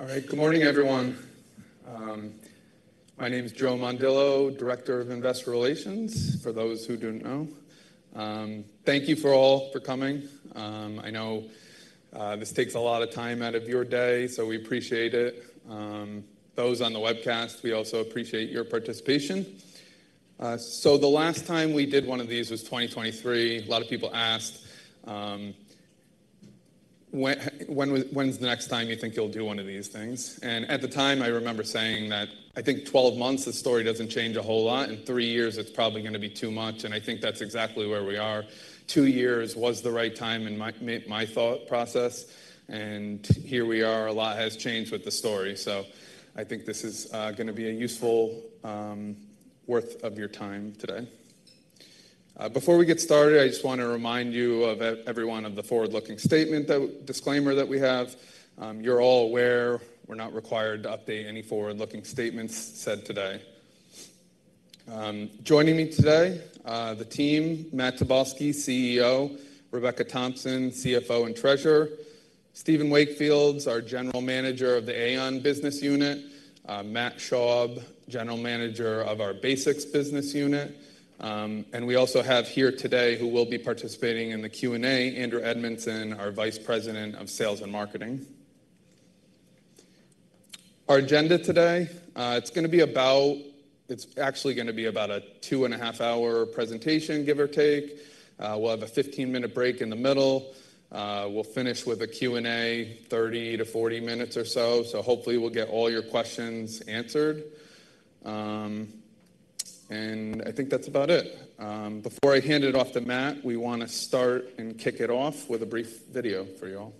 All right, good morning, everyone. My name is Joe Mondillo, Director of Investor Relations, for those who do not know. Thank you all for coming. I know this takes a lot of time out of your day, so we appreciate it. Those on the webcast, we also appreciate your participation. The last time we did one of these was 2023. A lot of people asked, "When is the next time you think you will do one of these things?" At the time, I remember saying that I think 12 months, the story does not change a whole lot. In three years, it is probably going to be too much. I think that is exactly where we are. Two years was the right time in my thought process. Here we are, a lot has changed with the story. I think this is going to be a useful worth of your time today. Before we get started, I just want to remind you of everyone of the forward-looking statement, the disclaimer that we have. You're all aware, we're not required to update any forward-looking statements said today. Joining me today, the team, Matt Tobolski, CEO; Rebecca Thompson, CFO and Treasurer; Stephen Wakefield, our General Manager of the AAON Business Unit; Matt Shaub, General Manager of our BASX Business Unit. And we also have here today, who will be participating in the Q&A, Andrew Edmondson, our Vice President of Sales and Marketing. Our agenda today, it's going to be about, it's actually going to be about a two-and-a-half-hour presentation, give or take. We'll have a 15-minute break in the middle. We'll finish with a Q&A, 30-40 minutes or so. Hopefully, we'll get all your questions answered. I think that's about it. Before I hand it off to Matt, we want to start and kick it off with a brief video for you all.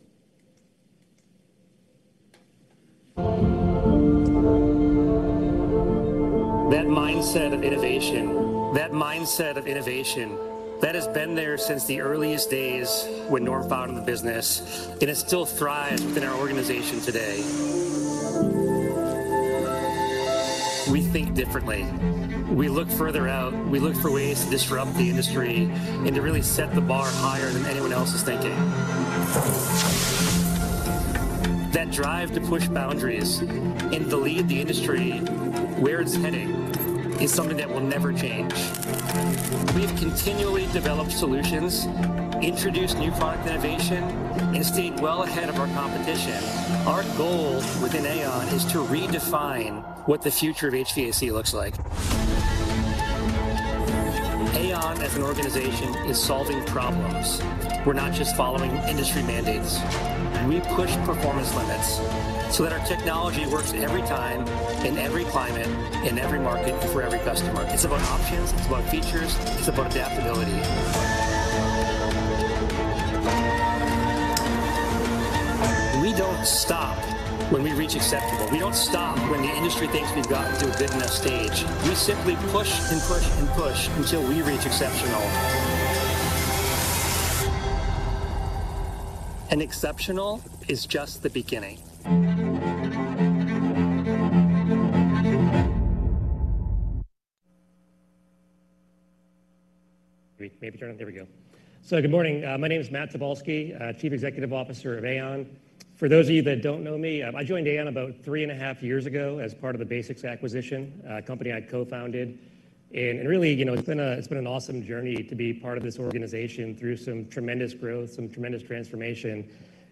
That mindset of innovation, that mindset of innovation that has been there since the earliest days when Norm founded the business, and it still thrives within our organization today. We think differently. We look further out. We look for ways to disrupt the industry and to really set the bar higher than anyone else is thinking. That drive to push boundaries and to lead the industry where it's heading is something that will never change. We have continually developed solutions, introduced new product innovation, and stayed well ahead of our competition. Our goal within AAON is to redefine what the future of HVAC looks like. AAON, as an organization, is solving problems. We're not just following industry mandates. We push performance limits so that our technology works every time, in every climate, in every market, for every customer. It's about options. It's about features. It's about adaptability. We do not stop when we reach acceptable. We do not stop when the industry thinks we have gotten to a good enough stage. We simply push and push and push until we reach exceptional. Exceptional is just the beginning. Maybe turn it on. There we go. Good morning. My name is Matt Tobolski, Chief Executive Officer of AAON. For those of you that don't know me, I joined AAON about three and a half years ago as part of the BASX acquisition, a company I co-founded. It's been an awesome journey to be part of this organization through some tremendous growth, some tremendous transformation.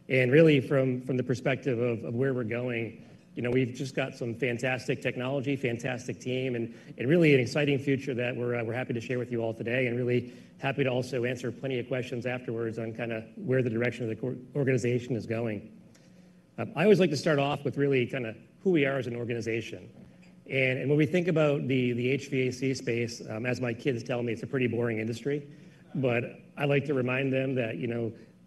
From the perspective of where we're going, we've just got some fantastic technology, fantastic team, and really an exciting future that we're happy to share with you all today. I'm also happy to answer plenty of questions afterwards on kind of where the direction of the organization is going. I always like to start off with really kind of who we are as an organization. When we think about the HVAC space, as my kids tell me, it's a pretty boring industry. I like to remind them that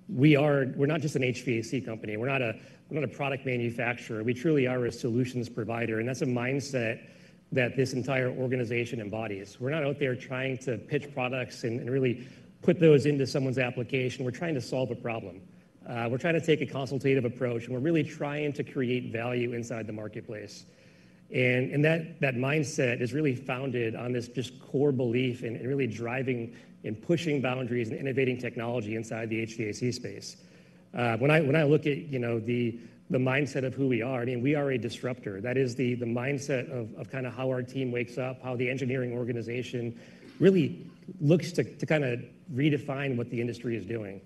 we're not just an HVAC company. We're not a product manufacturer. We truly are a solutions provider. That's a mindset that this entire organization embodies. We're not out there trying to pitch products and really put those into someone's application. We're trying to solve a problem. We're trying to take a consultative approach. We're really trying to create value inside the marketplace. That mindset is really founded on this just core belief in really driving and pushing boundaries and innovating technology inside the HVAC space. When I look at the mindset of who we are, I mean, we are a disruptor. That is the mindset of kind of how our team wakes up, how the engineering organization really looks to kind of redefine what the industry is doing.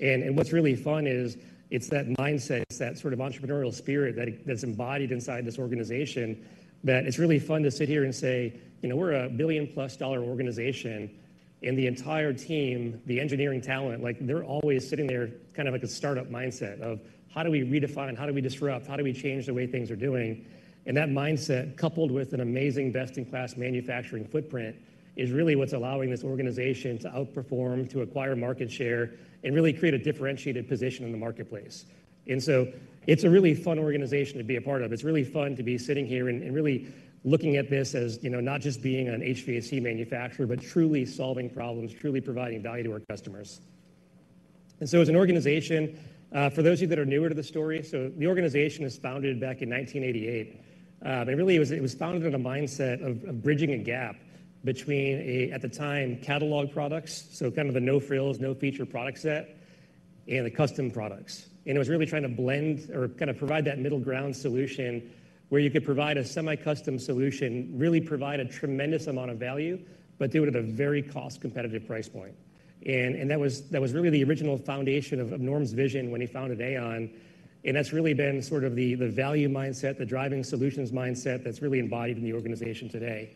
What's really fun is it's that mindset, it's that sort of entrepreneurial spirit that's embodied inside this organization that it's really fun to sit here and say, we're a billion-plus-dollar organization. The entire team, the engineering talent, they're always sitting there kind of like a startup mindset of, how do we redefine? How do we disrupt? How do we change the way things are doing? That mindset, coupled with an amazing best-in-class manufacturing footprint, is really what's allowing this organization to outperform, to acquire market share, and really create a differentiated position in the marketplace. It's a really fun organization to be a part of. It's really fun to be sitting here and really looking at this as not just being an HVAC manufacturer, but truly solving problems, truly providing value to our customers. As an organization, for those of you that are newer to the story, the organization was founded back in 1988. It was founded on a mindset of bridging a gap between, at the time, catalog products, so kind of the no-frills, no-feature product set, and the custom products. It was really trying to blend or kind of provide that middle ground solution where you could provide a semi-custom solution, really provide a tremendous amount of value, but do it at a very cost-competitive price point. That was really the original foundation of Norm's vision when he founded AAON. That has really been sort of the value mindset, the driving solutions mindset that is really embodied in the organization today.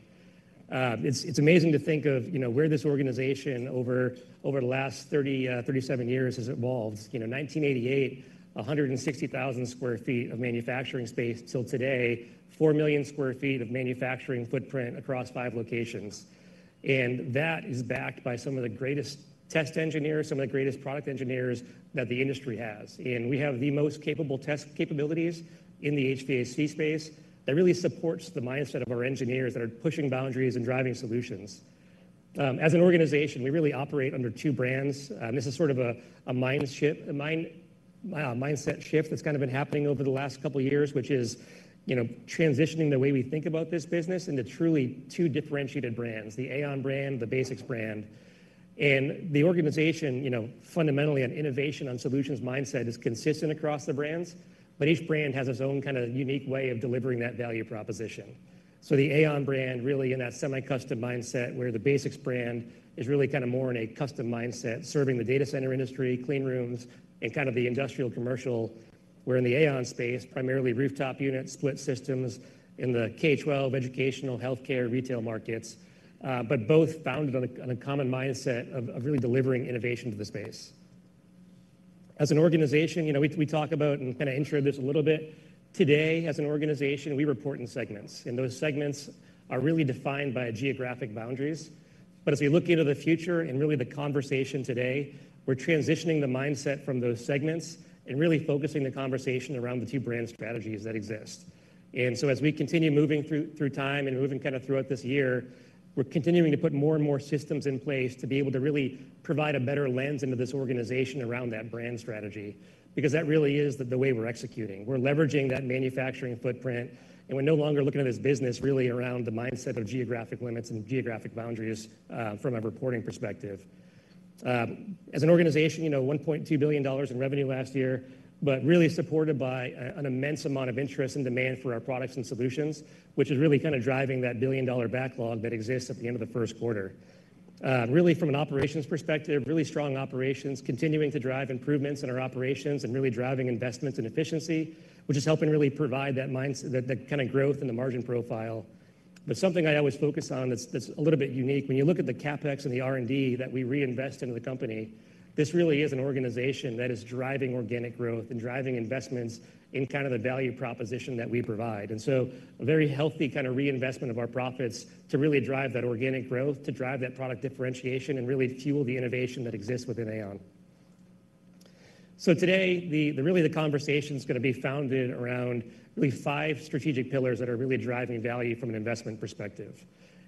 It is amazing to think of where this organization over the last 37 years has evolved. 1988, 160,000 sq ft of manufacturing space till today, 4 million sq ft of manufacturing footprint across five locations. That is backed by some of the greatest test engineers, some of the greatest product engineers that the industry has. We have the most capable test capabilities in the HVAC space that really supports the mindset of our engineers that are pushing boundaries and driving solutions. As an organization, we really operate under two brands. This is sort of a mindset shift that has kind of been happening over the last couple of years, which is transitioning the way we think about this business into truly two differentiated brands, the AAON brand, the BASX brand. The organization, fundamentally, an innovation on solutions mindset is consistent across the brands, but each brand has its own kind of unique way of delivering that value proposition. The AAON brand, really, in that semi-custom mindset where the BASX brand is really kind of more in a custom mindset serving the data center industry, clean rooms, and kind of the industrial commercial, where in the AAON space, primarily rooftop units, split systems in the K-12, educational, healthcare, retail markets, but both founded on a common mindset of really delivering innovation to the space. As an organization, we talk about and kind of intro this a little bit. Today, as an organization, we report in segments. Those segments are really defined by geographic boundaries. As we look into the future and really the conversation today, we're transitioning the mindset from those segments and really focusing the conversation around the two brand strategies that exist. As we continue moving through time and moving kind of throughout this year, we're continuing to put more and more systems in place to be able to really provide a better lens into this organization around that brand strategy because that really is the way we're executing. We're leveraging that manufacturing footprint. We're no longer looking at this business really around the mindset of geographic limits and geographic boundaries from a reporting perspective. As an organization, $1.2 billion in revenue last year, but really supported by an immense amount of interest and demand for our products and solutions, which is really kind of driving that billion-dollar backlog that exists at the end of the first quarter. Really, from an operations perspective, really strong operations, continuing to drive improvements in our operations and really driving investments and efficiency, which is helping really provide that kind of growth in the margin profile. Something I always focus on that's a little bit unique, when you look at the CapEx and the R&D that we reinvest into the company, this really is an organization that is driving organic growth and driving investments in kind of the value proposition that we provide. A very healthy kind of reinvestment of our profits to really drive that organic growth, to drive that product differentiation, and really fuel the innovation that exists within AAON. Today, really, the conversation is going to be founded around really five strategic pillars that are really driving value from an investment perspective.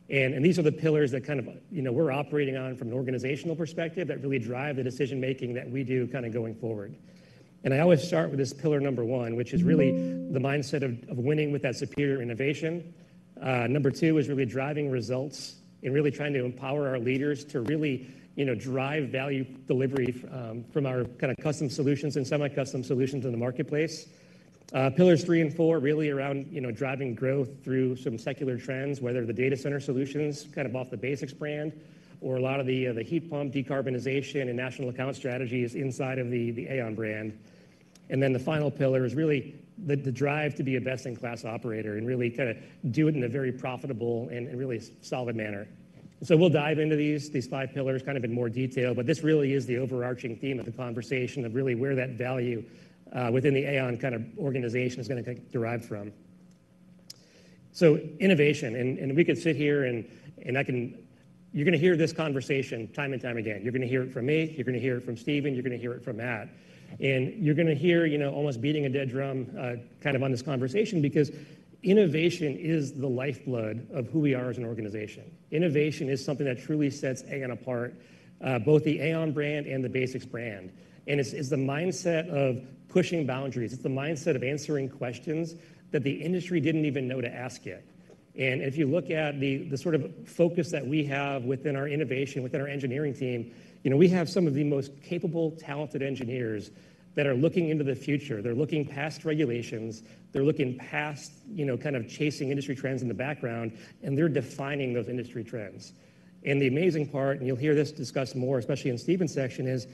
These are the pillars that kind of we're operating on from an organizational perspective that really drive the decision-making that we do kind of going forward. I always start with this pillar number one, which is really the mindset of winning with that superior innovation. Number two is really driving results and really trying to empower our leaders to really drive value delivery from our kind of custom solutions and semi-custom solutions in the marketplace. Pillars three and four are really around driving growth through some secular trends, whether the data center solutions kind of off the BASX brand or a lot of the heat pump decarbonization and national account strategies inside of the AAON brand. The final pillar is really the drive to be a best-in-class operator and really kind of do it in a very profitable and really solid manner. We'll dive into these five pillars kind of in more detail, but this really is the overarching theme of the conversation of really where that value within the AAON kind of organization is going to derive from. Innovation, and we could sit here and you're going to hear this conversation time and time again. You're going to hear it from me. You're going to hear it from Stephen. You're going to hear it from Matt. And you're going to hear almost beating a dead drum kind of on this conversation because innovation is the lifeblood of who we are as an organization. Innovation is something that truly sets AAON apart, both the AAON brand and the BASX brand. It's the mindset of pushing boundaries. It's the mindset of answering questions that the industry didn't even know to ask yet. If you look at the sort of focus that we have within our innovation, within our engineering team, we have some of the most capable, talented engineers that are looking into the future. They're looking past regulations. They're looking past kind of chasing industry trends in the background. They're defining those industry trends. The amazing part, and you'll hear this discussed more, especially in Stephen's section, is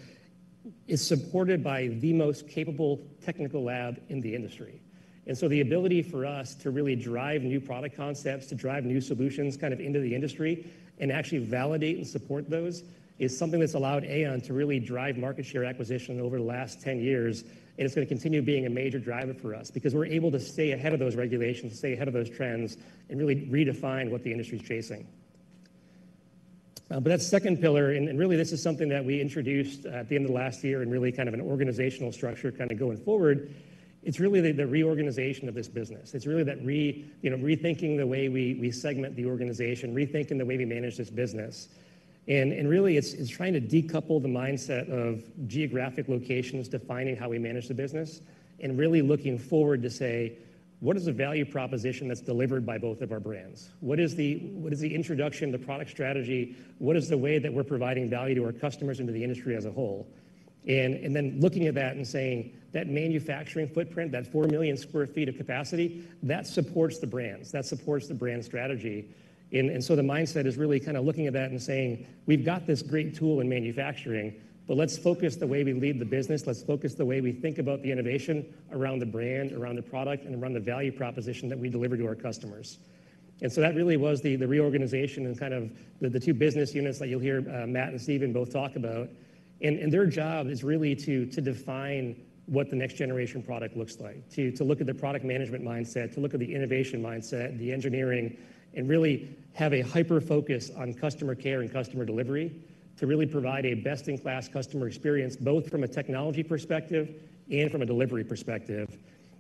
it's supported by the most capable technical lab in the industry. The ability for us to really drive new product concepts, to drive new solutions kind of into the industry and actually validate and support those is something that's allowed AAON to really drive market share acquisition over the last 10 years. It is going to continue being a major driver for us because we are able to stay ahead of those regulations, stay ahead of those trends, and really redefine what the industry is chasing. That second pillar, and really, this is something that we introduced at the end of last year and really kind of an organizational structure going forward, it is really the reorganization of this business. It is really that rethinking the way we segment the organization, rethinking the way we manage this business. It is trying to decouple the mindset of geographic locations defining how we manage the business and really looking forward to say, what is the value proposition that is delivered by both of our brands? What is the introduction of the product strategy? What is the way that we are providing value to our customers and to the industry as a whole? Looking at that and saying, that manufacturing footprint, that 4 million sq ft of capacity, that supports the brands. That supports the brand strategy. The mindset is really kind of looking at that and saying, we've got this great tool in manufacturing, but let's focus the way we lead the business. Let's focus the way we think about the innovation around the brand, around the product, and around the value proposition that we deliver to our customers. That really was the reorganization and kind of the two business units that you'll hear Matt and Stephen both talk about. Their job is really to define what the next generation product looks like, to look at the product management mindset, to look at the innovation mindset, the engineering, and really have a hyper focus on customer care and customer delivery to really provide a best-in-class customer experience both from a technology perspective and from a delivery perspective,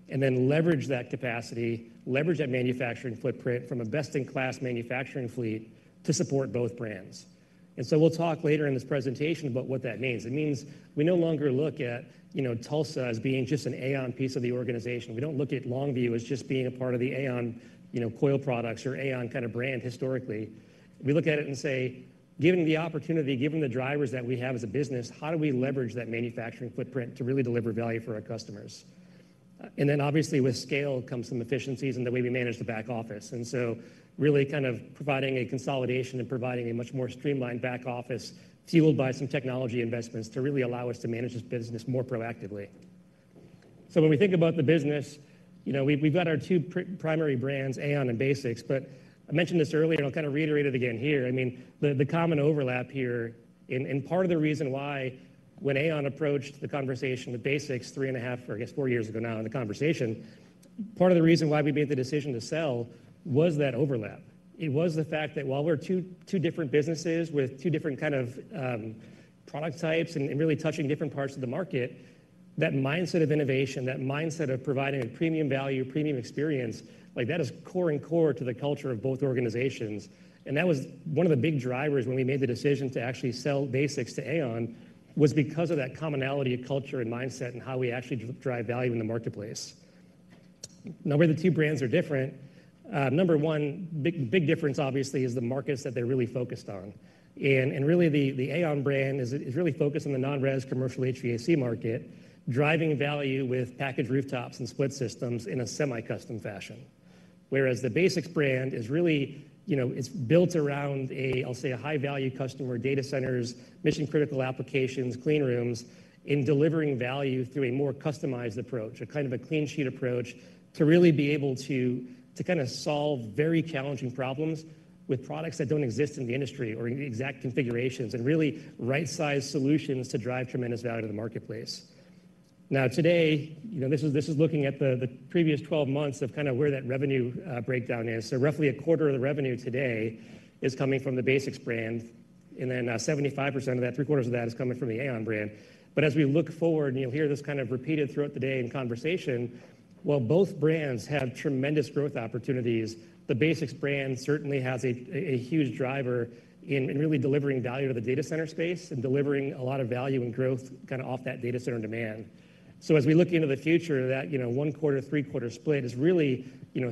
and then leverage that capacity, leverage that manufacturing footprint from a best-in-class manufacturing fleet to support both brands. We will talk later in this presentation about what that means. It means we no longer look at Tulsa as being just an AAON piece of the organization. We do not look at Longview as just being a part of the AAON coil products or AAON kind of brand historically. We look at it and say, given the opportunity, given the drivers that we have as a business, how do we leverage that manufacturing footprint to really deliver value for our customers? Obviously, with scale comes some efficiencies in the way we manage the back office. Really kind of providing a consolidation and providing a much more streamlined back office fueled by some technology investments to really allow us to manage this business more proactively. When we think about the business, we've got our two primary brands, AAON and BASX. I mentioned this earlier, and I'll kind of reiterate it again here. I mean, the common overlap here, and part of the reason why when AAON approached the conversation with BASX three and a half, I guess, four years ago now in the conversation, part of the reason why we made the decision to sell was that overlap. It was the fact that while we're two different businesses with two different kind of product types and really touching different parts of the market, that mindset of innovation, that mindset of providing a premium value, premium experience, that is core and core to the culture of both organizations. That was one of the big drivers when we made the decision to actually sell BASX to AAON was because of that commonality of culture and mindset and how we actually drive value in the marketplace. Now, where the two brands are different, number one, big difference obviously is the markets that they're really focused on. Really, the AAON brand is really focused on the non-res commercial HVAC market, driving value with package rooftops and split systems in a semi-custom fashion. Whereas the BASX brand is really built around, I'll say, a high-value customer, data centers, mission-critical applications, clean rooms in delivering value through a more customized approach, a kind of a clean sheet approach to really be able to kind of solve very challenging problems with products that don't exist in the industry or exact configurations and really right-sized solutions to drive tremendous value to the marketplace. Now, today, this is looking at the previous 12 months of kind of where that revenue breakdown is. Roughly a quarter of the revenue today is coming from the BASX brand, and then 75% of that, three-quarters of that, is coming from the AAON brand. As we look forward, you'll hear this kind of repeated throughout the day in conversation, while both brands have tremendous growth opportunities, the BASX brand certainly has a huge driver in really delivering value to the data center space and delivering a lot of value and growth kind of off that data center demand. As we look into the future, that one-quarter, three-quarter split is really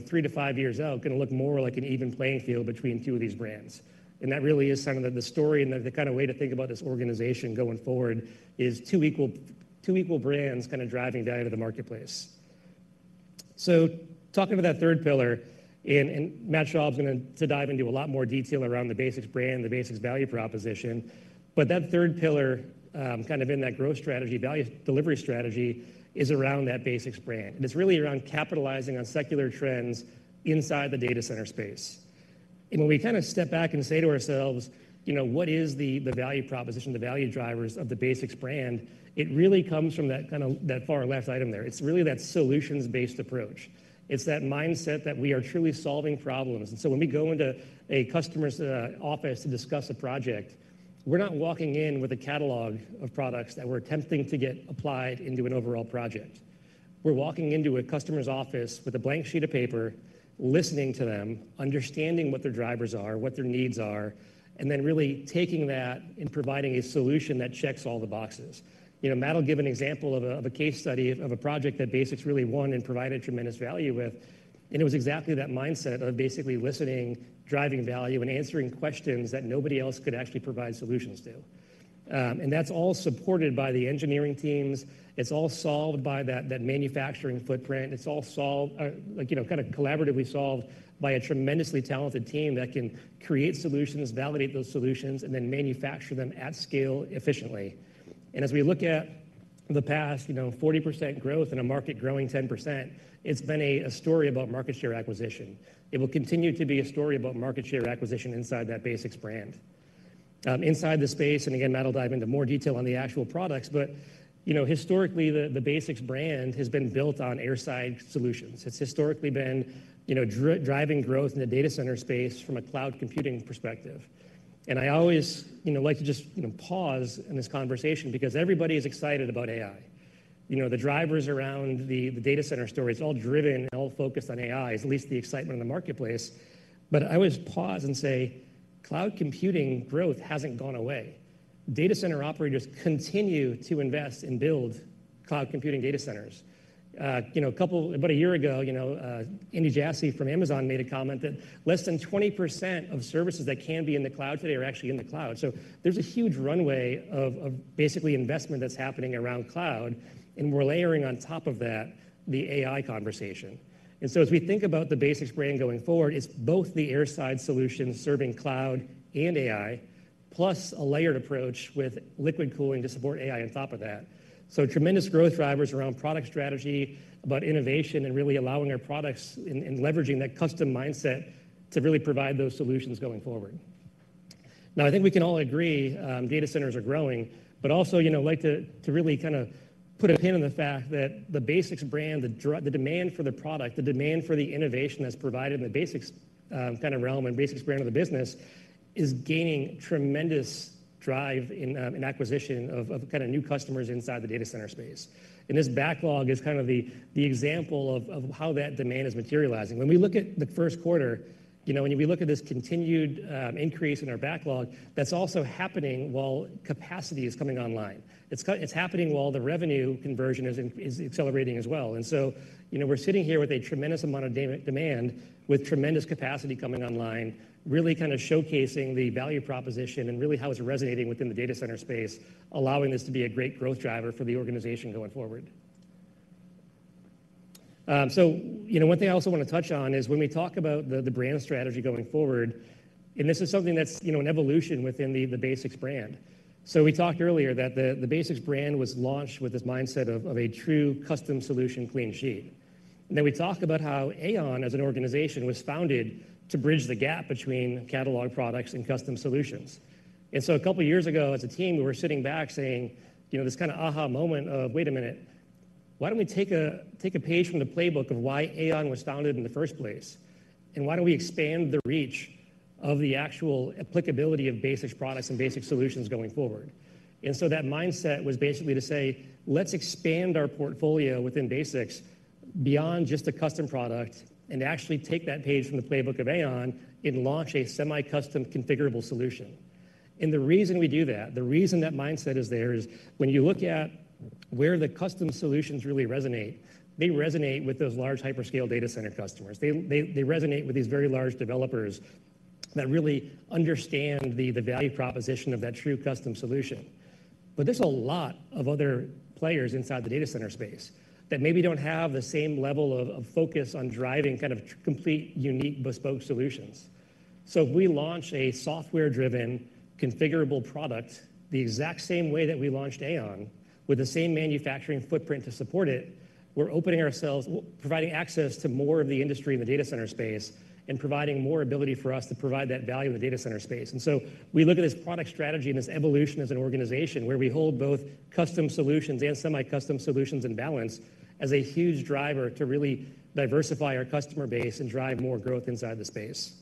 three to five years out going to look more like an even playing field between two of these brands. That really is kind of the story and the kind of way to think about this organization going forward is two equal brands kind of driving value to the marketplace. Talking about that third pillar, and Matt Schaub is going to dive into a lot more detail around the BASX brand, the BASX value proposition. That third pillar kind of in that growth strategy, value delivery strategy is around that BASX brand. It is really around capitalizing on secular trends inside the data center space. When we kind of step back and say to ourselves, what is the value proposition, the value drivers of the BASX brand, it really comes from that far left item there. It is really that solutions-based approach. It is that mindset that we are truly solving problems. When we go into a customer's office to discuss a project, we are not walking in with a catalog of products that we are attempting to get applied into an overall project. We're walking into a customer's office with a blank sheet of paper, listening to them, understanding what their drivers are, what their needs are, and then really taking that and providing a solution that checks all the boxes. Matt will give an example of a case study of a project that BASX really won and provided tremendous value with. It was exactly that mindset of basically listening, driving value, and answering questions that nobody else could actually provide solutions to. That is all supported by the engineering teams. It is all solved by that manufacturing footprint. It is all kind of collaboratively solved by a tremendously talented team that can create solutions, validate those solutions, and then manufacture them at scale efficiently. As we look at the past, 40% growth and a market growing 10%, it has been a story about market share acquisition. It will continue to be a story about market share acquisition inside that BASX brand. Inside the space, and again, Matt will dive into more detail on the actual products, but historically, the BASX brand has been built on airside solutions. It's historically been driving growth in the data center space from a cloud computing perspective. I always like to just pause in this conversation because everybody is excited about AI. The drivers around the data center story, it's all driven and all focused on AI, at least the excitement in the marketplace. I always pause and say, cloud computing growth hasn't gone away. Data center operators continue to invest and build cloud computing data centers. About a year ago, Andy Jassy from Amazon made a comment that less than 20% of services that can be in the cloud today are actually in the cloud. There is a huge runway of basically investment that is happening around cloud, and we are layering on top of that the AI conversation. As we think about the BASX brand going forward, it is both the airside solutions serving cloud and AI, plus a layered approach with liquid cooling to support AI on top of that. Tremendous growth drivers around product strategy, about innovation, and really allowing our products and leveraging that custom mindset to really provide those solutions going forward. I think we can all agree data centers are growing, but I also like to really kind of put a pin in the fact that the BASX brand, the demand for the product, the demand for the innovation that is provided in the BASX kind of realm and BASX brand of the business is gaining tremendous drive in acquisition of kind of new customers inside the data center space. This backlog is kind of the example of how that demand is materializing. When we look at the first quarter, when we look at this continued increase in our backlog, that's also happening while capacity is coming online. It's happening while the revenue conversion is accelerating as well. We're sitting here with a tremendous amount of demand with tremendous capacity coming online, really kind of showcasing the value proposition and really how it's resonating within the data center space, allowing this to be a great growth driver for the organization going forward. One thing I also want to touch on is when we talk about the brand strategy going forward, and this is something that's an evolution within the BASX brand. We talked earlier that the BASX brand was launched with this mindset of a true custom solution clean sheet. We talk about how AAON as an organization was founded to bridge the gap between catalog products and custom solutions. A couple of years ago, as a team, we were sitting back saying this kind of aha moment of, wait a minute, why don't we take a page from the playbook of why AAON was founded in the first place? Why don't we expand the reach of the actual applicability of BASX products and BASX solutions going forward? That mindset was basically to say, let's expand our portfolio within BASX beyond just a custom product and actually take that page from the playbook of AAON and launch a semi-custom configurable solution. The reason we do that, the reason that mindset is there is when you look at where the custom solutions really resonate, they resonate with those large hyperscale data center customers. They resonate with these very large developers that really understand the value proposition of that true custom solution. There are a lot of other players inside the data center space that maybe do not have the same level of focus on driving kind of complete, unique, bespoke solutions. If we launch a software-driven configurable product the exact same way that we launched AAON with the same manufacturing footprint to support it, we are providing access to more of the industry in the data center space and providing more ability for us to provide that value in the data center space. We look at this product strategy and this evolution as an organization where we hold both custom solutions and semi-custom solutions in balance as a huge driver to really diversify our customer base and drive more growth inside the space.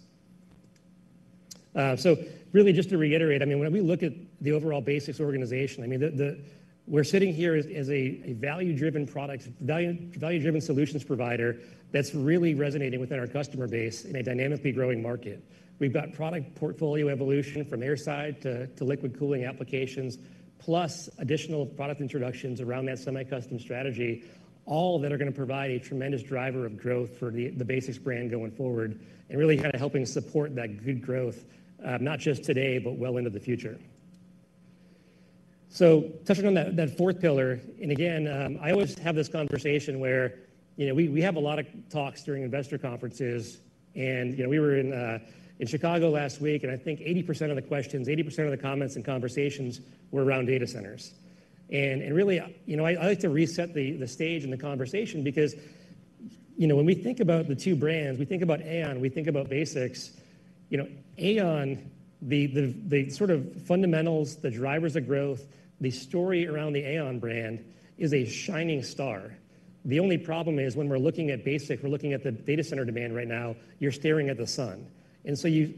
Really, just to reiterate, I mean, when we look at the overall BASX organization, I mean, we're sitting here as a value-driven product, value-driven solutions provider that's really resonating within our customer base in a dynamically growing market. We've got product portfolio evolution from airside to liquid cooling applications, plus additional product introductions around that semi-custom strategy, all that are going to provide a tremendous driver of growth for the BASX brand going forward and really kind of helping support that good growth, not just today, but well into the future. Touching on that fourth pillar, and again, I always have this conversation where we have a lot of talks during investor conferences, and we were in Chicago last week, and I think 80% of the questions, 80% of the comments and conversations were around data centers. I like to reset the stage and the conversation because when we think about the two brands, we think about AAON, we think about BASX. AAON, the sort of fundamentals, the drivers of growth, the story around the AAON brand is a shining star. The only problem is when we're looking at BASX, we're looking at the data center demand right now, you're staring at the sun.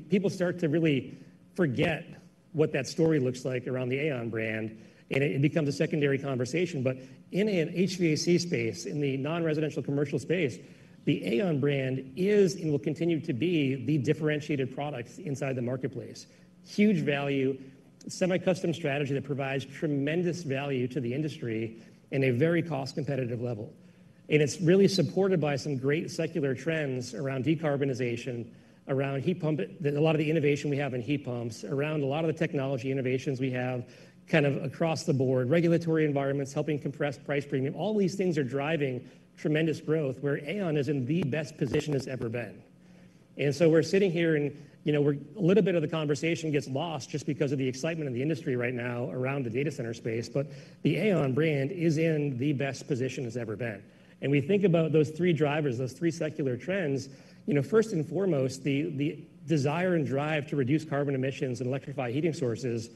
People start to really forget what that story looks like around the AAON brand, and it becomes a secondary conversation. In an HVAC space, in the non-residential commercial space, the AAON brand is and will continue to be the differentiated products inside the marketplace. Huge value, semi-custom strategy that provides tremendous value to the industry in a very cost-competitive level. It is really supported by some great secular trends around decarbonization, around heat pump, a lot of the innovation we have in heat pumps, around a lot of the technology innovations we have kind of across the board, regulatory environments helping compress price premium. All these things are driving tremendous growth where AAON is in the best position it has ever been. We are sitting here and a little bit of the conversation gets lost just because of the excitement in the industry right now around the data center space, but the AAON brand is in the best position it has ever been. We think about those three drivers, those three secular trends. First and foremost, the desire and drive to reduce carbon emissions and electrify heating sources,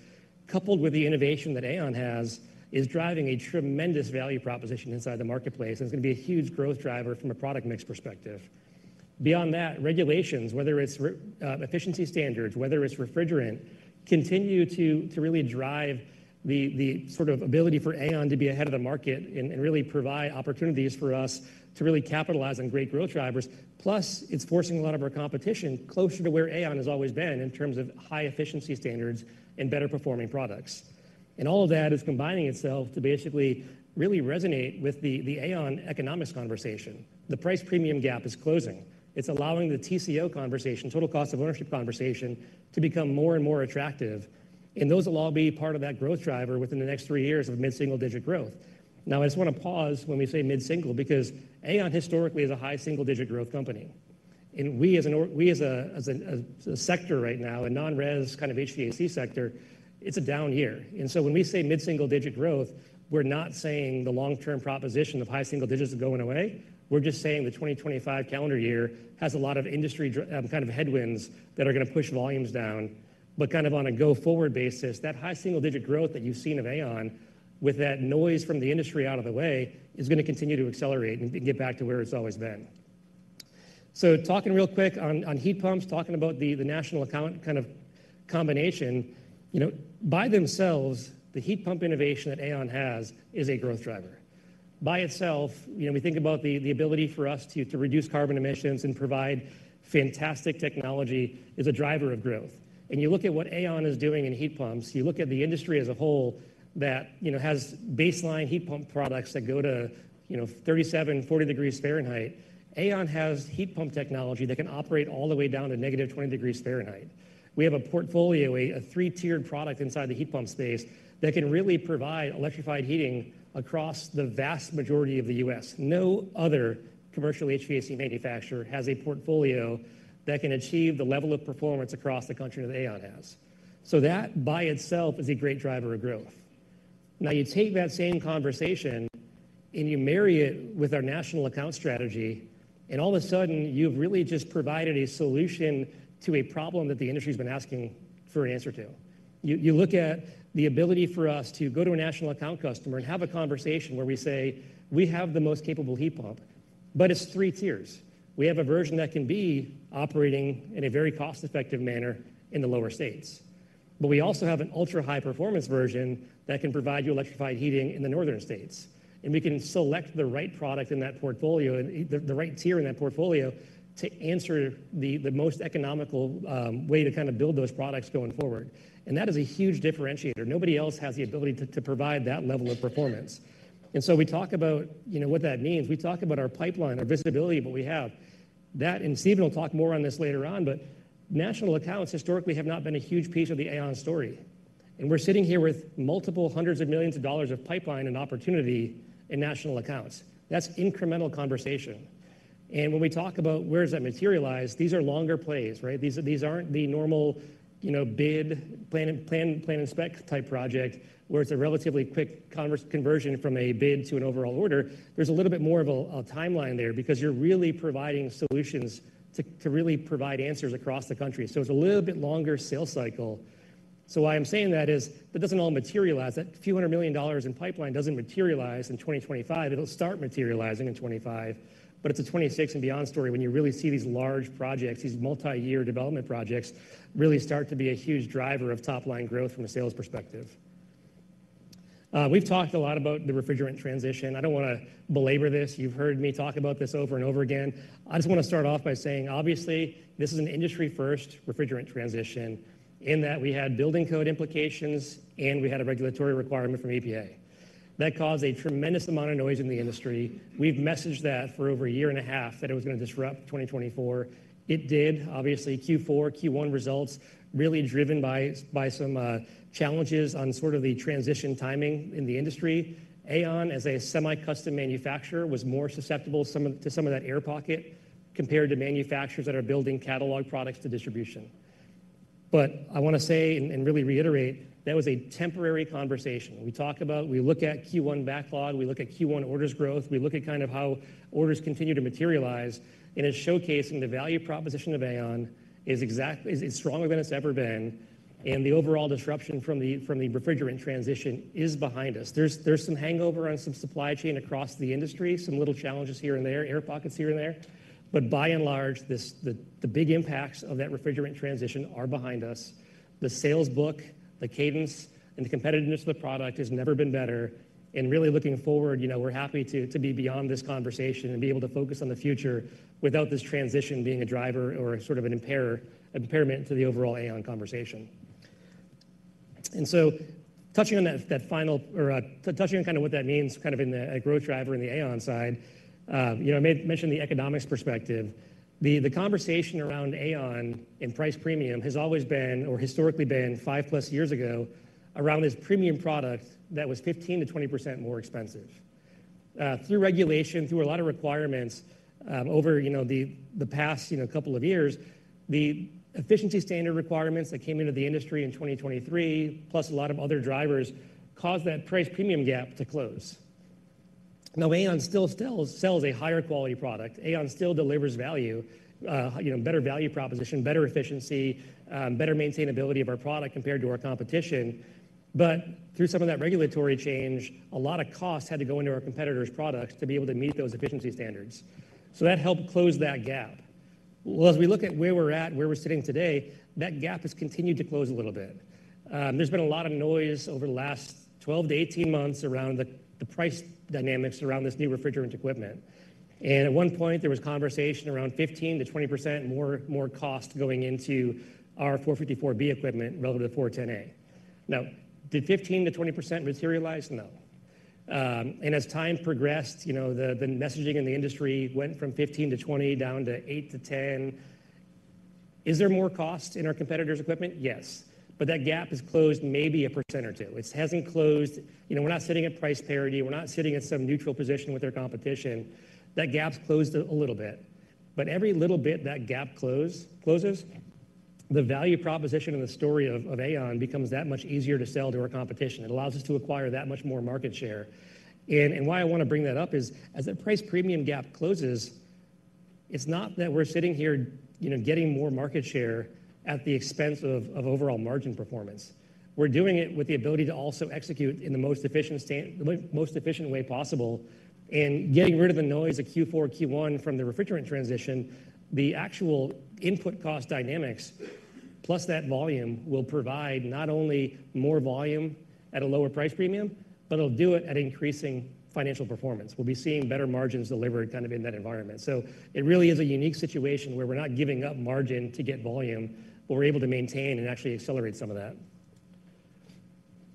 coupled with the innovation that AAON has, is driving a tremendous value proposition inside the marketplace, and it's going to be a huge growth driver from a product mix perspective. Beyond that, regulations, whether it's efficiency standards, whether it's refrigerant, continue to really drive the sort of ability for AAON to be ahead of the market and really provide opportunities for us to really capitalize on great growth drivers. Plus, it's forcing a lot of our competition closer to where AAON has always been in terms of high efficiency standards and better performing products. All of that is combining itself to basically really resonate with the AAON economics conversation. The price premium gap is closing. It's allowing the TCO conversation, total cost of ownership conversation, to become more and more attractive. Those will all be part of that growth driver within the next three years of mid-single digit growth. I just want to pause when we say mid-single because AAON historically is a high single digit growth company. We as a sector right now, a non-rez kind of HVAC sector, it's a down year. When we say mid-single digit growth, we're not saying the long-term proposition of high single digits is going away. We're just saying the 2025 calendar year has a lot of industry kind of headwinds that are going to push volumes down. Kind of on a go forward basis, that high single digit growth that you've seen of AAON with that noise from the industry out of the way is going to continue to accelerate and get back to where it's always been. Talking real quick on heat pumps, talking about the national account kind of combination, by themselves, the heat pump innovation that AAON has is a growth driver. By itself, we think about the ability for us to reduce carbon emissions and provide fantastic technology is a driver of growth. You look at what AAON is doing in heat pumps, you look at the industry as a whole that has baseline heat pump products that go to 37-40 degrees Fahrenheit. AAON has heat pump technology that can operate all the way down to negative 20 degrees Fahrenheit. We have a portfolio, a three-tiered product inside the heat pump space that can really provide electrified heating across the vast majority of the U.S. No other commercial HVAC manufacturer has a portfolio that can achieve the level of performance across the country that AAON has. That by itself is a great driver of growth. Now, you take that same conversation and you marry it with our national account strategy, and all of a sudden, you have really just provided a solution to a problem that the industry has been asking for an answer to. You look at the ability for us to go to a national account customer and have a conversation where we say, we have the most capable heat pump, but it is three tiers. We have a version that can be operating in a very cost-effective manner in the lower states. We also have an ultra-high performance version that can provide you electrified heating in the northern states. We can select the right product in that portfolio, the right tier in that portfolio to answer the most economical way to kind of build those products going forward. That is a huge differentiator. Nobody else has the ability to provide that level of performance. We talk about what that means. We talk about our pipeline, our visibility, what we have. Stephen will talk more on this later on, but national accounts historically have not been a huge piece of the AAON story. We are sitting here with multiple hundreds of millions of dollars of pipeline and opportunity in national accounts. That is incremental conversation. When we talk about where does that materialize, these are longer plays, right? These are not the normal bid, plan, plan, inspect type project where it is a relatively quick conversion from a bid to an overall order. There is a little bit more of a timeline there because you are really providing solutions to really provide answers across the country. It is a little bit longer sales cycle. Why I'm saying that is that does not all materialize. That few hundred million dollars in pipeline does not materialize in 2025. It will start materializing in 2025, but it is a 2026 and beyond story when you really see these large projects, these multi-year development projects really start to be a huge driver of top-line growth from a sales perspective. We have talked a lot about the refrigerant transition. I do not want to belabor this. You have heard me talk about this over and over again. I just want to start off by saying, obviously, this is an industry-first refrigerant transition in that we had building code implications and we had a regulatory requirement from EPA. That caused a tremendous amount of noise in the industry. We have messaged that for over a year and a half that it was going to disrupt 2024. It did, obviously, Q4, Q1 results really driven by some challenges on sort of the transition timing in the industry. AAON, as a semi-custom manufacturer, was more susceptible to some of that air pocket compared to manufacturers that are building catalog products to distribution. I want to say and really reiterate, that was a temporary conversation. We talk about, we look at Q1 backlog, we look at Q1 orders growth, we look at kind of how orders continue to materialize, and it's showcasing the value proposition of AAON is stronger than it's ever been. The overall disruption from the refrigerant transition is behind us. There's some hangover on some supply chain across the industry, some little challenges here and there, air pockets here and there. By and large, the big impacts of that refrigerant transition are behind us. The sales book, the cadence, and the competitiveness of the product has never been better. Really looking forward, we're happy to be beyond this conversation and be able to focus on the future without this transition being a driver or sort of an impairment to the overall AAON conversation. Touching on that final, or touching on kind of what that means kind of in the growth driver in the AAON side, I mentioned the economics perspective. The conversation around AAON and price premium has always been, or historically been, five plus years ago around this premium product that was 15% to 20% more expensive. Through regulation, through a lot of requirements over the past couple of years, the efficiency standard requirements that came into the industry in 2023, plus a lot of other drivers, caused that price premium gap to close. Now, AAON still sells a higher quality product. AAON still delivers value, better value proposition, better efficiency, better maintainability of our product compared to our competition. Through some of that regulatory change, a lot of costs had to go into our competitors' products to be able to meet those efficiency standards. That helped close that gap. As we look at where we're at, where we're sitting today, that gap has continued to close a little bit. There's been a lot of noise over the last 12 to 18 months around the price dynamics around this new refrigerant equipment. At one point, there was conversation around 15% to 20% more cost going into R-454B equipment relative to 410A. Did 15% to 20% materialize? No. As time progressed, the messaging in the industry went from 15% to 20% down to 8% to 10%. Is there more cost in our competitor's equipment? Yes. That gap has closed maybe 1% or 2%. It has not closed. We are not sitting at price parity. We are not sitting at some neutral position with our competition. That gap has closed a little bit. Every little bit that gap closes, the value proposition and the story of AAON becomes that much easier to sell to our competition. It allows us to acquire that much more market share. Why I want to bring that up is as that price premium gap closes, it is not that we are sitting here getting more market share at the expense of overall margin performance. We are doing it with the ability to also execute in the most efficient way possible and getting rid of the noise of Q4, Q1 from the refrigerant transition. The actual input cost dynamics, plus that volume, will provide not only more volume at a lower price premium, but it'll do it at increasing financial performance. We'll be seeing better margins delivered kind of in that environment. It really is a unique situation where we're not giving up margin to get volume, but we're able to maintain and actually accelerate some of that.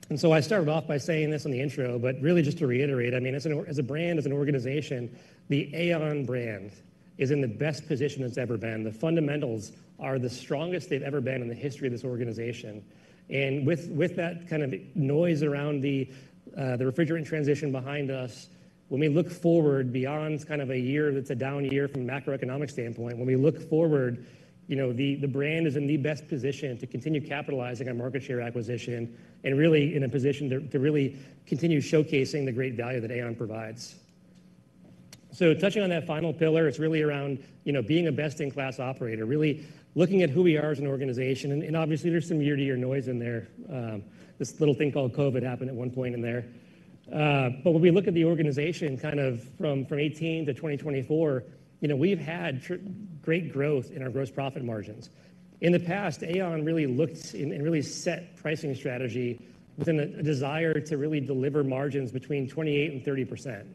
I started off by saying this in the intro, but really just to reiterate, I mean, as a brand, as an organization, the AAON brand is in the best position it's ever been. The fundamentals are the strongest they've ever been in the history of this organization. With that kind of noise around the refrigerant transition behind us, when we look forward beyond a year that's a down year from a macroeconomic standpoint, when we look forward, the brand is in the best position to continue capitalizing on market share acquisition and really in a position to really continue showcasing the great value that AAON provides. Touching on that final pillar, it's really around being a best-in-class operator, really looking at who we are as an organization. Obviously, there's some ear to ear noise in there. This little thing called COVID happened at one point in there. When we look at the organization from 2018 to 2024, we've had great growth in our gross profit margins. In the past, AAON really looked and really set pricing strategy within a desire to really deliver margins between 28% and 30%.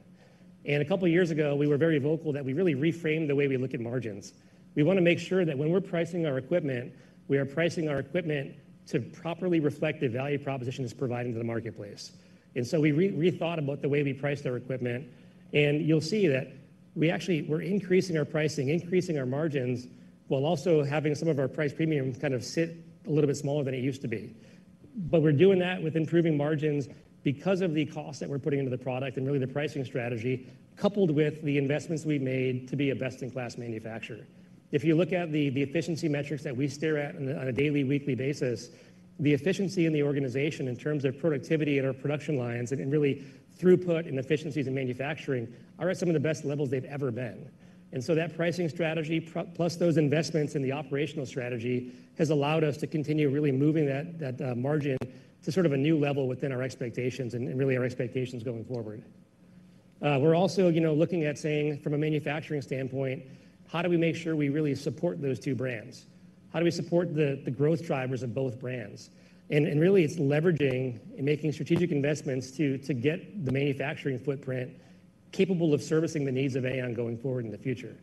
A couple of years ago, we were very vocal that we really reframed the way we look at margins. We want to make sure that when we're pricing our equipment, we are pricing our equipment to properly reflect the value proposition it's providing to the marketplace. We rethought about the way we priced our equipment. You'll see that we actually were increasing our pricing, increasing our margins, while also having some of our price premium kind of sit a little bit smaller than it used to be. We're doing that with improving margins because of the cost that we're putting into the product and really the pricing strategy, coupled with the investments we've made to be a best-in-class manufacturer. If you look at the efficiency metrics that we stare at on a daily, weekly basis, the efficiency in the organization in terms of productivity in our production lines and really throughput and efficiencies in manufacturing are at some of the best levels they have ever been. That pricing strategy, plus those investments in the operational strategy, has allowed us to continue really moving that margin to sort of a new level within our expectations and really our expectations going forward. We are also looking at saying, from a manufacturing standpoint, how do we make sure we really support those two brands? How do we support the growth drivers of both brands? Really, it is leveraging and making strategic investments to get the manufacturing footprint capable of servicing the needs of AAON going forward in the future.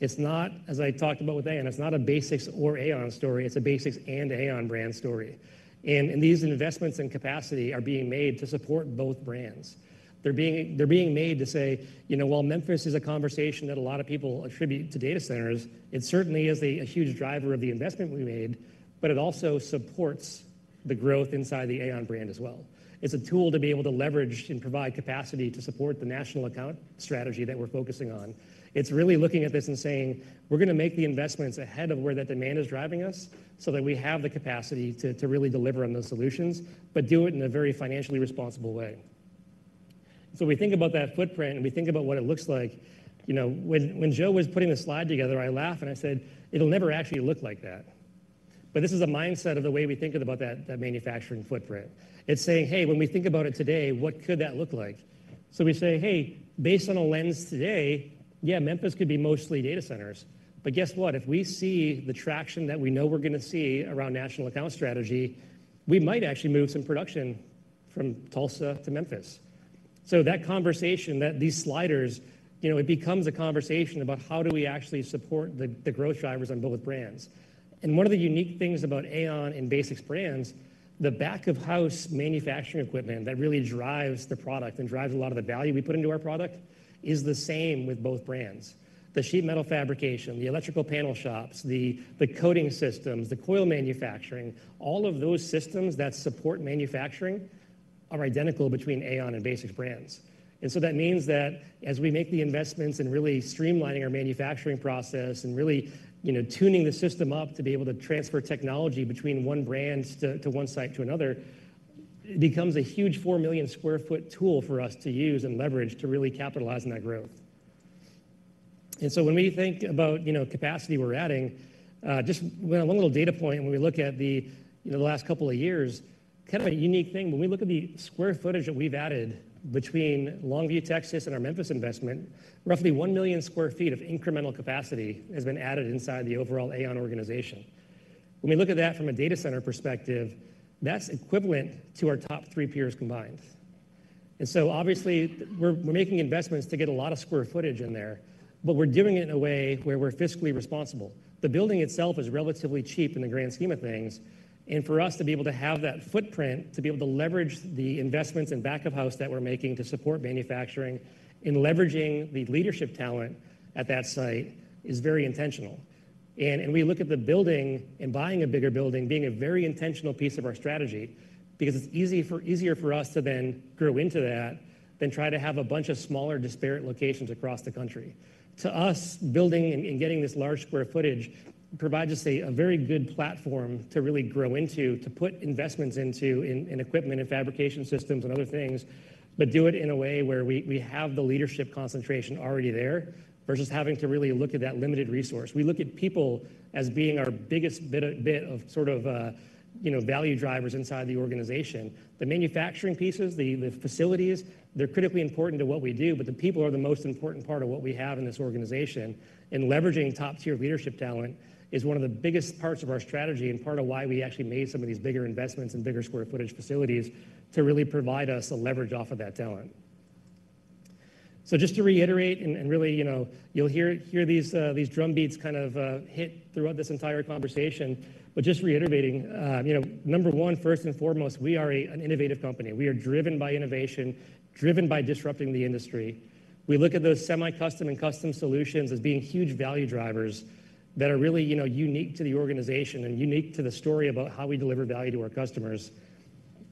It's not, as I talked about with AAON, it's not a BASX or AAON story. It's a BASX and AAON brand story. And these investments in capacity are being made to support both brands. They're being made to say, while Memphis is a conversation that a lot of people attribute to data centers, it certainly is a huge driver of the investment we made, but it also supports the growth inside the AAON brand as well. It's a tool to be able to leverage and provide capacity to support the national account strategy that we're focusing on. It's really looking at this and saying, we're going to make the investments ahead of where that demand is driving us so that we have the capacity to really deliver on those solutions, but do it in a very financially responsible way. We think about that footprint and we think about what it looks like. When Joe was putting the slide together, I laughed and I said, it'll never actually look like that. This is a mindset of the way we think about that manufacturing footprint. It's saying, hey, when we think about it today, what could that look like? We say, hey, based on a lens today, yeah, Memphis could be mostly data centers. Guess what? If we see the traction that we know we're going to see around national account strategy, we might actually move some production from Tulsa to Memphis. That conversation, that these sliders, it becomes a conversation about how do we actually support the growth drivers on both brands. One of the unique things about AAON and BASX brands, the back-of-house manufacturing equipment that really drives the product and drives a lot of the value we put into our product is the same with both brands. The sheet metal fabrication, the electrical panel shops, the coating systems, the coil manufacturing, all of those systems that support manufacturing are identical between AAON and BASX brands. That means that as we make the investments in really streamlining our manufacturing process and really tuning the system up to be able to transfer technology between one brand to one site to another, it becomes a huge 4 million sq ft tool for us to use and leverage to really capitalize on that growth. When we think about capacity we're adding, just one little data point, when we look at the last couple of years, kind of a unique thing, when we look at the square footage that we've added between Longview, Texas, and our Memphis investment, roughly 1 million sq ft of incremental capacity has been added inside the overall AAON organization. When we look at that from a data center perspective, that's equivalent to our top three peers combined. Obviously, we're making investments to get a lot of square footage in there, but we're doing it in a way where we're fiscally responsible. The building itself is relatively cheap in the grand scheme of things. For us to be able to have that footprint, to be able to leverage the investments in back-of-house that we're making to support manufacturing and leveraging the leadership talent at that site is very intentional. We look at the building and buying a bigger building being a very intentional piece of our strategy because it's easier for us to then grow into that than try to have a bunch of smaller disparate locations across the country. To us, building and getting this large square footage provides us a very good platform to really grow into, to put investments into in equipment and fabrication systems and other things, but do it in a way where we have the leadership concentration already there versus having to really look at that limited resource. We look at people as being our biggest bit of sort of value drivers inside the organization. The manufacturing pieces, the facilities, they're critically important to what we do, but the people are the most important part of what we have in this organization. Leveraging top-tier leadership talent is one of the biggest parts of our strategy and part of why we actually made some of these bigger investments in bigger square footage facilities to really provide us a leverage off of that talent. Just to reiterate, and really you'll hear these drumbeats kind of hit throughout this entire conversation, just reiterating, number one, first and foremost, we are an innovative company. We are driven by innovation, driven by disrupting the industry. We look at those semi-custom and custom solutions as being huge value drivers that are really unique to the organization and unique to the story about how we deliver value to our customers.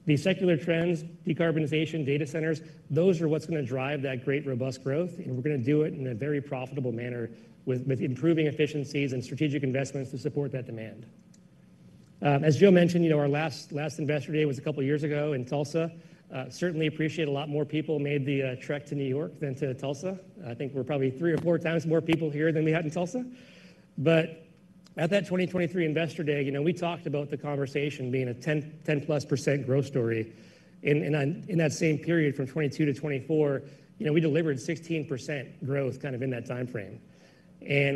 The secular trends, decarbonization, data centers, those are what's going to drive that great robust growth. We are going to do it in a very profitable manner with improving efficiencies and strategic investments to support that demand. As Joe mentioned, our last investor day was a couple of years ago in Tulsa. Certainly appreciate a lot more people made the trek to New York than to Tulsa. I think we are probably three or four times more people here than we had in Tulsa. At that 2023 investor day, we talked about the conversation being a 10+% growth story. In that same period from 2022 to 2024, we delivered 16% growth kind of in that timeframe.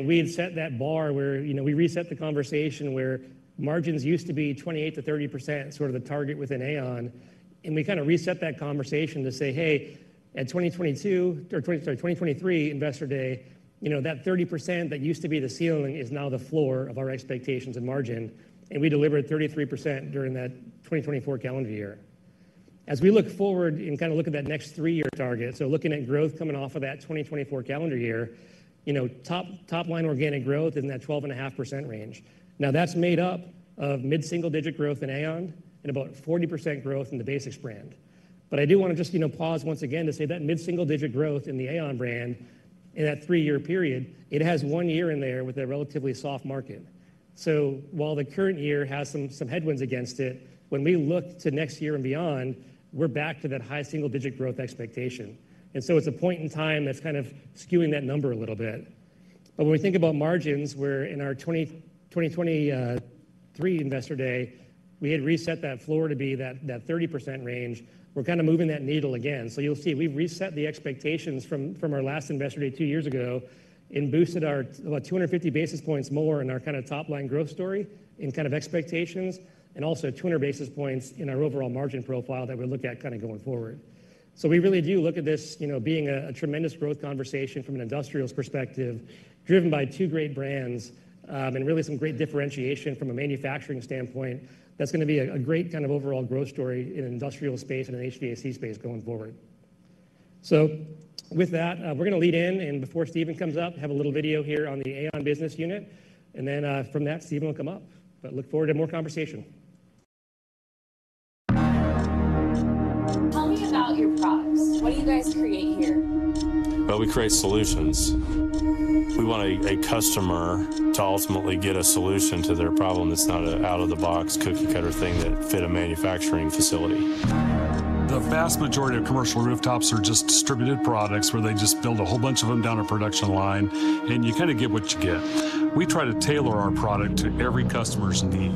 We had set that bar where we reset the conversation where margins used to be 28% to 30%, sort of the target within AAON. We kind of reset that conversation to say, hey, at 2022 or 2023 investor day, that 30% that used to be the ceiling is now the floor of our expectations and margin. We delivered 33% during that 2024 calendar year. As we look forward and kind of look at that next three-year target, looking at growth coming off of that 2024 calendar year, top-line organic growth is in that 12.5% range. Now, that's made up of mid-single-digit growth in AAON and about 40% growth in the BASX brand. I do want to just pause once again to say that mid-single-digit growth in the AAON brand in that three-year period, it has one year in there with a relatively soft market. While the current year has some headwinds against it, when we look to next year and beyond, we're back to that high single-digit growth expectation. It is a point in time that is kind of skewing that number a little bit. When we think about margins, where in our 2023 investor day, we had reset that floor to be that 30% range, we are kind of moving that needle again. You will see we have reset the expectations from our last investor day two years ago and boosted about 250 basis points more in our kind of top-line growth story and kind of expectations, and also 200 basis points in our overall margin profile that we look at going forward. We really do look at this being a tremendous growth conversation from an industrial perspective, driven by two great brands and really some great differentiation from a manufacturing standpoint. That is going to be a great kind of overall growth story in an industrial space and an HVAC space going forward. With that, we're going to lead in, and before Stephen comes up, have a little video here on the AAON business unit. From that, Stephen will come up. Look forward to more conversation. Tell me about your products. What do you guys create here? We create solutions. We want a customer to ultimately get a solution to their problem. It's not an out-of-the-box cookie-cutter thing that fits a manufacturing facility. The vast majority of commercial rooftops are just distributed products where they just build a whole bunch of them down a production line, and you kind of get what you get. We try to tailor our product to every customer's need.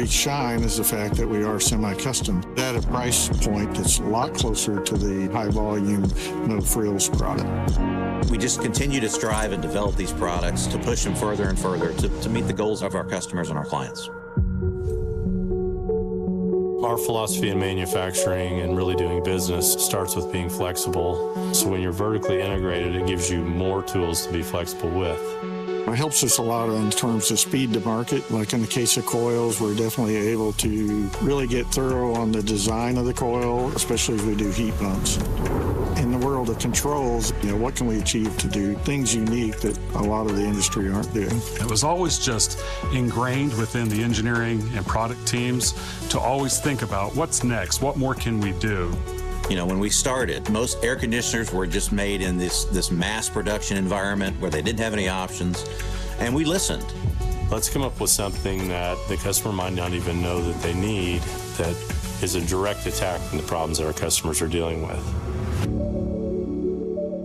Really, where we shine is the fact that we are semi-custom. At that price point, it's a lot closer to the high-volume no-frills product. We just continue to strive and develop these products to push them further and further to meet the goals of our customers and our clients. Our philosophy in manufacturing and really doing business starts with being flexible. When you are vertically integrated, it gives you more tools to be flexible with. It helps us a lot in terms of speed to market. Like in the case of coils, we are definitely able to really get thorough on the design of the coil, especially as we do heat pumps. In the world of controls, what can we achieve to do things unique that a lot of the industry are not doing? It was always just ingrained within the engineering and product teams to always think about what is next, what more can we do? When we started, most air conditioners were just made in this mass production environment where they did not have any options. We listened. Let's come up with something that the customer might not even know that they need that is a direct attack on the problems that our customers are dealing with.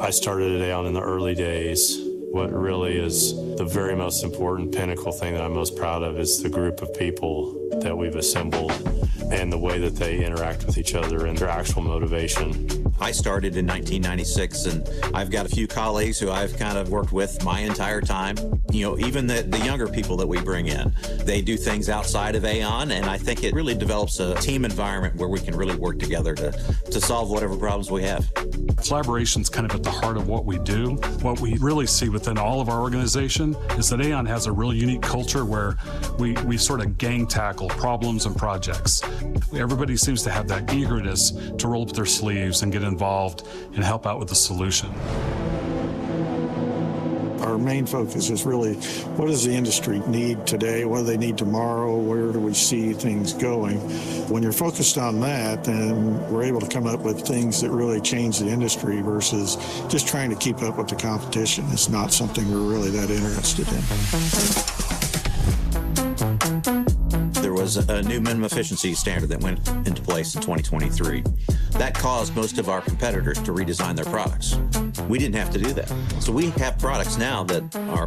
I started at AAON in the early days. What really is the very most important pinnacle thing that I'm most proud of is the group of people that we've assembled and the way that they interact with each other and their actual motivation. I started in 1996, and I've got a few colleagues who I've kind of worked with my entire time. Even the younger people that we bring in, they do things outside of AAON, and I think it really develops a team environment where we can really work together to solve whatever problems we have. Collaboration is kind of at the heart of what we do. What we really see within all of our organization is that AAON has a really unique culture where we sort of gang tackle problems and projects. Everybody seems to have that eagerness to roll up their sleeves and get involved and help out with the solution. Our main focus is really, what does the industry need today? What do they need tomorrow? Where do we see things going? When you're focused on that, then we're able to come up with things that really change the industry versus just trying to keep up with the competition. It's not something we're really that interested in. There was a new minimum efficiency standard that went into place in 2023. That caused most of our competitors to redesign their products. We didn't have to do that. So we have products now that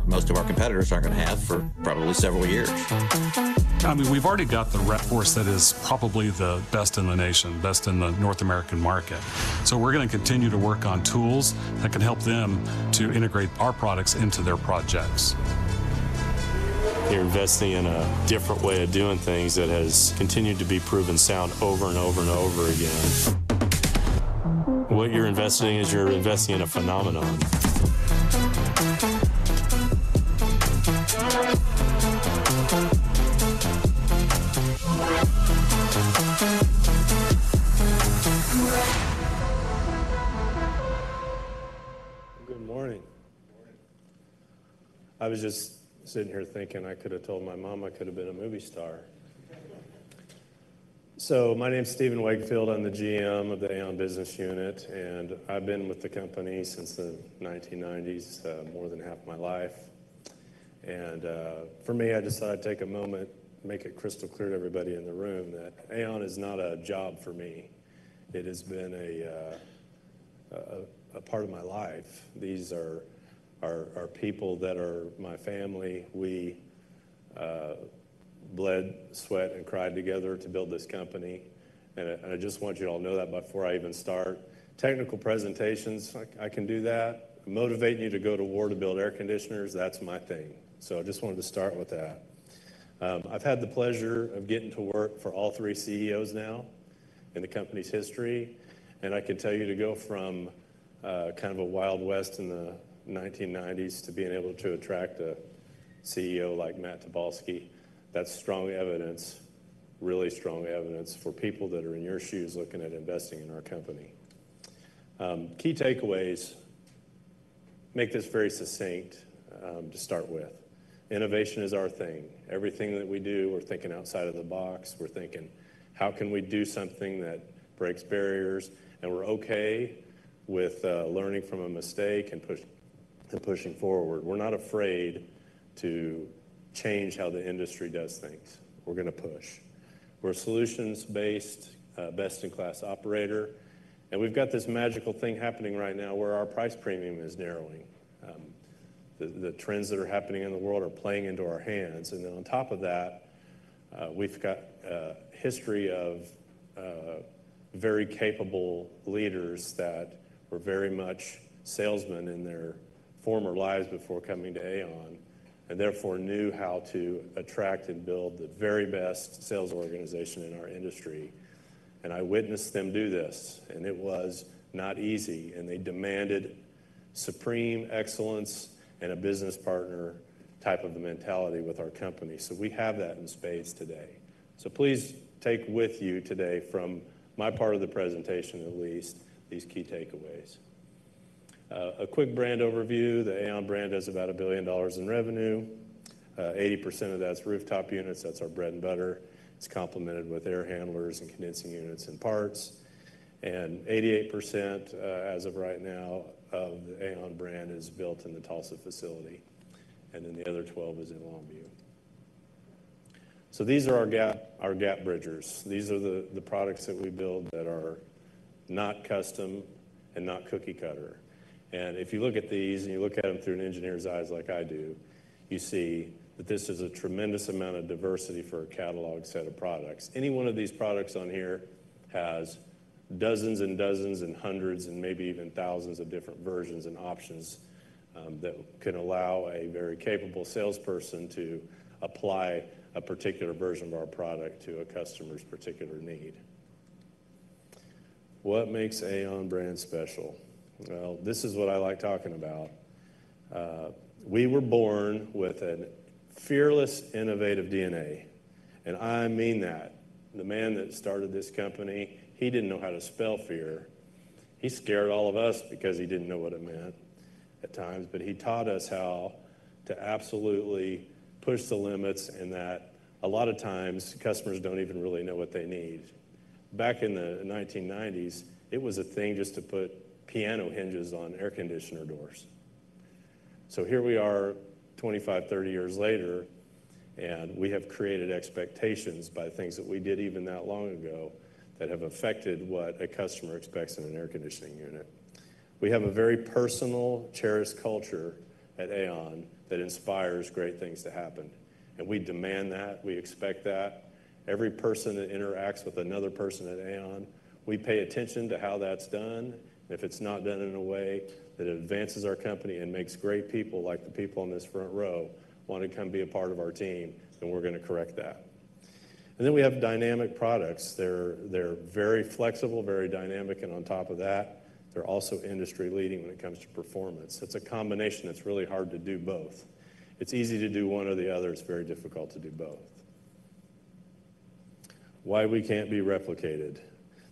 most of our competitors aren't going to have for probably several years. I mean, we've already got the reinforced that is probably the best in the nation, best in the North American market. We are going to continue to work on tools that can help them to integrate our products into their projects. You are investing in a different way of doing things that has continued to be proven sound over and over and over again. What you are investing in is you are investing in a phenomenon. Good morning. I was just sitting here thinking I could have told my mom I could have been a movie star. My name is Stephen Wakefield. I am the GM of the AAON business unit, and I have been with the company since the 1990s, more than half of my life. For me, I decided to take a moment, make it crystal clear to everybody in the room that AAON is not a job for me. It has been a part of my life. These are people that are my family. We bled, sweat, and cried together to build this company. I just want you all to know that before I even start technical presentations, I can do that. Motivating you to go to war to build air conditioners, that's my thing. I just wanted to start with that. I've had the pleasure of getting to work for all three CEOs now in the company's history. I can tell you to go from kind of a Wild West in the 1990s to being able to attract a CEO like Matt Tobolski. That's strong evidence, really strong evidence for people that are in your shoes looking at investing in our company. Key takeaways, make this very succinct to start with. Innovation is our thing. Everything that we do, we're thinking outside of the box. We're thinking, how can we do something that breaks barriers? We're okay with learning from a mistake and pushing forward. We're not afraid to change how the industry does things. We're going to push. We're a solutions-based, best-in-class operator. We've got this magical thing happening right now where our price premium is narrowing. The trends that are happening in the world are playing into our hands. On top of that, we've got a history of very capable leaders that were very much salesmen in their former lives before coming to AAON and therefore knew how to attract and build the very best sales organization in our industry. I witnessed them do this. It was not easy. They demanded supreme excellence and a business partner type of mentality with our company. We have that in spades today. Please take with you today from my part of the presentation, at least, these key takeaways. A quick brand overview. The AAON brand has about $1 billion in revenue. 80% of that's rooftop units. That's our bread and butter. It's complemented with air handlers and condensing units and parts. 88%, as of right now, of the AAON brand is built in the Tulsa facility. The other 12% is in Longview. These are our gap bridgers. These are the products that we build that are not custom and not cookie-cutter. If you look at these and you look at them through an engineer's eyes like I do, you see that this is a tremendous amount of diversity for a catalog set of products. Any one of these products on here has dozens and dozens and hundreds and maybe even thousands of different versions and options that can allow a very capable salesperson to apply a particular version of our product to a customer's particular need. What makes AAON brand special? This is what I like talking about. We were born with a fearless, innovative DNA. I mean that. The man that started this company, he did not know how to spell fear. He scared all of us because he did not know what it meant at times. He taught us how to absolutely push the limits and that a lot of times customers do not even really know what they need. Back in the 1990s, it was a thing just to put piano hinges on air conditioner doors. Here we are 25, 30 years later, and we have created expectations by things that we did even that long ago that have affected what a customer expects in an air conditioning unit. We have a very personal, cherished culture at AAON that inspires great things to happen. We demand that. We expect that. Every person that interacts with another person at AAON, we pay attention to how that's done. If it's not done in a way that advances our company and makes great people like the people on this front row want to come be a part of our team, then we're going to correct that. We have dynamic products. They're very flexible, very dynamic. On top of that, they're also industry-leading when it comes to performance. It's a combination that's really hard to do both. It's easy to do one or the other. It's very difficult to do both. Why we can't be replicated.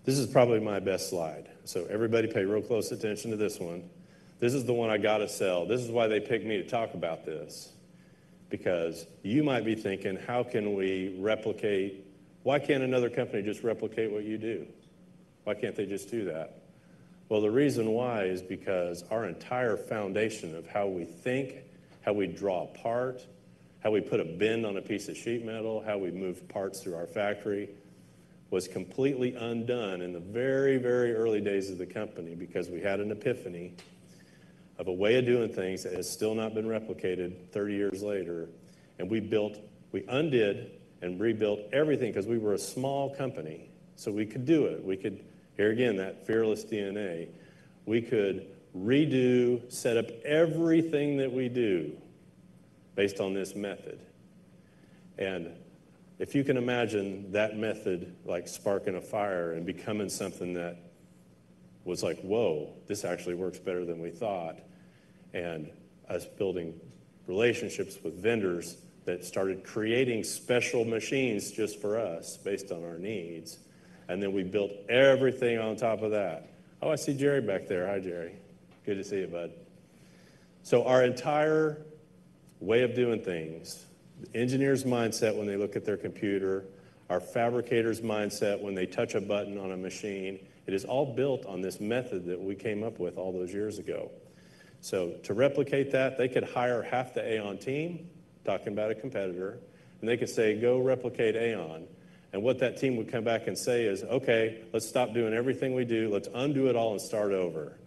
This is probably my best slide. So everybody pay real close attention to this one. This is the one I got to sell. This is why they picked me to talk about this. Because you might be thinking, how can we replicate? Why can't another company just replicate what you do? Why can't they just do that? The reason why is because our entire foundation of how we think, how we draw a part, how we put a bend on a piece of sheet metal, how we move parts through our factory was completely undone in the very, very early days of the company because we had an epiphany of a way of doing things that has still not been replicated 30 years later. We built, we undid and rebuilt everything because we were a small company. We could do it. We could, here again, that fearless DNA. We could redo, set up everything that we do based on this method. If you can imagine that method like sparking a fire and becoming something that was like, whoa, this actually works better than we thought. Us building relationships with vendors that started creating special machines just for us based on our needs. Then we built everything on top of that. Oh, I see Jerry back there. Hi, Jerry. Good to see you, bud. Our entire way of doing things, the engineer's mindset when they look at their computer, our fabricator's mindset when they touch a button on a machine, it is all built on this method that we came up with all those years ago. To replicate that, they could hire half the AAON team talking about a competitor, and they could say, go replicate AAON. What that team would come back and say is, okay, let's stop doing everything we do. Let's undo it all and start over.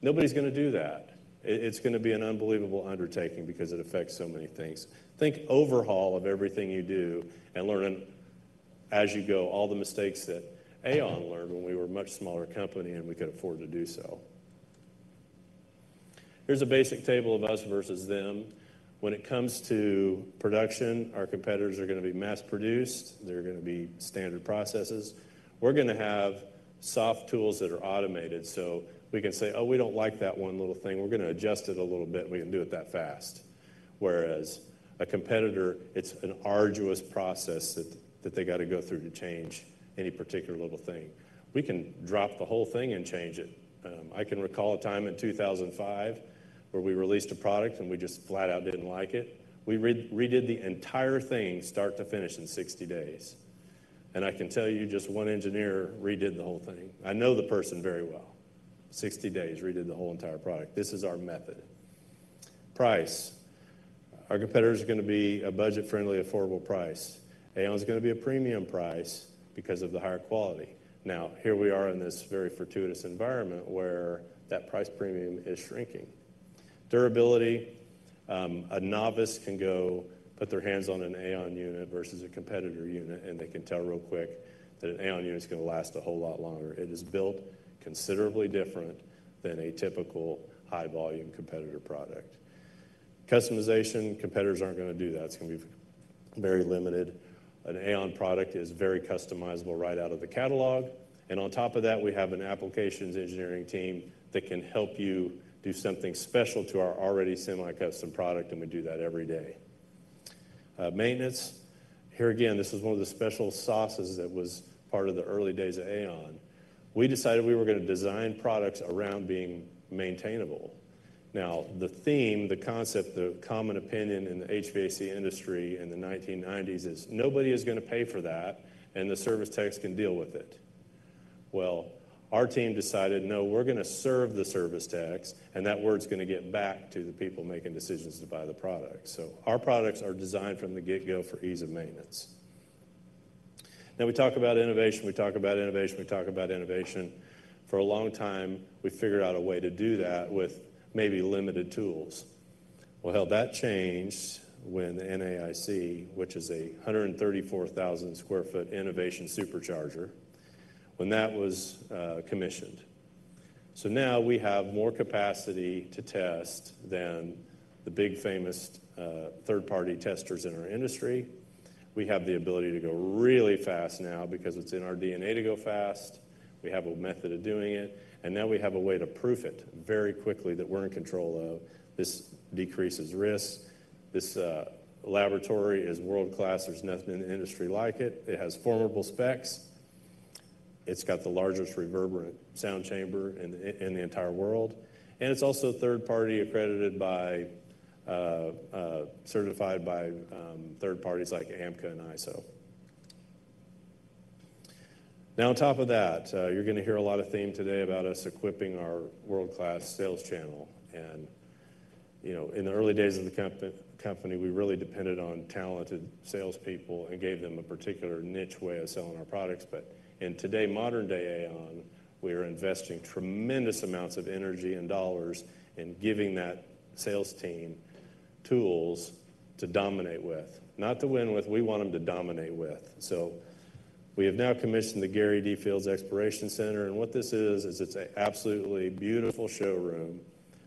Nobody's going to do that. It's going to be an unbelievable undertaking because it affects so many things. Think overhaul of everything you do and learning as you go all the mistakes that AAON learned when we were a much smaller company and we could afford to do so. Here's a basic table of us versus them. When it comes to production, our competitors are going to be mass-produced. They're going to be standard processes. We're going to have soft tools that are automated. We can say, oh, we don't like that one little thing. We're going to adjust it a little bit, and we can do it that fast. Whereas a competitor, it's an arduous process that they got to go through to change any particular little thing. We can drop the whole thing and change it. I can recall a time in 2005 where we released a product and we just flat out didn't like it. We redid the entire thing start to finish in 60 days. I can tell you just one engineer redid the whole thing. I know the person very well. Sixty days, redid the whole entire product. This is our method. Price. Our competitors are going to be a budget-friendly, affordable price. AAON is going to be a premium price because of the higher quality. Now, here we are in this very fortuitous environment where that price premium is shrinking. Durability. A novice can go put their hands on an AAON unit versus a competitor unit, and they can tell real quick that an AAON unit is going to last a whole lot longer. It is built considerably different than a typical high-volume competitor product. Customization. Competitors aren't going to do that. It's going to be very limited. An AAON product is very customizable right out of the catalog. On top of that, we have an applications engineering team that can help you do something special to our already semi-custom product, and we do that every day. Maintenance. Here again, this is one of the special sauces that was part of the early days of AAON. We decided we were going to design products around being maintainable. Now, the theme, the concept, the common opinion in the HVAC industry in the 1990s is nobody is going to pay for that, and the service techs can deal with it. Our team decided, no, we're going to serve the service techs, and that word's going to get back to the people making decisions to buy the product. Our products are designed from the get-go for ease of maintenance. We talk about innovation. We talk about innovation. We talk about innovation. For a long time, we figured out a way to do that with maybe limited tools. That changed when the NAIC, which is a 134,000 sq ft innovation supercharger, when that was commissioned. Now we have more capacity to test than the big famous third-party testers in our industry. We have the ability to go really fast now because it's in our DNA to go fast. We have a method of doing it. Now we have a way to prove it very quickly that we're in control of. This decreases risk. This laboratory is world-class. There's nothing in the industry like it. It has formidable specs. It's got the largest reverberant sound chamber in the entire world. It's also third-party accredited by, certified by third parties like AMCA and ISO. Now, on top of that, you're going to hear a lot of theme today about us equipping our world-class sales channel. In the early days of the company, we really depended on talented salespeople and gave them a particular niche way of selling our products. In today's modern-day AAON, we are investing tremendous amounts of energy and dollars in giving that sales team tools to dominate with. Not to win with. We want them to dominate with. We have now commissioned the Gary D. Fields Exploration Center. What this is, is it's an absolutely beautiful showroom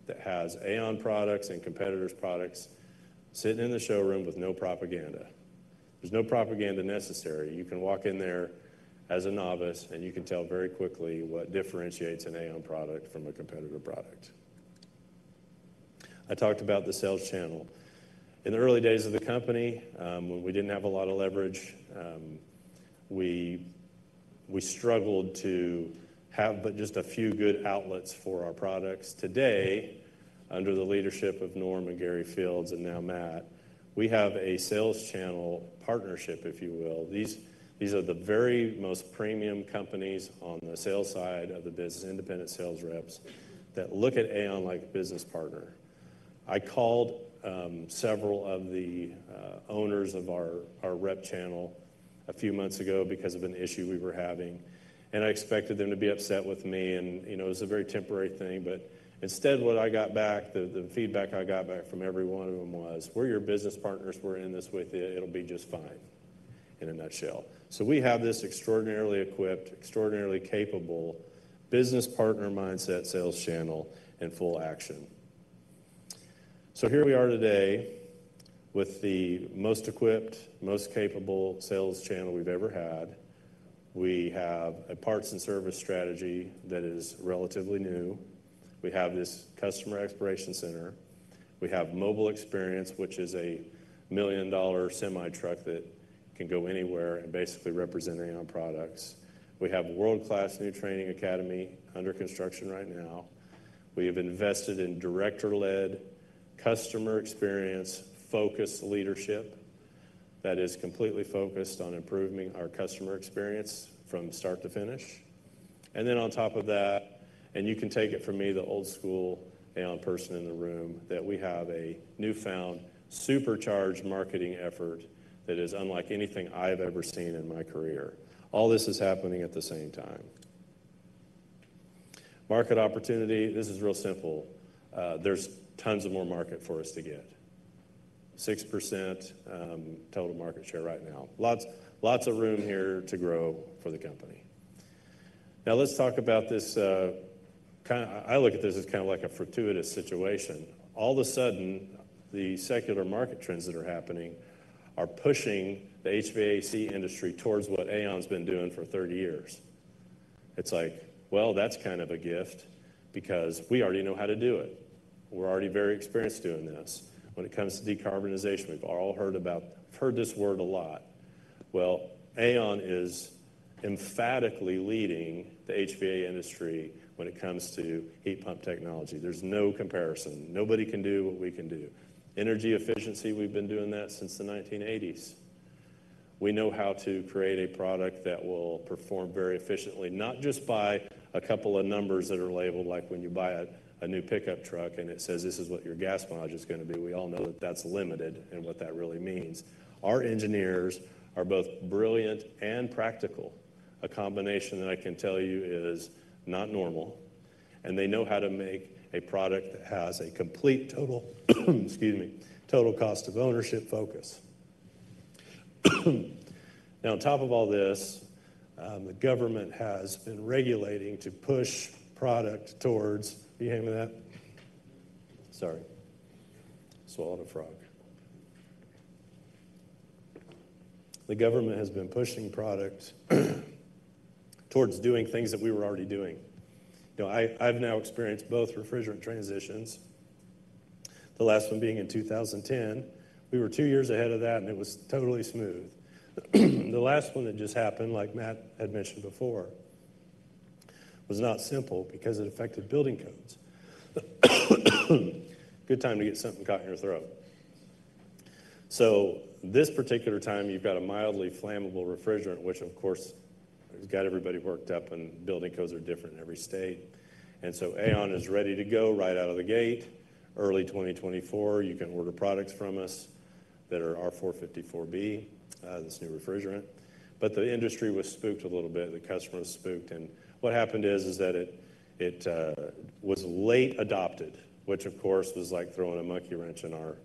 that has AAON products and competitors' products sitting in the showroom with no propaganda. There's no propaganda necessary. You can walk in there as a novice, and you can tell very quickly what differentiates an AAON product from a competitor product. I talked about the sales channel. In the early days of the company, when we didn't have a lot of leverage, we struggled to have but just a few good outlets for our products. Today, under the leadership of Norm and Gary Fields, and now Matt, we have a sales channel partnership, if you will. These are the very most premium companies on the sales side of the business, independent sales reps that look at AAON like a business partner. I called several of the owners of our rep channel a few months ago because of an issue we were having. I expected them to be upset with me. It was a very temporary thing. Instead, what I got back, the feedback I got back from every one of them was, "We're your business partners. We're in this with you. It'll be just fine," in a nutshell. We have this extraordinarily equipped, extraordinarily capable business partner mindset sales channel in full action. Here we are today with the most equipped, most capable sales channel we've ever had. We have a parts and service strategy that is relatively new. We have this customer exploration center. We have mobile experience, which is a million-dollar semi-truck that can go anywhere and basically represent AAON products. We have a world-class new training academy under construction right now. We have invested in director-led customer experience-focused leadership that is completely focused on improving our customer experience from start to finish. On top of that, and you can take it from me, the old-school AAON person in the room, we have a newfound supercharged marketing effort that is unlike anything I have ever seen in my career. All this is happening at the same time. Market opportunity. This is real simple. There is tons of more market for us to get. 6% total market share right now. Lots of room here to grow for the company. Now, let's talk about this. I look at this as kind of like a fortuitous situation. All of a sudden, the secular market trends that are happening are pushing the HVAC industry towards what AAON's been doing for 30 years. It's like, well, that's kind of a gift because we already know how to do it. We're already very experienced doing this. When it comes to decarbonization, we've all heard about this word a lot. AAON is emphatically leading the HVAC industry when it comes to heat pump technology. There's no comparison. Nobody can do what we can do. Energy efficiency, we've been doing that since the 1980s. We know how to create a product that will perform very efficiently, not just by a couple of numbers that are labeled like when you buy a new pickup truck and it says, "This is what your gas mileage is going to be." We all know that that's limited and what that really means. Our engineers are both brilliant and practical. A combination that I can tell you is not normal. They know how to make a product that has a complete total—excuse me—total cost of ownership focus. Now, on top of all this, the government has been regulating to push product towards—can you hear me that? Sorry. Swallowed a frog. The government has been pushing product towards doing things that we were already doing. I have now experienced both refrigerant transitions, the last one being in 2010. We were two years ahead of that, and it was totally smooth. The last one that just happened, like Matt had mentioned before, was not simple because it affected building codes. Good time to get something caught in your throat. This particular time, you have got a mildly flammable refrigerant, which, of course, has got everybody worked up, and building codes are different in every state. AAON is ready to go right out of the gate. Early 2024, you can order products from us that are R-454B, this new refrigerant. The industry was spooked a little bit. The customer was spooked. What happened is that it was late adopted, which, of course, was like throwing a monkey wrench in our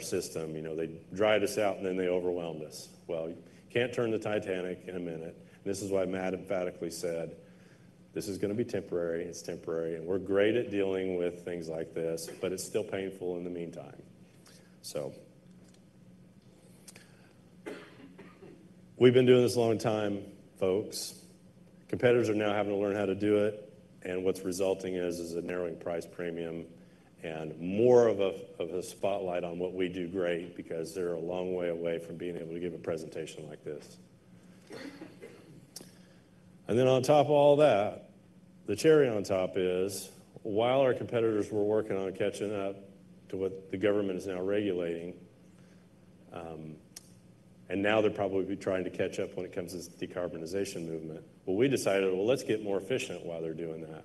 system. They dried us out, and then they overwhelmed us. You can't turn the Titanic in a minute. This is why Matt emphatically said, "This is going to be temporary. It's temporary. And we're great at dealing with things like this, but it's still painful in the meantime." We have been doing this a long time, folks. Competitors are now having to learn how to do it. What is resulting is a narrowing price premium and more of a spotlight on what we do great because they are a long way away from being able to give a presentation like this. On top of all that, the cherry on top is, while our competitors were working on catching up to what the government is now regulating, and now they are probably trying to catch up when it comes to this decarbonization movement, we decided, let's get more efficient while they are doing that.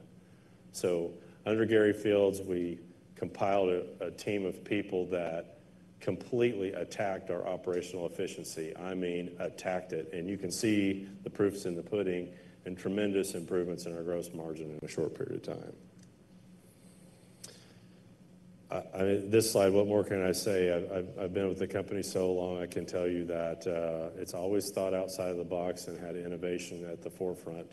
Under Gary Fields, we compiled a team of people that completely attacked our operational efficiency. I mean, attacked it. You can see the proof is in the pudding and tremendous improvements in our gross margin in a short period of time. This slide, what more can I say? I've been with the company so long, I can tell you that it's always thought outside of the box and had innovation at the forefront.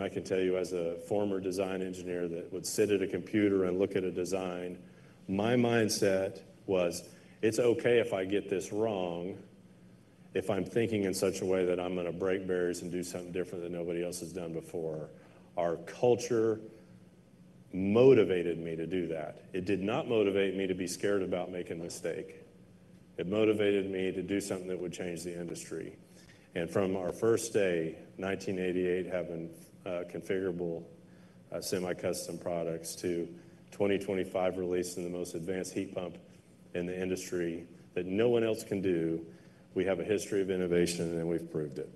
I can tell you, as a former design engineer that would sit at a computer and look at a design, my mindset was, "It's okay if I get this wrong if I'm thinking in such a way that I'm going to break barriers and do something different than nobody else has done before." Our culture motivated me to do that. It did not motivate me to be scared about making a mistake. It motivated me to do something that would change the industry. From our first day, 1988, having configurable semi-custom products to 2025 release and the most advanced heat pump in the industry that no one else can do, we have a history of innovation, and we've proved it.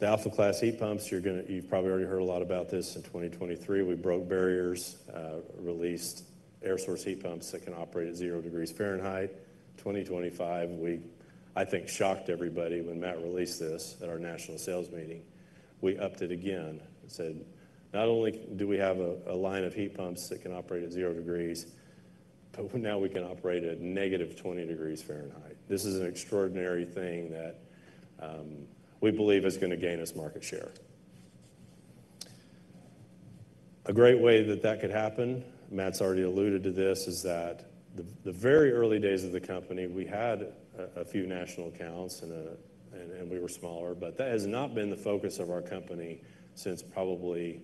The alpha-class heat pumps, you've probably already heard a lot about this. In 2023, we broke barriers, released air source heat pumps that can operate at zero degrees Fahrenheit. 2025, I think shocked everybody when Matt released this at our national sales meeting. We upped it again and said, "Not only do we have a line of heat pumps that can operate at zero degrees, but now we can operate at negative 20 degrees Fahrenheit." This is an extraordinary thing that we believe is going to gain us market share. A great way that that could happen, Matt's already alluded to this, is that the very early days of the company, we had a few national accounts and we were smaller, but that has not been the focus of our company since probably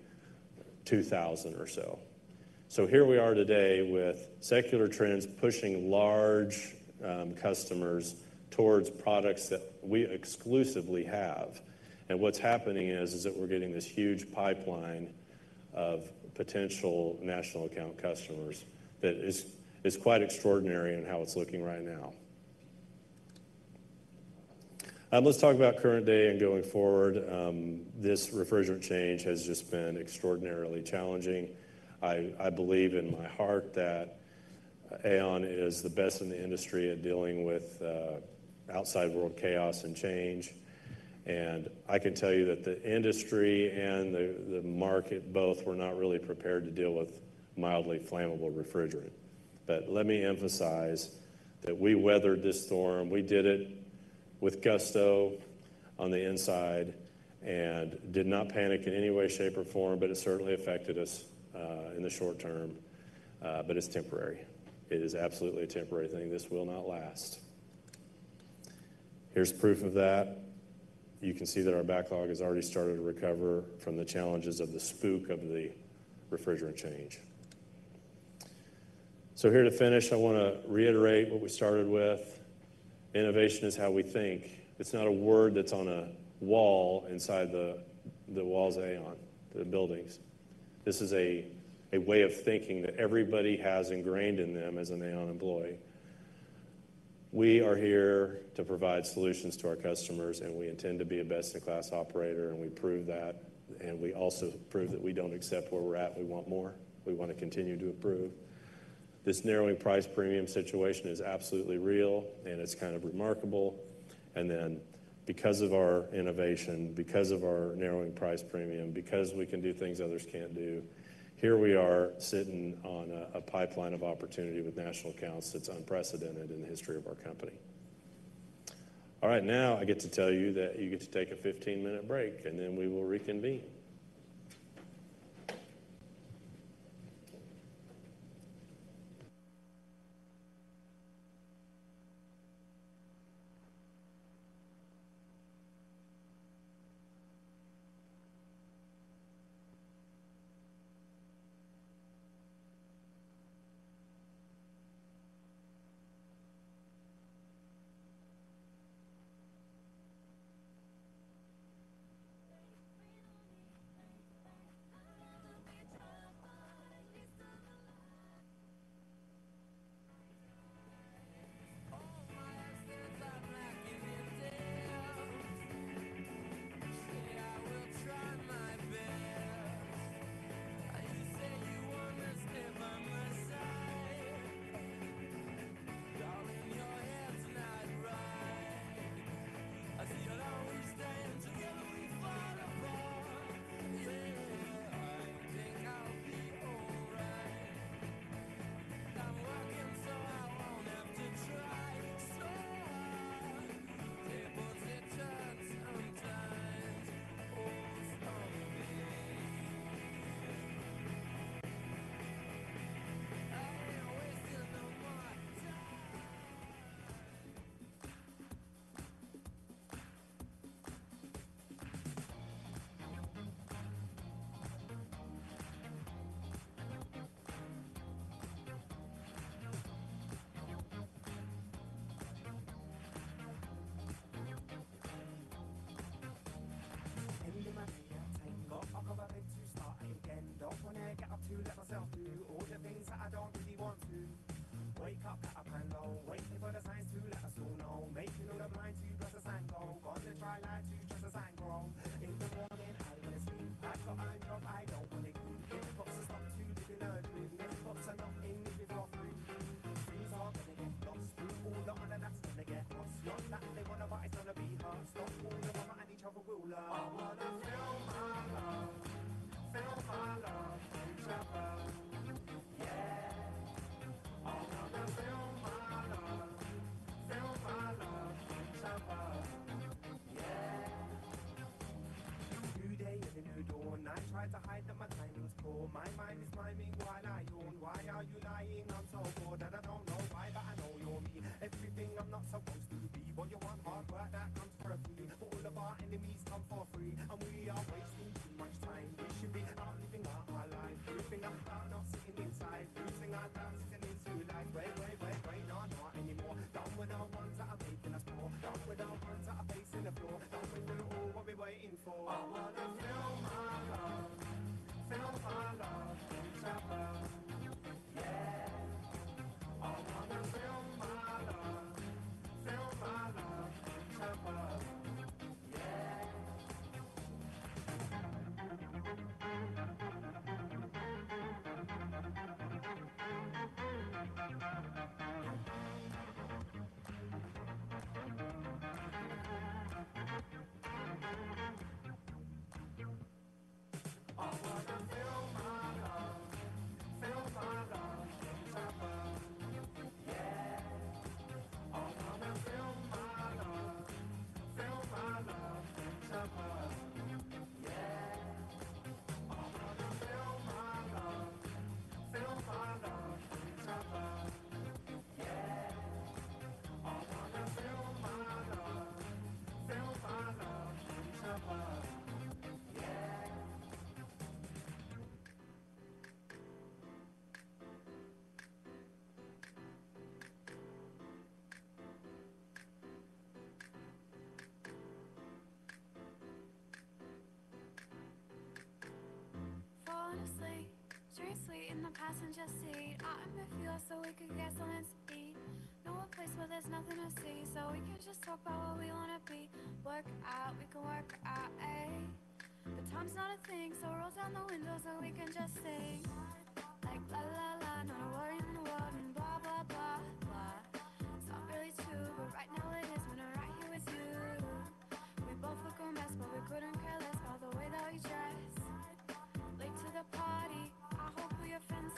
2000 or so. Here we are today with secular trends pushing large customers towards products that we exclusively have. What's happening is that we're getting this huge pipeline of potential national account customers that is quite extraordinary in how it's looking right now. Let's talk about current day and going forward. This refrigerant change has just been extraordinarily challenging. I believe in my heart that AAON is the best in the industry at dealing with outside world chaos and change. I can tell you that the industry and the market both were not really prepared to deal with mildly flammable refrigerant. Let me emphasize that we weathered this storm. We did it with gusto on the inside and did not panic in any way, shape, or form, but it certainly affected us in the short term. It is temporary. It is absolutely a temporary thing. This will not last. Here's proof of that. You can see that our backlog has already started to recover from the challenges of the spook of the refrigerant change. Here to finish, I want to reiterate what we started with. Innovation is how we think. It's not a word that's on a wall inside the walls of AAON, the buildings. This is a way of thinking that everybody has ingrained in them as an AAON employee. We are here to provide solutions to our customers, and we intend to be a best-in-class operator, and we prove that. We also prove that we don't accept where we're at. We want more. We want to continue to improve. This narrowing price premium situation is absolutely real, and it's kind of remarkable. Because of our innovation, because of our narrowing price premium, because we can do things others cannot do, here we are sitting on a pipeline of opportunity with national accounts that is unprecedented in the history of our company. All right. Now I get to tell you that you get to take a 15-minute break, and then we will reconvene.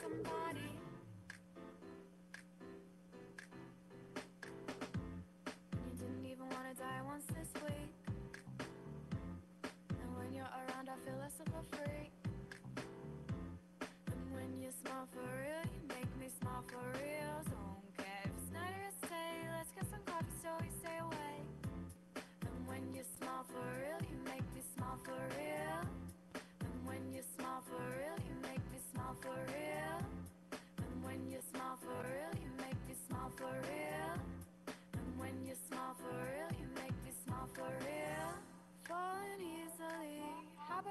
I hope we offend somebody. You didn't even want to die once this week. When you're around, I feel less of a freak.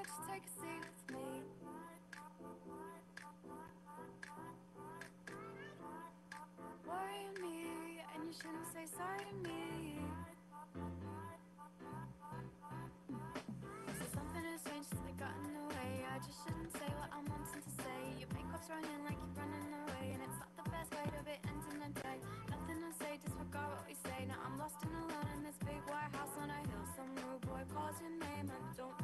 When you smile for real, you make me smile for real. I do not care if Snyders say, "Let's get some coffee," so we stay away. When you smile for real, you make me smile for real. When you smile for real, you make me smile for real. When you smile for real, you make me smile for real. When you smile for real, you make me smile for real. Falling easily, how about you take a seat with me? Worrying me, and you shouldn't say sorry to me. Something has changed since they got in the way. I just shouldn't say what I'm wanting to say. Your makeup's running like you're running away, and it's not the best way to be ending the day. Nothing to say, just forgot what we say. Now I'm lost and alone in this big white house on a hill. Some rude boy calls your name, and I don't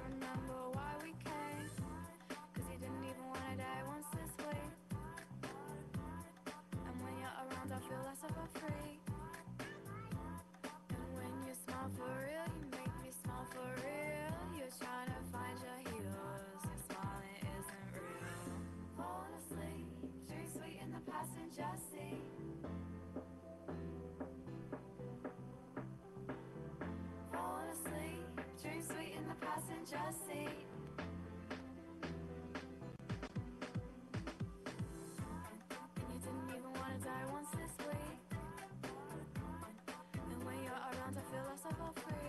I'm just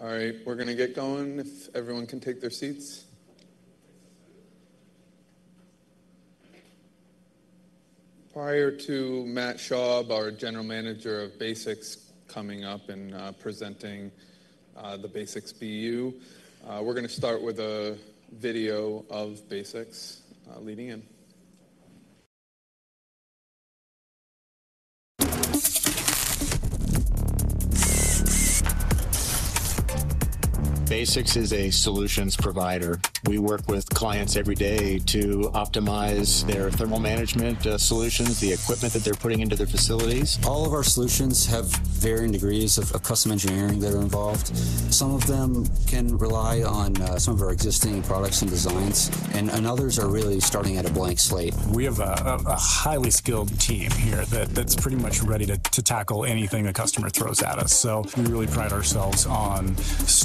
All right, we're going to get going. If everyone can take their seats. Prior to Matt Schaub, our General Manager of BASX, coming up and presenting the BASX BU, we're going to start with a video of BASX leading in. BASX is a solutions provider. We work with clients every day to optimize their thermal management solutions, the equipment that they're putting into their facilities. All of our solutions have varying degrees of custom engineering that are involved. Some of them can rely on some of our existing products and designs, and others are really starting at a blank slate. We have a highly skilled team here that's pretty much ready to tackle anything a customer throws at us. We really pride ourselves on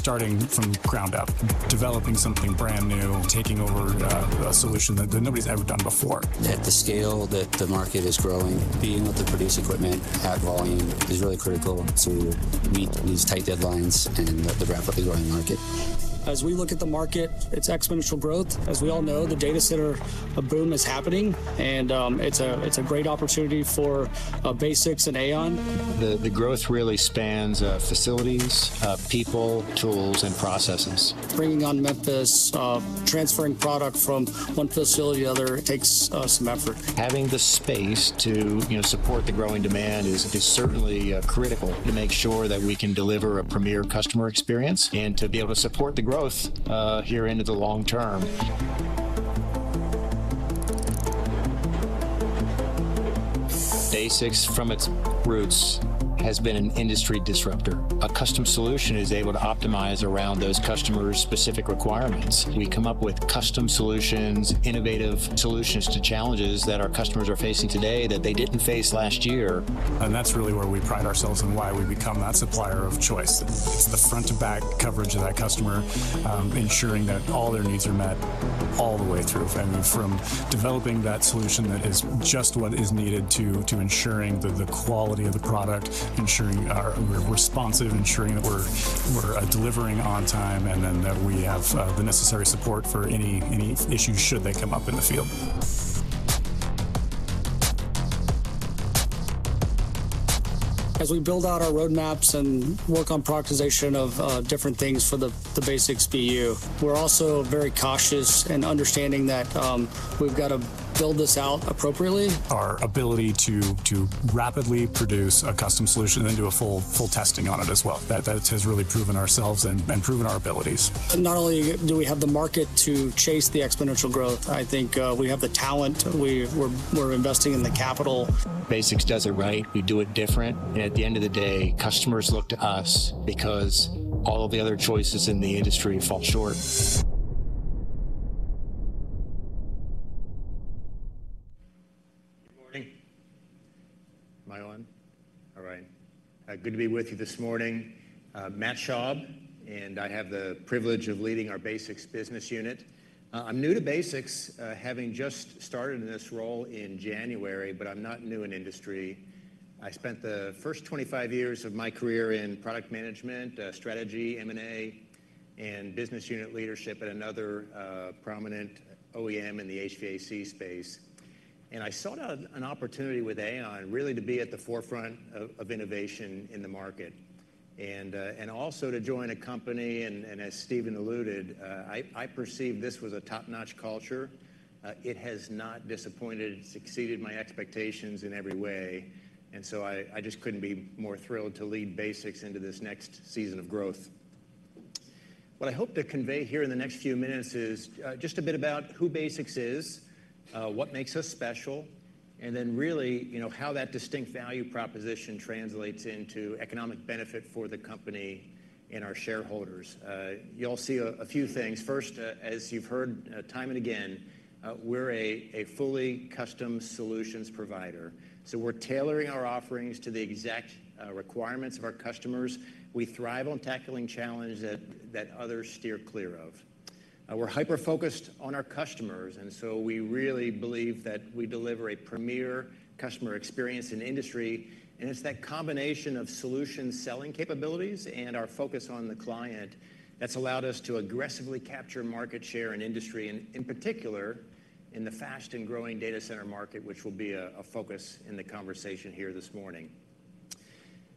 starting from ground up, developing something brand new, taking over a solution that nobody's ever done before. At the scale that the market is growing, being able to produce equipment at volume is really critical to meet these tight deadlines and the rapidly growing market. As we look at the market, it's exponential growth. As we all know, the data center boom is happening, and it's a great opportunity for BASX and AAON. The growth really spans facilities, people, tools, and processes. Bringing on Memphis, transferring product from one facility to the other takes some effort. Having the space to support the growing demand is certainly critical to make sure that we can deliver a premier customer experience and to be able to support the growth here into the long term. BASX, from its roots, has been an industry disruptor. A custom solution is able to optimize around those customer-specific requirements. We come up with custom solutions, innovative solutions to challenges that our customers are facing today that they didn't face last year. That is really where we pride ourselves and why we've become that supplier of choice. It's the front-to-back coverage of that customer, ensuring that all their needs are met all the way through. I mean, from developing that solution that is just what is needed to ensuring the quality of the product, ensuring we're responsive, ensuring that we're delivering on time, and then that we have the necessary support for any issues should they come up in the field. As we build out our roadmaps and work on prioritization of different things for the BASX BU, we're also very cautious in understanding that we've got to build this out appropriately. Our ability to rapidly produce a custom solution and then do a full testing on it as well. That has really proven ourselves and proven our abilities. Not only do we have the market to chase the exponential growth, I think we have the talent. We're investing in the capital. BASX does it right. We do it different. At the end of the day, customers look to us because all of the other choices in the industry fall short. Good morning. Am I on? All right. Good to be with you this morning. Matt Shaub, and I have the privilege of leading our BASX Business Unit. I'm new to BASX, having just started in this role in January, but I'm not new in industry. I spent the first 25 years of my career in product management, strategy, M&A, and business unit leadership at another prominent OEM in the HVAC space. I sought out an opportunity with AAON, really to be at the forefront of innovation in the market and also to join a company. As Stephen alluded, I perceived this was a top-notch culture. It has not disappointed. It's exceeded my expectations in every way. I just could not be more thrilled to lead BASX into this next season of growth. What I hope to convey here in the next few minutes is just a bit about who BASX is, what makes us special, and then really how that distinct value proposition translates into economic benefit for the company and our shareholders. You will see a few things. First, as you have heard time and again, we are a fully custom solutions provider. We are tailoring our offerings to the exact requirements of our customers. We thrive on tackling challenges that others steer clear of. We are hyper-focused on our customers, and we really believe that we deliver a premier customer experience in industry. It is that combination of solution selling capabilities and our focus on the client that has allowed us to aggressively capture market share in industry, and in particular, in the fast and growing data center market, which will be a focus in the conversation here this morning.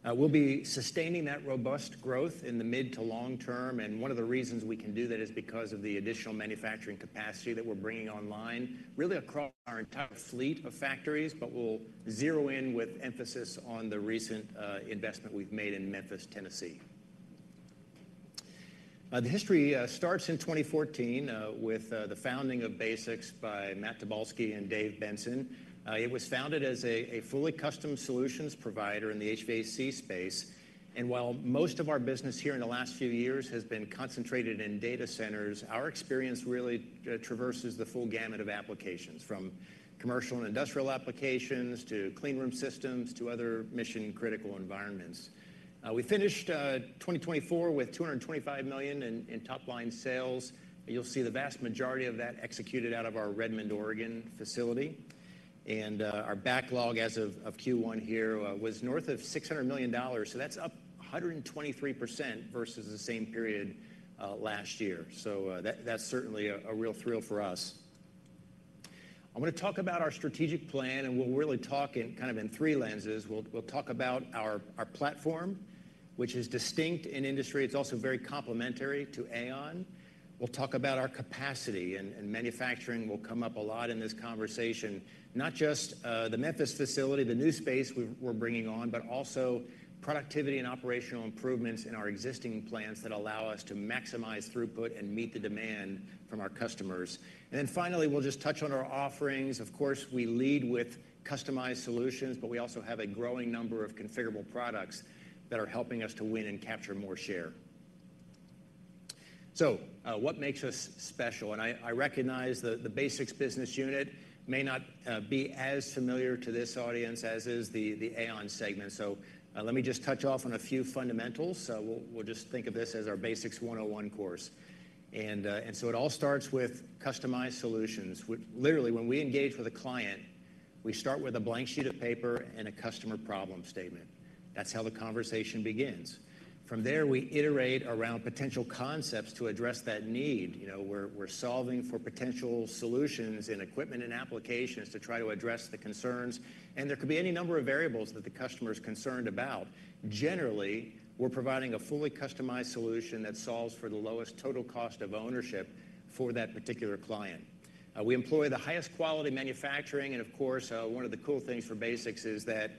We will be sustaining that robust growth in the mid to long term. One of the reasons we can do that is because of the additional manufacturing capacity that we are bringing online, really across our entire fleet of factories, but we will zero in with emphasis on the recent investment we have made in Memphis, Tennessee. The history starts in 2014 with the founding of BASX by Matt Tobolski and Dave Benson. It was founded as a fully custom solutions provider in the HVAC space. While most of our business here in the last few years has been concentrated in data centers, our experience really traverses the full gamut of applications, from commercial and industrial applications to clean room systems to other mission-critical environments. We finished 2024 with $225 million in top-line sales. You'll see the vast majority of that executed out of our Redmond, Oregon facility. Our backlog as of Q1 here was north of $600 million. That's up 123% versus the same period last year. That's certainly a real thrill for us. I'm going to talk about our strategic plan, and we'll really talk in kind of three lenses. We'll talk about our platform, which is distinct in industry. It's also very complementary to AAON. We'll talk about our capacity and manufacturing. We'll come up a lot in this conversation, not just the Memphis facility, the new space we're bringing on, but also productivity and operational improvements in our existing plants that allow us to maximize throughput and meet the demand from our customers. Finally, we'll just touch on our offerings. Of course, we lead with customized solutions, but we also have a growing number of configurable products that are helping us to win and capture more share. What makes us special? I recognize the BASX Business Unit may not be as familiar to this audience as is the AAON segment. Let me just touch off on a few fundamentals. Think of this as our BASX 101 course. It all starts with customized solutions. Literally, when we engage with a client, we start with a blank sheet of paper and a customer problem statement. That's how the conversation begins. From there, we iterate around potential concepts to address that need. We're solving for potential solutions in equipment and applications to try to address the concerns. There could be any number of variables that the customer is concerned about. Generally, we're providing a fully customized solution that solves for the lowest total cost of ownership for that particular client. We employ the highest quality manufacturing. Of course, one of the cool things for BASX is that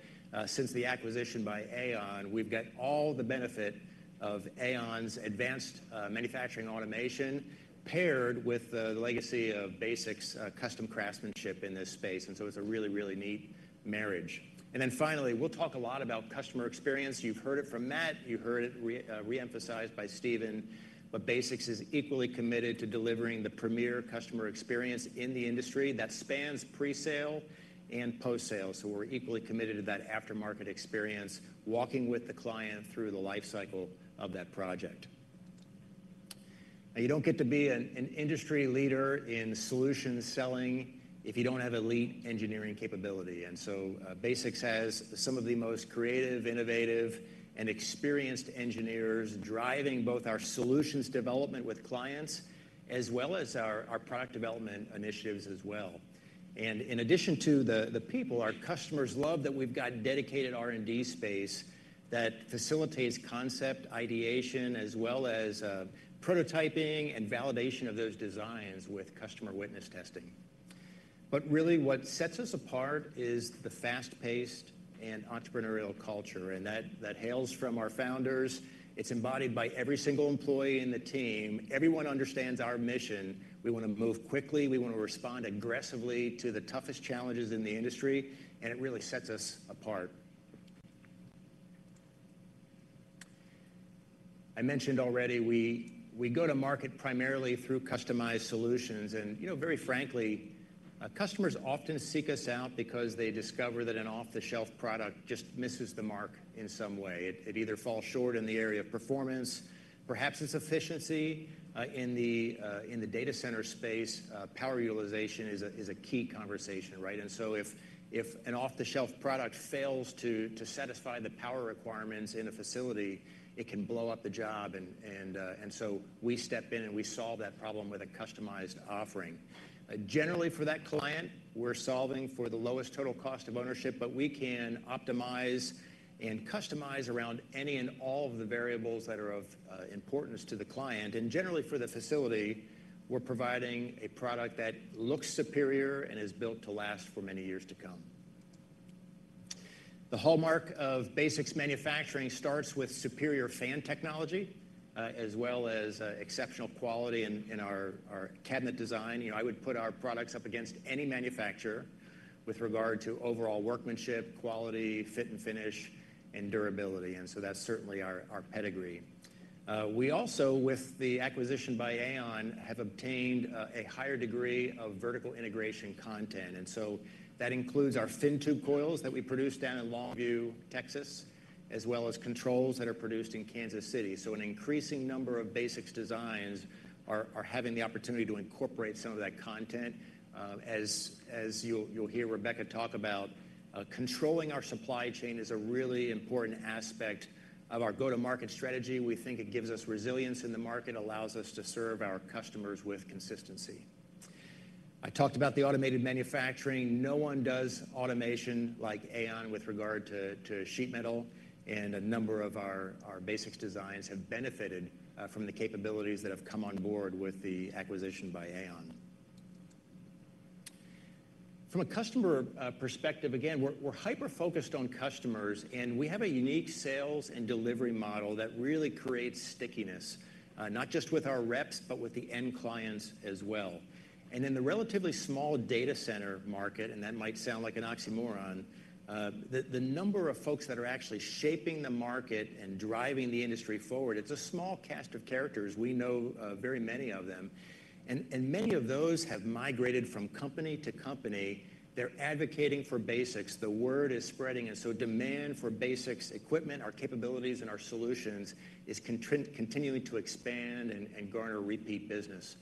since the acquisition by AAON, we've got all the benefit of AAON's advanced manufacturing automation paired with the legacy of BASX custom craftsmanship in this space. It is a really, really neat marriage. Finally, we'll talk a lot about customer experience. You've heard it from Matt. You heard it re-emphasized by Stephen. BASX is equally committed to delivering the premier customer experience in the industry that spans pre-sale and post-sale. We are equally committed to that aftermarket experience, walking with the client through the lifecycle of that project. You do not get to be an industry leader in solutions selling if you do not have elite engineering capability. BASX has some of the most creative, innovative, and experienced engineers driving both our solutions development with clients as well as our product development initiatives as well. In addition to the people, our customers love that we have dedicated R&D space that facilitates concept ideation as well as prototyping and validation of those designs with customer witness testing. What sets us apart is the fast-paced and entrepreneurial culture. That hails from our founders. It's embodied by every single employee in the team. Everyone understands our mission. We want to move quickly. We want to respond aggressively to the toughest challenges in the industry. It really sets us apart. I mentioned already, we go to market primarily through customized solutions. Very frankly, customers often seek us out because they discover that an off-the-shelf product just misses the mark in some way. It either falls short in the area of performance, perhaps its efficiency in the data center space. Power utilization is a key conversation, right? If an off-the-shelf product fails to satisfy the power requirements in a facility, it can blow up the job. We step in and we solve that problem with a customized offering. Generally, for that client, we're solving for the lowest total cost of ownership, but we can optimize and customize around any and all of the variables that are of importance to the client. Generally, for the facility, we're providing a product that looks superior and is built to last for many years to come. The hallmark of BASX manufacturing starts with superior fan technology as well as exceptional quality in our cabinet design. I would put our products up against any manufacturer with regard to overall workmanship, quality, fit and finish, and durability. That's certainly our pedigree. We also, with the acquisition by AAON, have obtained a higher degree of vertical integration content. That includes our fin tube coils that we produce down in Longview, Texas, as well as controls that are produced in Parkville. An increasing number of BASX designs are having the opportunity to incorporate some of that content. As you'll hear Rebecca talk about, controlling our supply chain is a really important aspect of our go-to-market strategy. We think it gives us resilience in the market, allows us to serve our customers with consistency. I talked about the automated manufacturing. No one does automation like AAON with regard to sheet metal. A number of our BASX designs have benefited from the capabilities that have come on board with the acquisition by AAON. From a customer perspective, again, we're hyper-focused on customers, and we have a unique sales and delivery model that really creates stickiness, not just with our reps, but with the end clients as well. In the relatively small data center market, and that might sound like an oxymoron, the number of folks that are actually shaping the market and driving the industry forward, it's a small cast of characters. We know very many of them. Many of those have migrated from company to company. They're advocating for BASX. The word is spreading. Demand for BASX equipment, our capabilities, and our solutions is continuing to expand and garner repeat business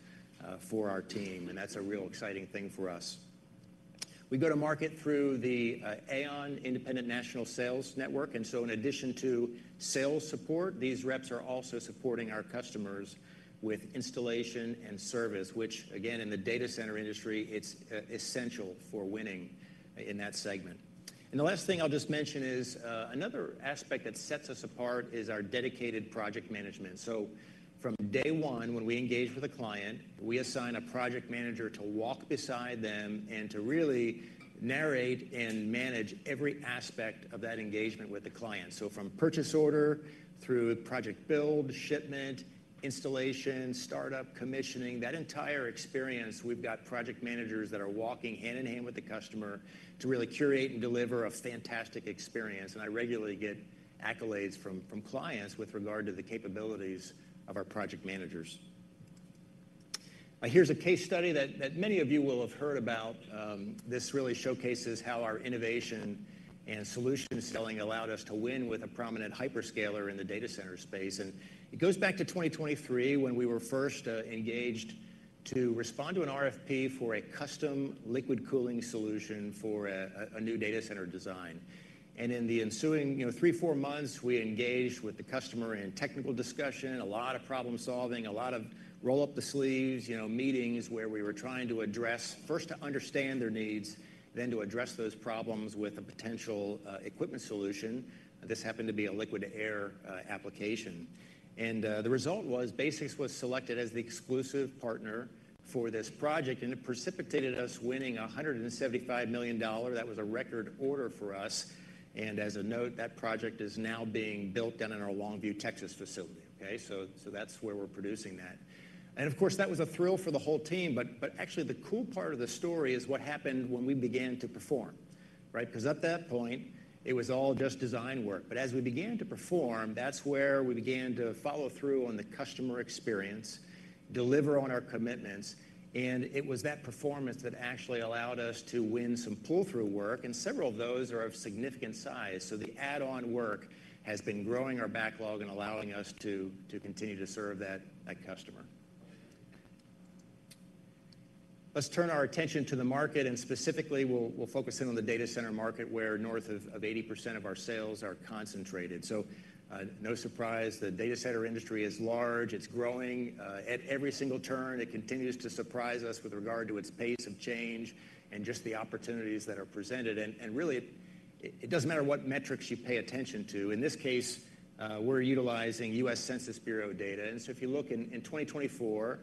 for our team. That's a real exciting thing for us. We go to market through the AAON Independent National Sales Network. In addition to sales support, these reps are also supporting our customers with installation and service, which, again, in the data center industry, is essential for winning in that segment. The last thing I'll just mention is another aspect that sets us apart is our dedicated project management. From day one, when we engage with a client, we assign a project manager to walk beside them and to really narrate and manage every aspect of that engagement with the client. From purchase order through project build, shipment, installation, startup, commissioning, that entire experience, we have project managers that are walking hand in hand with the customer to really curate and deliver a fantastic experience. I regularly get accolades from clients with regard to the capabilities of our project managers. Here is a case study that many of you will have heard about. This really showcases how our innovation and solution selling allowed us to win with a prominent hyperscaler in the data center space. It goes back to 2023 when we were first engaged to respond to an RFP for a custom liquid cooling solution for a new data center design. In the ensuing three, four months, we engaged with the customer in technical discussion, a lot of problem-solving, a lot of roll up the sleeves meetings where we were trying to address, first to understand their needs, then to address those problems with a potential equipment solution. This happened to be a liquid air application. The result was BASX was selected as the exclusive partner for this project. It precipitated us winning $175 million. That was a record order for us. As a note, that project is now being built down in our Longview, Texas facility. That is where we are producing that. Of course, that was a thrill for the whole team. Actually, the cool part of the story is what happened when we began to perform, right? Because at that point, it was all just design work. As we began to perform, that's where we began to follow through on the customer experience, deliver on our commitments. It was that performance that actually allowed us to win some pull-through work. Several of those are of significant size. The add-on work has been growing our backlog and allowing us to continue to serve that customer. Let's turn our attention to the market. Specifically, we'll focus in on the data center market where north of 80% of our sales are concentrated. No surprise, the data center industry is large. It's growing at every single turn. It continues to surprise us with regard to its pace of change and just the opportunities that are presented. Really, it does not matter what metrics you pay attention to. In this case, we are utilizing U.S. Census Bureau data. If you look in 2024,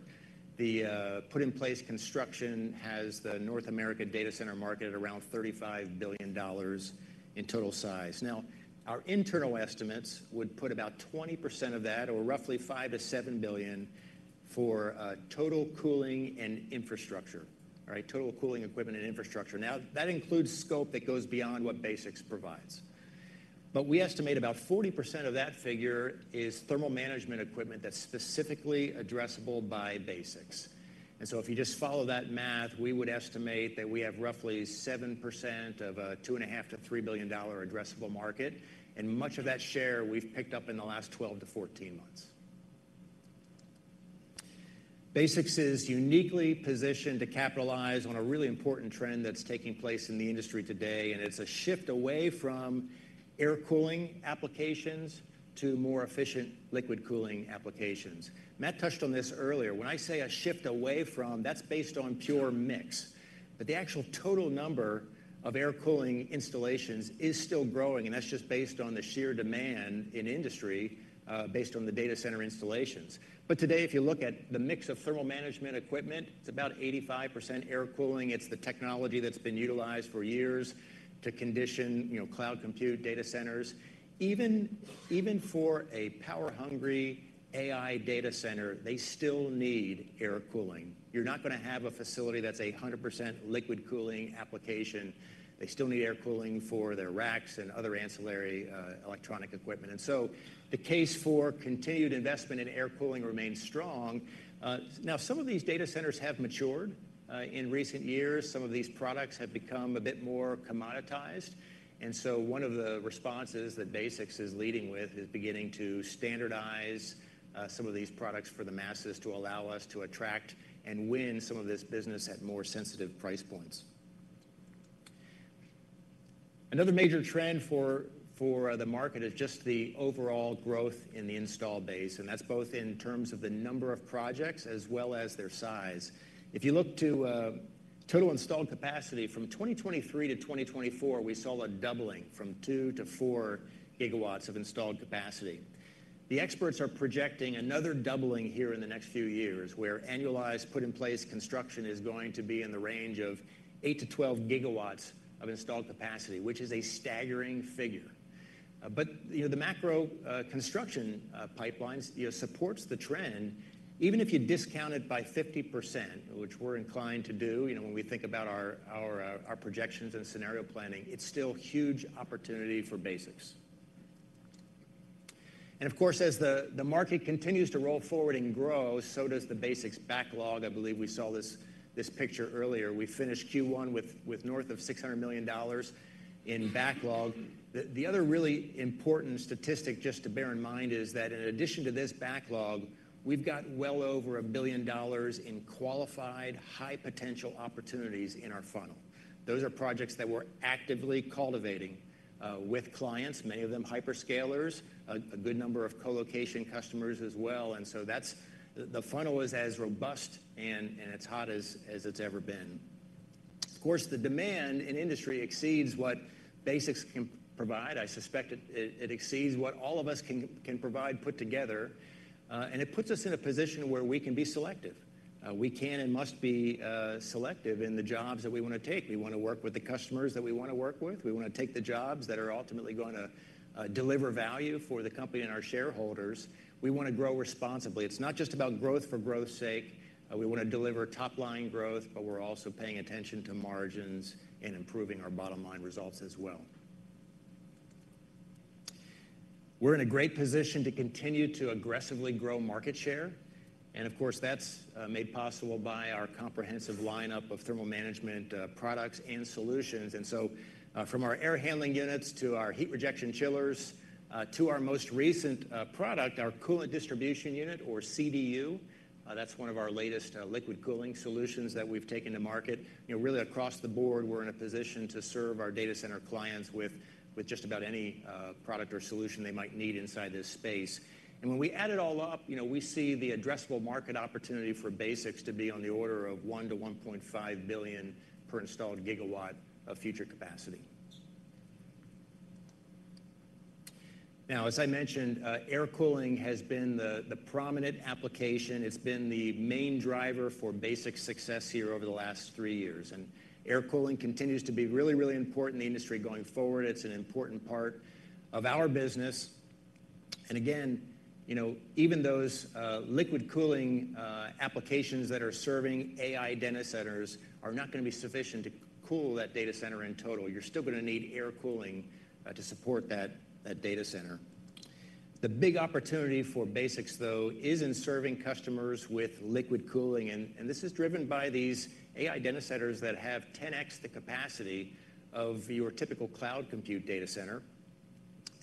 the put-in-place construction has the North American data center market at around $35 billion in total size. Our internal estimates would put about 20% of that, or roughly $5 billion to $7 billion, for total cooling and infrastructure, right? Total cooling equipment and infrastructure. That includes scope that goes beyond what BASX provides. We estimate about 40% of that figure is thermal management equipment that is specifically addressable by BASX. If you just follow that math, we would estimate that we have roughly 7% of a $2.5 billion to $3 billion addressable market. Much of that share we have picked up in the last 12 to 14 months. BASX is uniquely positioned to capitalize on a really important trend that's taking place in the industry today. It's a shift away from air cooling applications to more efficient liquid cooling applications. Matt touched on this earlier. When I say a shift away from, that's based on pure mix. The actual total number of air cooling installations is still growing. That's just based on the sheer demand in industry based on the data center installations. Today, if you look at the mix of thermal management equipment, it's about 85% air cooling. It's the technology that's been utilized for years to condition cloud compute data centers. Even for a power-hungry AI data center, they still need air cooling. You're not going to have a facility that's 100% liquid cooling application. They still need air cooling for their racks and other ancillary electronic equipment. The case for continued investment in air cooling remains strong. Some of these data centers have matured in recent years. Some of these products have become a bit more commoditized. One of the responses that BASX is leading with is beginning to standardize some of these products for the masses to allow us to attract and win some of this business at more sensitive price points. Another major trend for the market is just the overall growth in the install base. That is both in terms of the number of projects as well as their size. If you look to total installed capacity from 2023 to 2024, we saw a doubling from 2 to 4 gigawatts of installed capacity. The experts are projecting another doubling here in the next few years where annualized put-in-place construction is going to be in the range of 8 to 12 GW of installed capacity, which is a staggering figure. The macro construction pipelines support the trend. Even if you discount it by 50%, which we're inclined to do when we think about our projections and scenario planning, it's still a huge opportunity for BASX. Of course, as the market continues to roll forward and grow, so does the BASX backlog. I believe we saw this picture earlier. We finished Q1 with north of $600 million in backlog. The other really important statistic just to bear in mind is that in addition to this backlog, we've got well over $1 billion in qualified high-potential opportunities in our funnel. Those are projects that we're actively cultivating with clients, many of them hyperscalers, a good number of colocation customers as well. The funnel is as robust and as hot as it's ever been. Of course, the demand in industry exceeds what BASX can provide. I suspect it exceeds what all of us can provide put together. It puts us in a position where we can be selective. We can and must be selective in the jobs that we want to take. We want to work with the customers that we want to work with. We want to take the jobs that are ultimately going to deliver value for the company and our shareholders. We want to grow responsibly. It's not just about growth for growth's sake. We want to deliver top-line growth, but we're also paying attention to margins and improving our bottom-line results as well. We're in a great position to continue to aggressively grow market share. Of course, that's made possible by our comprehensive lineup of thermal management products and solutions. From our air handling units to our heat rejection chillers to our most recent product, our Coolant Distribution Unit or CDU, that's one of our latest liquid cooling solutions that we've taken to market. Really, across the board, we're in a position to serve our data center clients with just about any product or solution they might need inside this space. When we add it all up, we see the addressable market opportunity for BASX to be on the order of $1 billion to $1.5 billion per installed gigawatt of future capacity. As I mentioned, air cooling has been the prominent application. It's been the main driver for BASX success here over the last three years. Air cooling continues to be really, really important in the industry going forward. It is an important part of our business. Again, even those liquid cooling applications that are serving AI data centers are not going to be sufficient to cool that data center in total. You are still going to need air cooling to support that data center. The big opportunity for BASX, though, is in serving customers with liquid cooling. This is driven by these AI data centers that have 10x the capacity of your typical cloud compute data center.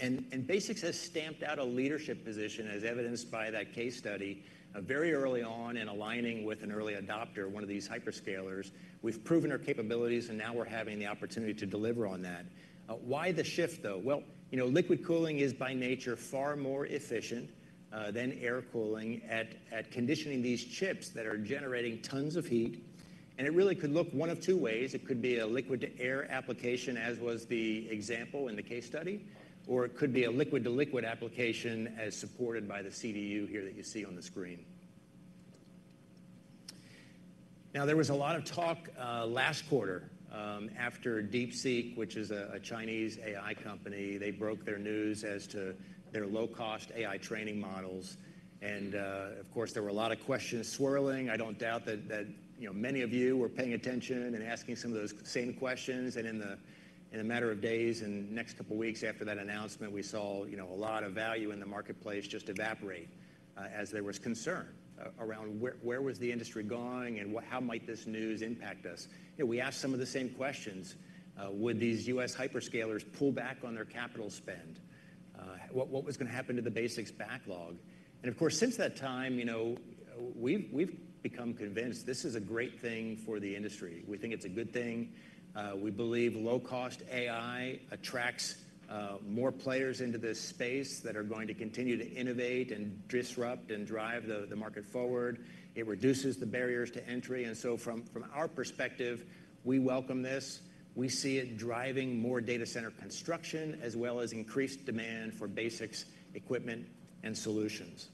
BASX has stamped out a leadership position, as evidenced by that case study, very early on in aligning with an early adopter, one of these hyperscalers. We have proven our capabilities, and now we are having the opportunity to deliver on that. Why the shift, though? Liquid cooling is by nature far more efficient than air cooling at conditioning these chips that are generating tons of heat. It really could look one of two ways. It could be a liquid-to-air application, as was the example in the case study, or it could be a liquid-to-liquid application as supported by the CDU here that you see on the screen. There was a lot of talk last quarter after DeepSeek, which is a Chinese AI company. They broke their news as to their low-cost AI training models. Of course, there were a lot of questions swirling. I do not doubt that many of you were paying attention and asking some of those same questions. In the matter of days and the next couple of weeks after that announcement, we saw a lot of value in the marketplace just evaporate as there was concern around where the industry was going and how this news might impact us. We asked some of the same questions. Would these U.S. hyperscalers pull back on their capital spend? What was going to happen to the BASX backlog? Of course, since that time, we have become convinced this is a great thing for the industry. We think it is a good thing. We believe low-cost AI attracts more players into this space that are going to continue to innovate and disrupt and drive the market forward. It reduces the barriers to entry. From our perspective, we welcome this. We see it driving more data center construction as well as increased demand for BASX equipment and solutions.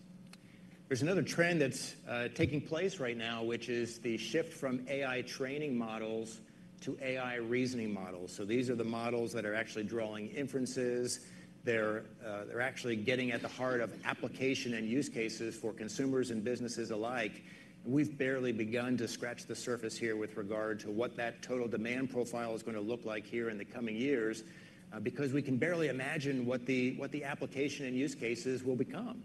There's another trend that's taking place right now, which is the shift from AI training models to AI reasoning models. These are the models that are actually drawing inferences. They're actually getting at the heart of application and use cases for consumers and businesses alike. We've barely begun to scratch the surface here with regard to what that total demand profile is going to look like in the coming years because we can barely imagine what the application and use cases will become.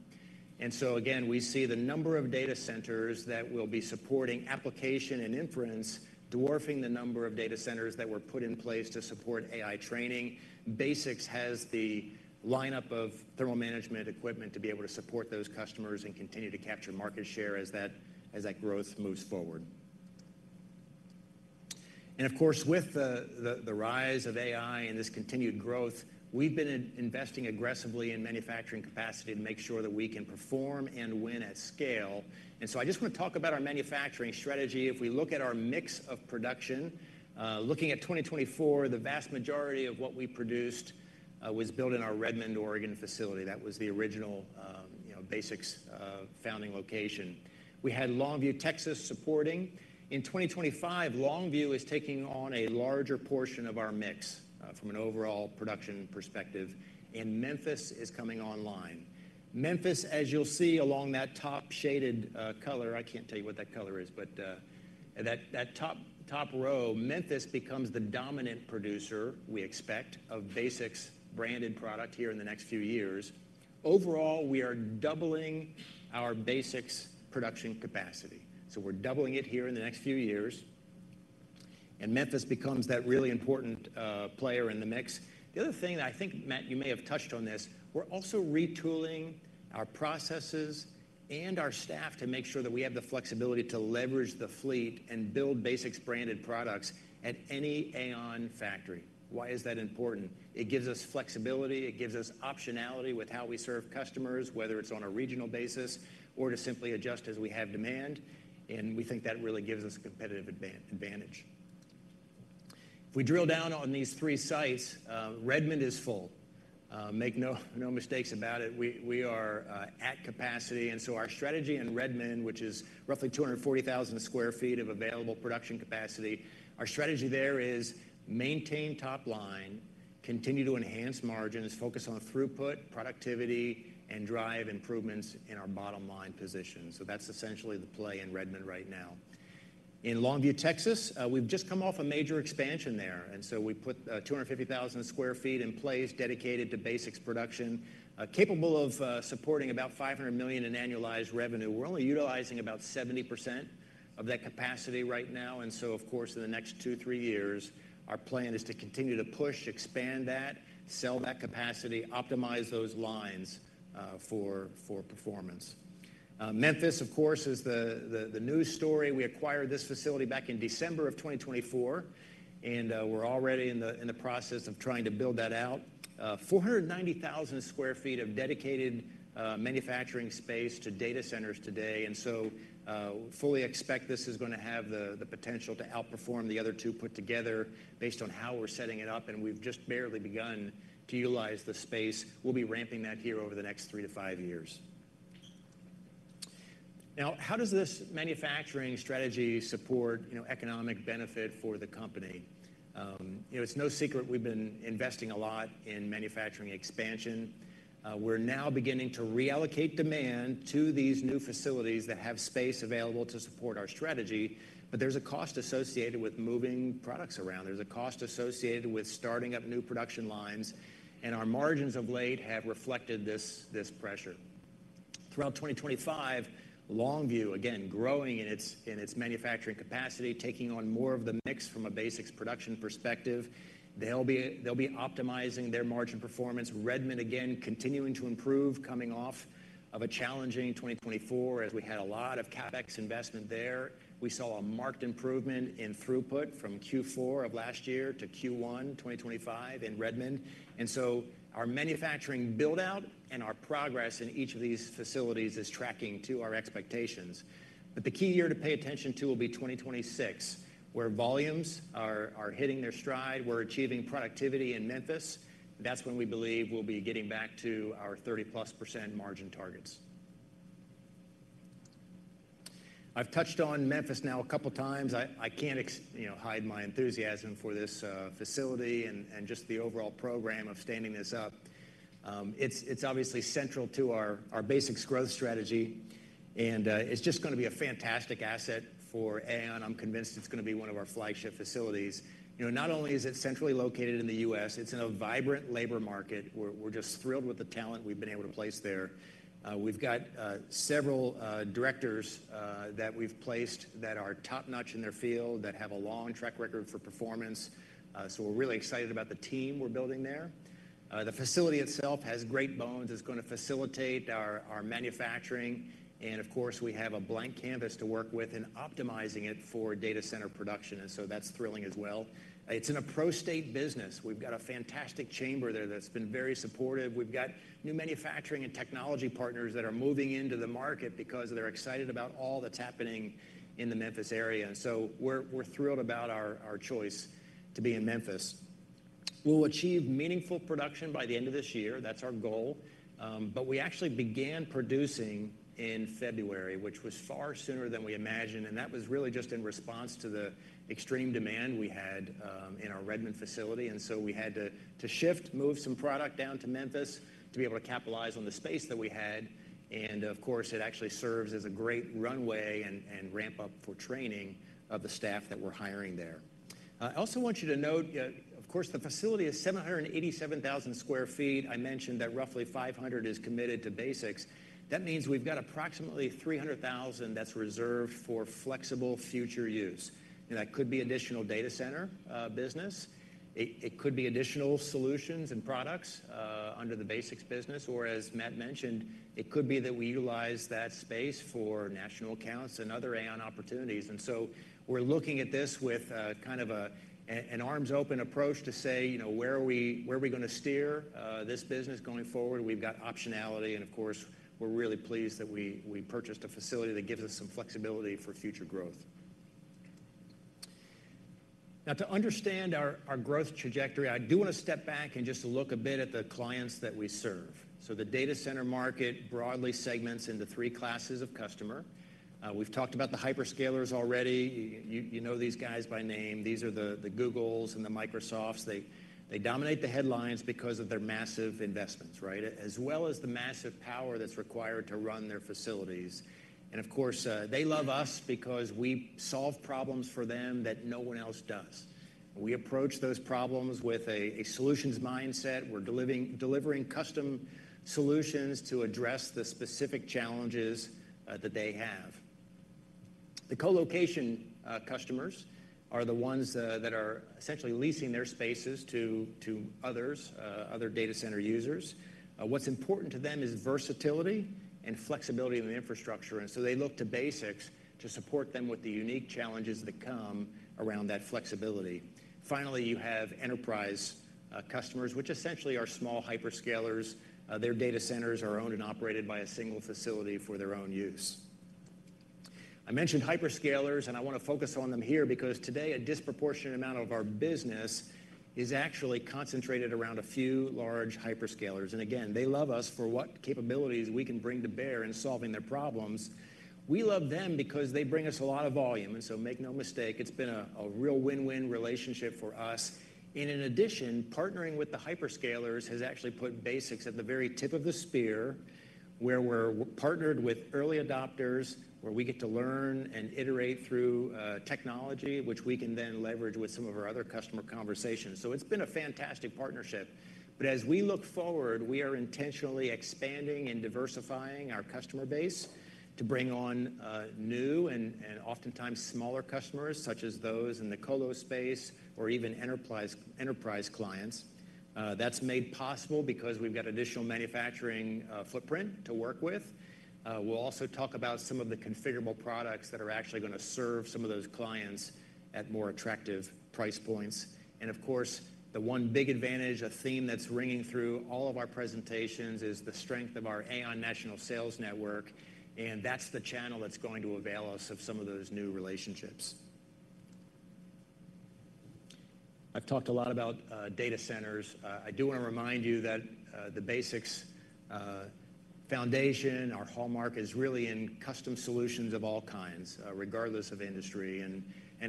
Again, we see the number of data centers that will be supporting application and inference dwarfing the number of data centers that were put in place to support AI training. BASX has the lineup of thermal management equipment to be able to support those customers and continue to capture market share as that growth moves forward. Of course, with the rise of AI and this continued growth, we have been investing aggressively in manufacturing capacity to make sure that we can perform and win at scale. I just want to talk about our manufacturing strategy. If we look at our mix of production, looking at 2024, the vast majority of what we produced was built in our Redmond, Oregon facility. That was the original BASX founding location. We had Longview, Texas supporting. In 2025, Longview is taking on a larger portion of our mix from an overall production perspective. Memphis is coming online. Memphis, as you will see along that top shaded color—I cannot tell you what that color is—but that top row, Memphis becomes the dominant producer, we expect, of BASX branded product here in the next few years. Overall, we are doubling our BASX production capacity. We're doubling it here in the next few years. Memphis becomes that really important player in the mix. The other thing that I think, Matt, you may have touched on this, we're also retooling our processes and our staff to make sure that we have the flexibility to leverage the fleet and build BASX branded products at any AAON factory. Why is that important? It gives us flexibility. It gives us optionality with how we serve customers, whether it's on a regional basis or to simply adjust as we have demand. We think that really gives us a competitive advantage. If we drill down on these three sites, Redmond is full. Make no mistakes about it. We are at capacity. Our strategy in Redmond, which is roughly 240,000 sq ft of available production capacity, our strategy there is maintain top line, continue to enhance margins, focus on throughput, productivity, and drive improvements in our bottom-line position. That is essentially the play in Redmond right now. In Longview, Texas, we have just come off a major expansion there. We put 250,000 sq ft in place dedicated to BASX production, capable of supporting about $500 million in annualized revenue. We are only utilizing about 70% of that capacity right now. Of course, in the next two, three years, our plan is to continue to push, expand that, sell that capacity, optimize those lines for performance. Memphis, of course, is the news story. We acquired this facility back in December 2024. We are already in the process of trying to build that out. 490,000 sq ft of dedicated manufacturing space to data centers today. We fully expect this is going to have the potential to outperform the other two put together based on how we're setting it up. We've just barely begun to utilize the space. We'll be ramping that here over the next three to five years. Now, how does this manufacturing strategy support economic benefit for the company? It's no secret we've been investing a lot in manufacturing expansion. We're now beginning to reallocate demand to these new facilities that have space available to support our strategy. There's a cost associated with moving products around. There's a cost associated with starting up new production lines. Our margins of late have reflected this pressure. Throughout 2025, Longview, again, growing in its manufacturing capacity, taking on more of the mix from a BASX production perspective. They'll be optimizing their margin performance. Redmond, again, continuing to improve coming off of a challenging 2024 as we had a lot of CapEx investment there. We saw a marked improvement in throughput from Q4 of last year to Q1 2025 in Redmond. Our manufacturing buildout and our progress in each of these facilities is tracking to our expectations. The key year to pay attention to will be 2026, where volumes are hitting their stride. We're achieving productivity in Memphis. That's when we believe we'll be getting back to our 30+% margin targets. I've touched on Memphis now a couple of times. I can't hide my enthusiasm for this facility and just the overall program of standing this up. It's obviously central to our BASX growth strategy. It's just going to be a fantastic asset for AAON. I'm convinced it's going to be one of our flagship facilities. Not only is it centrally located in the U.S., it's in a vibrant labor market. We're just thrilled with the talent we've been able to place there. We've got several directors that we've placed that are top-notch in their field that have a long track record for performance. We're really excited about the team we're building there. The facility itself has great bones. It's going to facilitate our manufacturing. Of course, we have a blank canvas to work with in optimizing it for data center production. That's thrilling as well. It's an approach state business. We've got a fantastic chamber there that's been very supportive. We've got new manufacturing and technology partners that are moving into the market because they're excited about all that's happening in the Memphis area. We're thrilled about our choice to be in Memphis. We'll achieve meaningful production by the end of this year. That's our goal. We actually began producing in February, which was far sooner than we imagined. That was really just in response to the extreme demand we had in our Redmond facility. We had to shift, move some product down to Memphis to be able to capitalize on the space that we had. It actually serves as a great runway and ramp-up for training of the staff that we're hiring there. I also want you to note, the facility is 787,000 sq ft. I mentioned that roughly 500,000 sq ft is committed to BASX. That means we've got approximately 300,000 sq ft that's reserved for flexible future use. That could be additional data center business. It could be additional solutions and products under the BASX business. Or as Matt mentioned, it could be that we utilize that space for national accounts and other AAON opportunities. We are looking at this with kind of an arms-open approach to say, where are we going to steer this business going forward? We have got optionality. Of course, we are really pleased that we purchased a facility that gives us some flexibility for future growth. Now, to understand our growth trajectory, I do want to step back and just look a bit at the clients that we serve. The data center market broadly segments into three classes of customer. We have talked about the hyperscalers already. You know these guys by name. These are the Googles and the Microsofts. They dominate the headlines because of their massive investments, right, as well as the massive power that's required to run their facilities. Of course, they love us because we solve problems for them that no one else does. We approach those problems with a solutions mindset. We're delivering custom solutions to address the specific challenges that they have. The colocation customers are the ones that are essentially leasing their spaces to others, other data center users. What's important to them is versatility and flexibility in the infrastructure. They look to BASX to support them with the unique challenges that come around that flexibility. Finally, you have enterprise customers, which essentially are small hyperscalers. Their data centers are owned and operated by a single facility for their own use. I mentioned hyperscalers, and I want to focus on them here because today a disproportionate amount of our business is actually concentrated around a few large hyperscalers. They love us for what capabilities we can bring to bear in solving their problems. We love them because they bring us a lot of volume. Make no mistake, it's been a real win-win relationship for us. In addition, partnering with the hyperscalers has actually put BASX at the very tip of the spear where we're partnered with early adopters where we get to learn and iterate through technology, which we can then leverage with some of our other customer conversations. It's been a fantastic partnership. As we look forward, we are intentionally expanding and diversifying our customer base to bring on new and oftentimes smaller customers such as those in the colo space or even enterprise clients. That is made possible because we have got additional manufacturing footprint to work with. We will also talk about some of the configurable products that are actually going to serve some of those clients at more attractive price points. Of course, the one big advantage, a theme that is ringing through all of our presentations, is the strength of our AAON National Sales Network. That is the channel that is going to avail us of some of those new relationships. I have talked a lot about data centers. I do want to remind you that the BASX foundation, our hallmark, is really in custom solutions of all kinds, regardless of industry.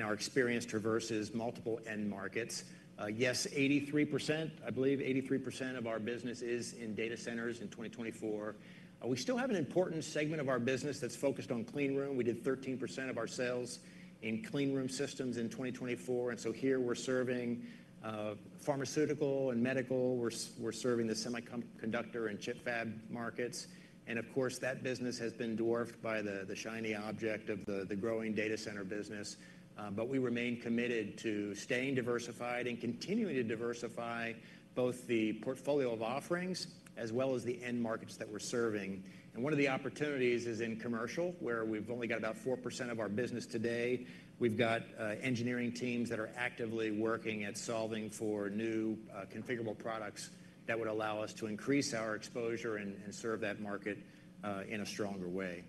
Our experience traverses multiple end markets. Yes, 83%, I believe 83% of our business is in data centers in 2024. We still have an important segment of our business that's focused on clean room. We did 13% of our sales in clean room systems in 2024. Here we're serving pharmaceutical and medical. We're serving the semiconductor and chip fab markets. Of course, that business has been dwarfed by the shiny object of the growing data center business. We remain committed to staying diversified and continuing to diversify both the portfolio of offerings as well as the end markets that we're serving. One of the opportunities is in commercial, where we've only got about 4% of our business today. We've got engineering teams that are actively working at solving for new configurable products that would allow us to increase our exposure and serve that market in a stronger way.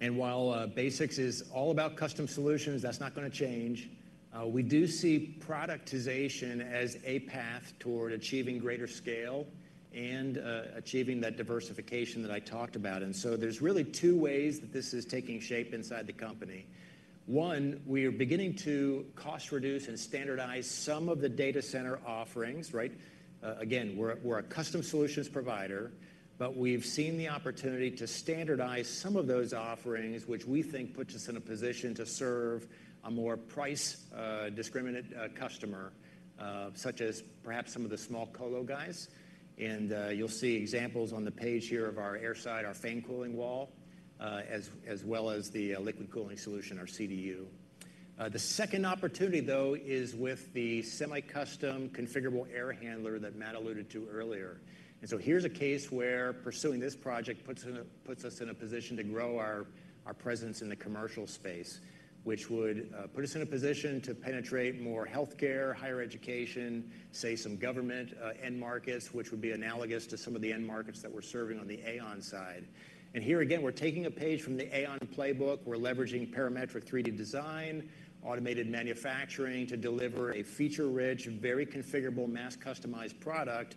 While BASX is all about custom solutions, that's not going to change. We do see productization as a path toward achieving greater scale and achieving that diversification that I talked about. There are really two ways that this is taking shape inside the company. One, we are beginning to cost reduce and standardize some of the data center offerings, right? Again, we're a custom solutions provider, but we've seen the opportunity to standardize some of those offerings, which we think puts us in a position to serve a more price-discriminate customer, such as perhaps some of the small colo guys. You'll see examples on the page here of our air side, our fan cooling wall, as well as the liquid cooling solution, our CDU. The second opportunity, though, is with the semi-custom configurable air handler that Matt alluded to earlier. Here's a case where pursuing this project puts us in a position to grow our presence in the commercial space, which would put us in a position to penetrate more healthcare, higher education, say some government end markets, which would be analogous to some of the end markets that we're serving on the AAON side. Here again, we're taking a page from the AAON playbook. We're leveraging parametric 3D design, automated manufacturing to deliver a feature-rich, very configurable, mass-customized product.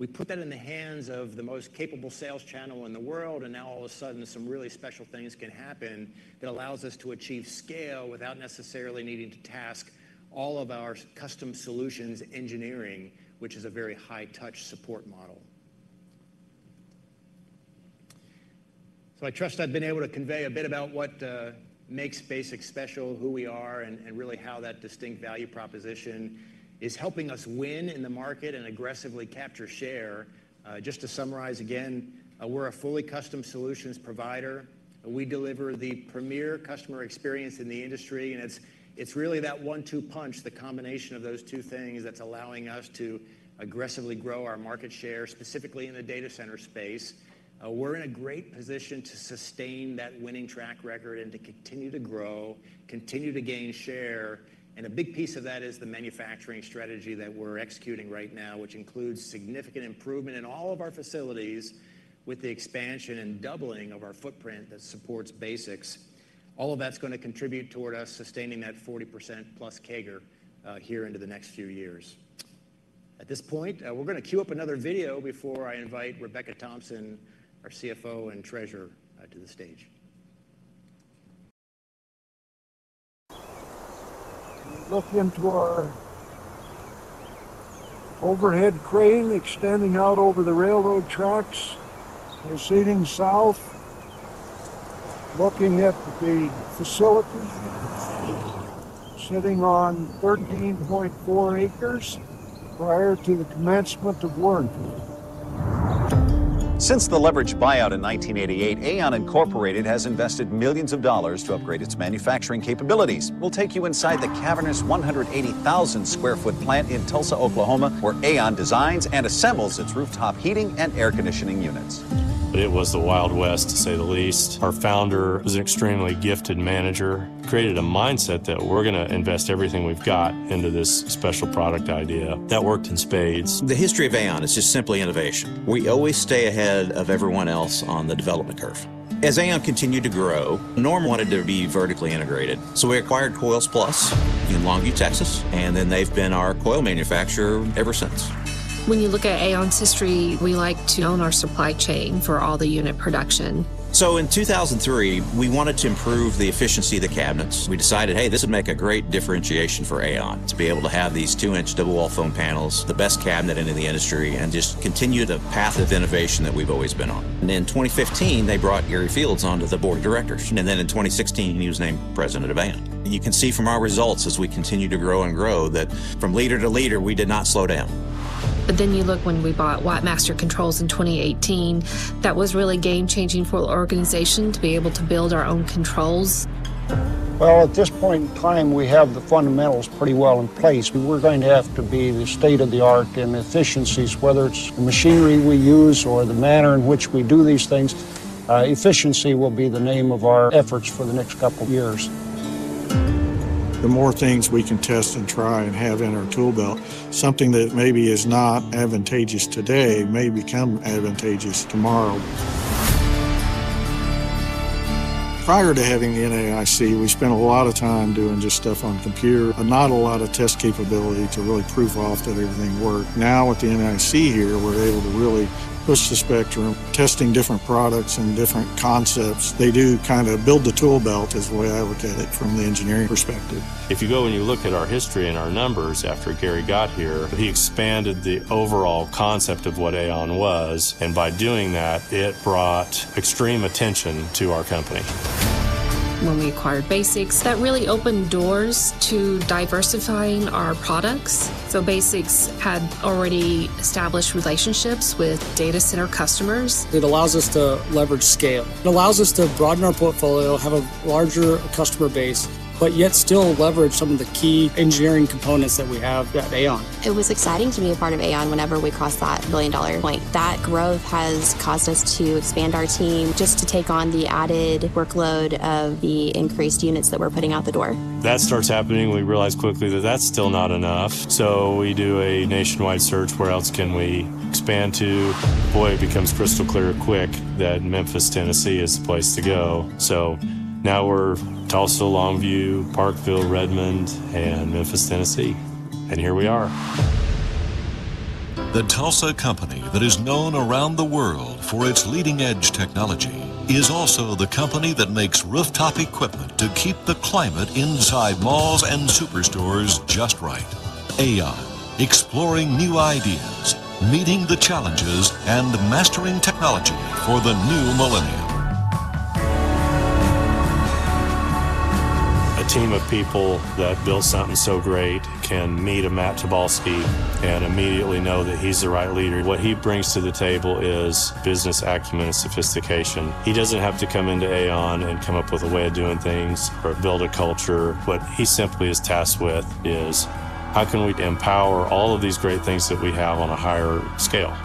We put that in the hands of the most capable sales channel in the world. Now all of a sudden, some really special things can happen that allows us to achieve scale without necessarily needing to task all of our custom solutions engineering, which is a very high-touch support model. I trust I've been able to convey a bit about what makes BASX special, who we are, and really how that distinct value proposition is helping us win in the market and aggressively capture share. Just to summarize again, we're a fully custom solutions provider. We deliver the premier customer experience in the industry. It's really that one-two punch, the combination of those two things that's allowing us to aggressively grow our market share, specifically in the data center space. We're in a great position to sustain that winning track record and to continue to grow, continue to gain share. A big piece of that is the manufacturing strategy that we're executing right now, which includes significant improvement in all of our facilities with the expansion and doubling of our footprint that supports BASX. All of that's going to contribute toward us sustaining that 40%+ CAGR here into the next few years. At this point, we're going to queue up another video before I invite Rebecca Thompson, our CFO and Treasurer, to the stage. Looking to our overhead crane extending out over the railroad tracks, proceeding south, looking at the facility sitting on 13.4 acres prior to the commencement of work. Since the leveraged buyout in 1988, AAON has invested millions of dollars to upgrade its manufacturing capabilities. We'll take you inside the cavernous 180,000 sq ft plant in Tulsa, Oklahoma, where AAON designs and assembles its rooftop heating and air conditioning units. It was the Wild West, to say the least. Our founder was an extremely gifted manager, created a mindset that we're going to invest everything we've got into this special product idea. That worked in spades. The history of AAON is just simply innovation. We always stay ahead of everyone else on the development curve. As AAON continued to grow, Norm wanted to be vertically integrated. We acquired Coils Plus in Longview, Texas. They have been our coil manufacturer ever since. When you look at AAON's history, we like to own our supply chain for all the unit production. In 2003, we wanted to improve the efficiency of the cabinets. We decided, hey, this would make a great differentiation for AAON to be able to have these two-inch double-wall foam panels, the best cabinet in the industry, and just continue the path of innovation that we've always been on. In 2015, they brought Gary Fields onto the board of directors. In 2016, he was named President of AAON. You can see from our results as we continue to grow and grow that from leader to leader, we did not slow down. You look when we bought Wattmaster Controls in 2018, that was really game-changing for the organization to be able to build our own controls. At this point in time, we have the fundamentals pretty well in place. We are going to have to be the state of the art in efficiencies, whether it is the machinery we use or the manner in which we do these things. Efficiency will be the name of our efforts for the next couple of years. The more things we can test and try and have in our tool belt, something that maybe is not advantageous today may become advantageous tomorrow. Prior to having the NAIC, we spent a lot of time doing just stuff on computer, not a lot of test capability to really prove off that everything worked. Now with the NAIC here, we're able to really push the spectrum, testing different products and different concepts. They do kind of build the tool belt is the way I look at it from the engineering perspective. If you go and you look at our history and our numbers after Gary got here, he expanded the overall concept of what AAON was. By doing that, it brought extreme attention to our company. When we acquired BASX, that really opened doors to diversifying our products. BASX had already established relationships with data center customers. It allows us to leverage scale. It allows us to broaden our portfolio, have a larger customer base, but yet still leverage some of the key engineering components that we have at AAON. It was exciting to be a part of AAON whenever we crossed that million-dollar point. That growth has caused us to expand our team just to take on the added workload of the increased units that we're putting out the door. That starts happening. We realize quickly that that's still not enough. We do a nationwide search. Where else can we expand to? Boy, it becomes crystal clear quick that Memphis, Tennessee is the place to go. Now we're Tulsa, Longview, Parkville, Redmond, and Memphis, Tennessee. Here we are. The Tulsa company that is known around the world for its leading-edge technology is also the company that makes rooftop equipment to keep the climate inside malls and superstores just right. AAON, exploring new ideas, meeting the challenges, and mastering technology for the new millennium. A team of people that builds something so great can meet a Matt Tobolski and immediately know that he's the right leader. What he brings to the table is business acumen and sophistication. He doesn't have to come into AAON and come up with a way of doing things or build a culture. What he simply is tasked with is how can we empower all of these great things that we have on a higher scale.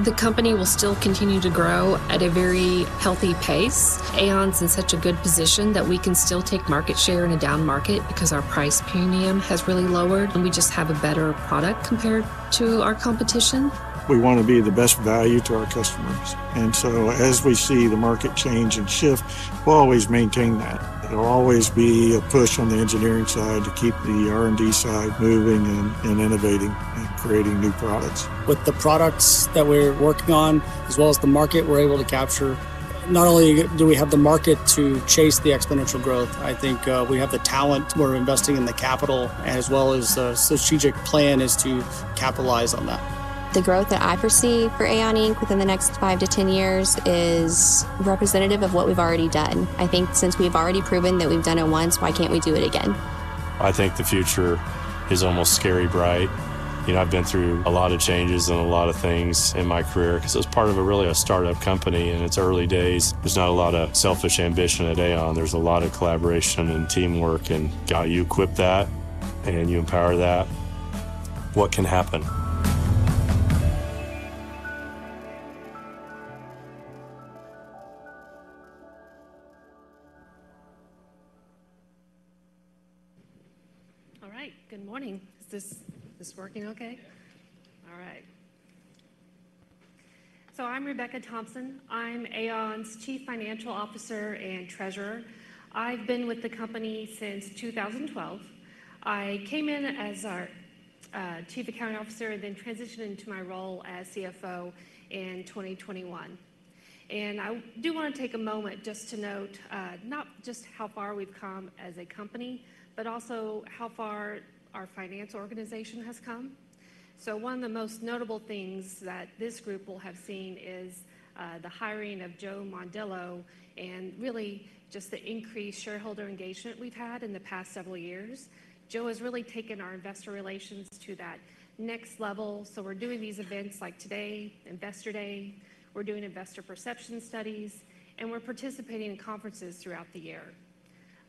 The company will still continue to grow at a very healthy pace. AAON's in such a good position that we can still take market share in a down market because our price premium has really lowered and we just have a better product compared to our competition. We want to be the best value to our customers. As we see the market change and shift, we'll always maintain that. There will always be a push on the engineering side to keep the R&D side moving and innovating and creating new products. With the products that we're working on, as well as the market we're able to capture, not only do we have the market to chase the exponential growth, I think we have the talent, we're investing in the capital, and as well as the strategic plan is to capitalize on that. The growth that I foresee for AAON within the next five to ten years is representative of what we've already done. I think since we've already proven that we've done it once, why can't we do it again? I think the future is almost scary bright. You know, I've been through a lot of changes and a lot of things in my career because it was part of a really a startup company in its early days. There's not a lot of selfish ambition at AAON. There's a lot of collaboration and teamwork. God, you equip that and you empower that. What can happen? All right, good morning. Is this working okay? All right. I am Rebecca Thompson. I am AAON's Chief Financial Officer and Treasurer. I have been with the company since 2012. I came in as our Chief Accounting Officer and then transitioned into my role as CFO in 2021. I do want to take a moment just to note not just how far we have come as a company, but also how far our finance organization has come. One of the most notable things that this group will have seen is the hiring of Joe Mondillo and really just the increased shareholder engagement we've had in the past several years. Joe has really taken our investor relations to that next level. We're doing these events like today, Investor Day. We're doing investor perception studies, and we're participating in conferences throughout the year.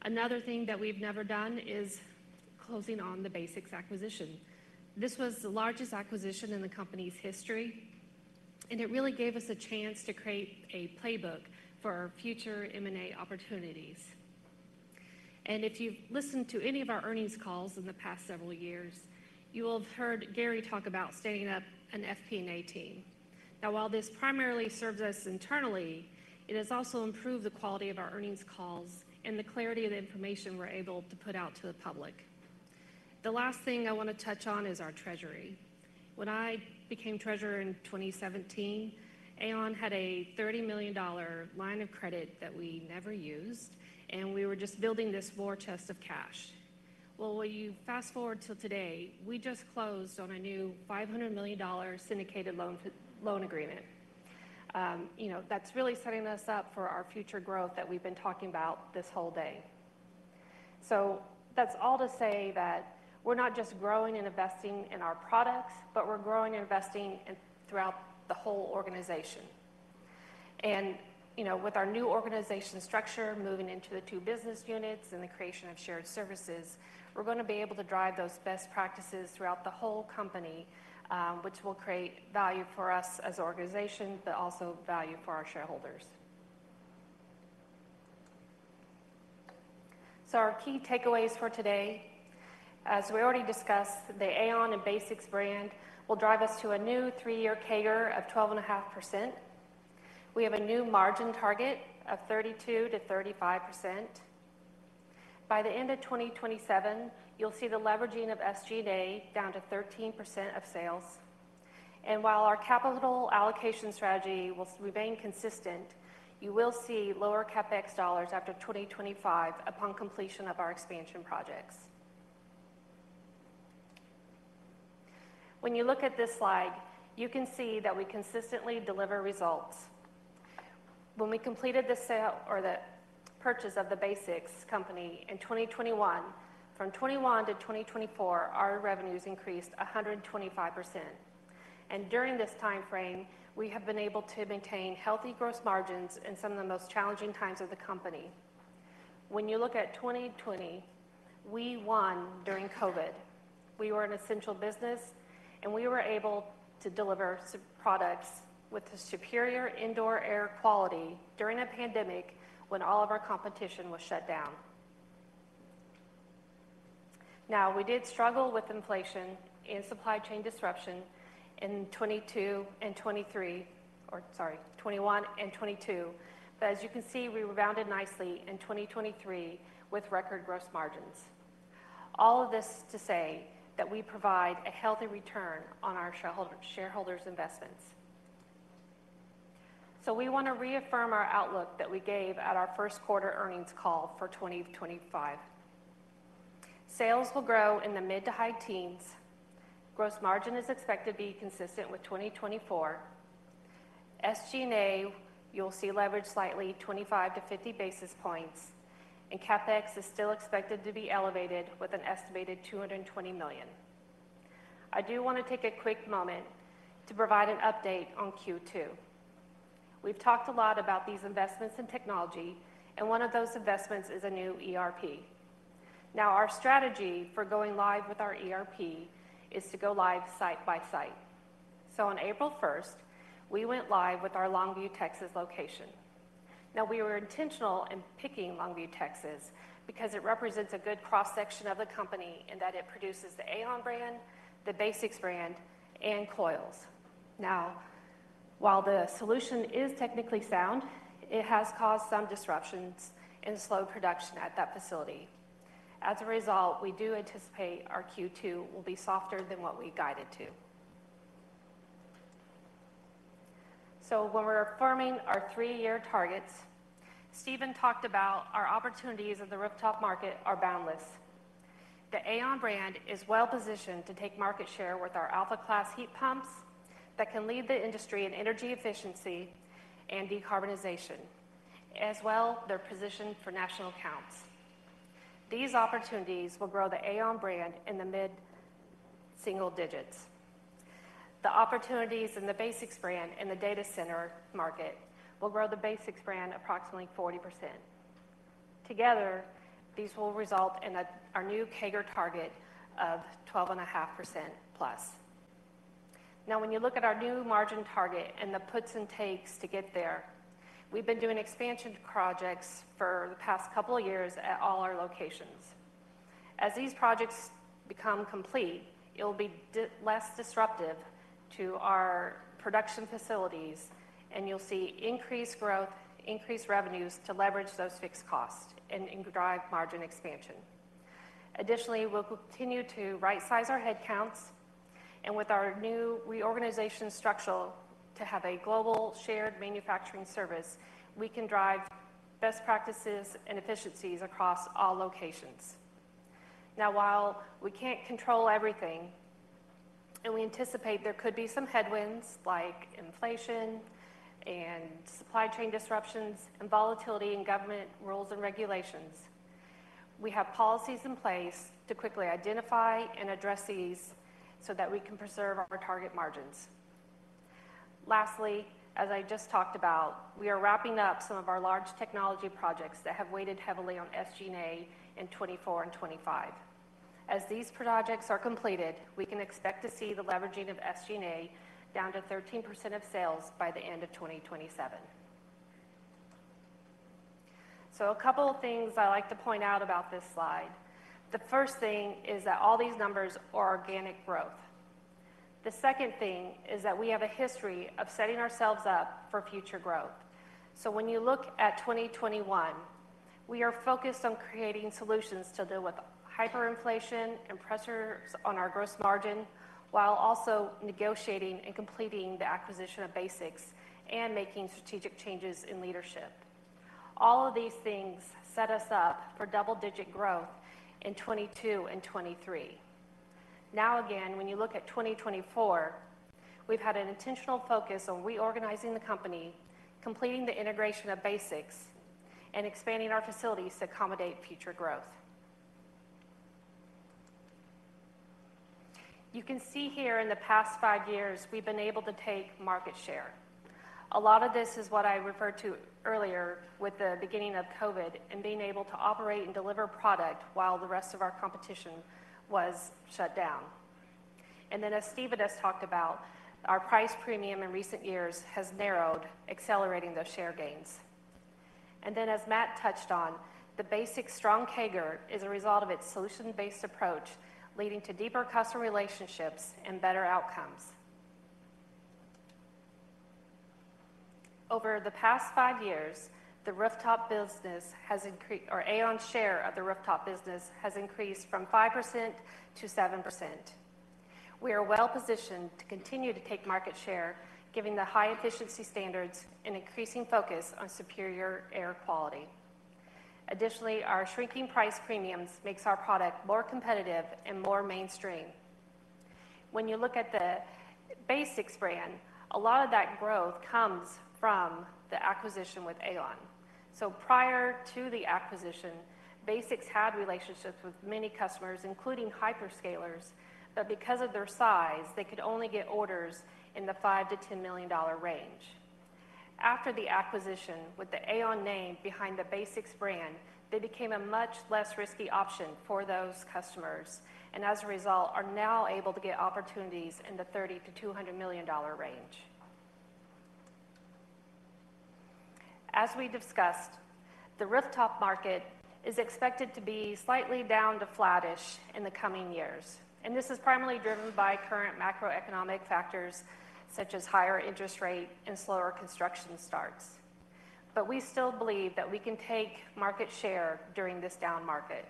Another thing that we've never done is closing on the BASX acquisition. This was the largest acquisition in the company's history, and it really gave us a chance to create a playbook for our future M&A opportunities. If you've listened to any of our earnings calls in the past several years, you will have heard Gary talk about standing up an FP&A team. Now, while this primarily serves us internally, it has also improved the quality of our earnings calls and the clarity of the information we're able to put out to the public. The last thing I want to touch on is our treasury. When I became Treasurer in 2017, AAON had a $30 million line of credit that we never used, and we were just building this war chest of cash. You know, when you fast forward to today, we just closed on a new $500 million syndicated loan agreement. You know, that's really setting us up for our future growth that we've been talking about this whole day. That's all to say that we're not just growing and investing in our products, but we're growing and investing throughout the whole organization. You know, with our new organization structure, moving into the two business units and the creation of shared services, we're going to be able to drive those best practices throughout the whole company, which will create value for us as an organization, but also value for our shareholders. Our key takeaways for today, as we already discussed, the AAON and BASX brand will drive us to a new three-year CAGR of 12.5%. We have a new margin target of 32% to 35%. By the end of 2027, you'll see the leveraging of SG&A down to 13% of sales. While our capital allocation strategy will remain consistent, you will see lower CapEx dollars after 2025 upon completion of our expansion projects. When you look at this slide, you can see that we consistently deliver results. When we completed the sale or the purchase of the BASX company in 2021, from 2021 to 2024, our revenues increased 125%. During this timeframe, we have been able to maintain healthy gross margins in some of the most challenging times of the company. When you look at 2020, we won during COVID. We were an essential business, and we were able to deliver products with superior indoor air quality during a pandemic when all of our competition was shut down. We did struggle with inflation and supply chain disruption in 2021 and 2022. As you can see, we rebounded nicely in 2023 with record gross margins. All of this to say that we provide a healthy return on our shareholders' investments. We want to reaffirm our outlook that we gave at our first quarter earnings call for 2025. Sales will grow in the mid to high teens. Gross margin is expected to be consistent with 2024. SG&A, you'll see leveraged slightly, 25 to 50 basis points, and CapEx is still expected to be elevated with an estimated $220 million. I do want to take a quick moment to provide an update on Q2. We've talked a lot about these investments in technology, and one of those investments is a new ERP. Now, our strategy for going live with our ERP is to go live site by site. On April 1, we went live with our Longview, Texas location. We were intentional in picking Longview, Texas because it represents a good cross-section of the company in that it produces the AAON brand, the BASX brand, and coils. While the solution is technically sound, it has caused some disruptions and slowed production at that facility. As a result, we do anticipate our Q2 will be softer than what we guided to. When we're affirming our three-year targets, Stephen talked about our opportunities at the rooftop market are boundless. The AAON brand is well positioned to take market share with our Alpha Class heat pumps that can lead the industry in energy efficiency and decarbonization, as well as their position for national accounts. These opportunities will grow the AAON brand in the mid single digits. The opportunities in the BASX brand in the data center market will grow the BASX brand approximately 40%. Together, these will result in our new CAGR target of 12.5% plus. Now, when you look at our new margin target and the puts and takes to get there, we've been doing expansion projects for the past couple of years at all our locations. As these projects become complete, it'll be less disruptive to our production facilities, and you'll see increased growth, increased revenues to leverage those fixed costs and drive margin expansion. Additionally, we'll continue to right-size our head counts. With our new reorganization structure to have a global shared manufacturing service, we can drive best practices and efficiencies across all locations. Now, while we can't control everything, and we anticipate there could be some headwinds like inflation and supply chain disruptions and volatility in government rules and regulations, we have policies in place to quickly identify and address these so that we can preserve our target margins. Lastly, as I just talked about, we are wrapping up some of our large technology projects that have weighted heavily on SG&A in 2024 and 2025. As these projects are completed, we can expect to see the leveraging of SG&A down to 13% of sales by the end of 2027. A couple of things I like to point out about this slide. The first thing is that all these numbers are organic growth. The second thing is that we have a history of setting ourselves up for future growth. When you look at 2021, we are focused on creating solutions to deal with hyperinflation and pressures on our gross margin while also negotiating and completing the acquisition of BASX and making strategic changes in leadership. All of these things set us up for double-digit growth in 2022 and 2023. Now, again, when you look at 2024, we've had an intentional focus on reorganizing the company, completing the integration of BASX, and expanding our facilities to accommodate future growth. You can see here in the past five years, we've been able to take market share. A lot of this is what I referred to earlier with the beginning of COVID and being able to operate and deliver product while the rest of our competition was shut down. As Stephen has talked about, our price premium in recent years has narrowed, accelerating those share gains. As Matt touched on, the BASX' strong CAGR is a result of its solution-based approach, leading to deeper customer relationships and better outcomes. Over the past five years, the rooftop business has increased, or AAON's share of the rooftop business has increased from 5% to 7%. We are well positioned to continue to take market share, given the high efficiency standards and increasing focus on superior air quality. Additionally, our shrinking price premiums make our product more competitive and more mainstream. When you look at the BASX brand, a lot of that growth comes from the acquisition with AAON. So prior to the acquisition, BASX had relationships with many customers, including hyperscalers, but because of their size, they could only get orders in the $5 million to $10 million range. After the acquisition with the AAON name behind the BASX brand, they became a much less risky option for those customers. And as a result, are now able to get opportunities in the $30 million to $200 million range. As we discussed, the rooftop market is expected to be slightly down to flattish in the coming years. And this is primarily driven by current macroeconomic factors such as higher interest rates and slower construction starts. But we still believe that we can take market share during this down market.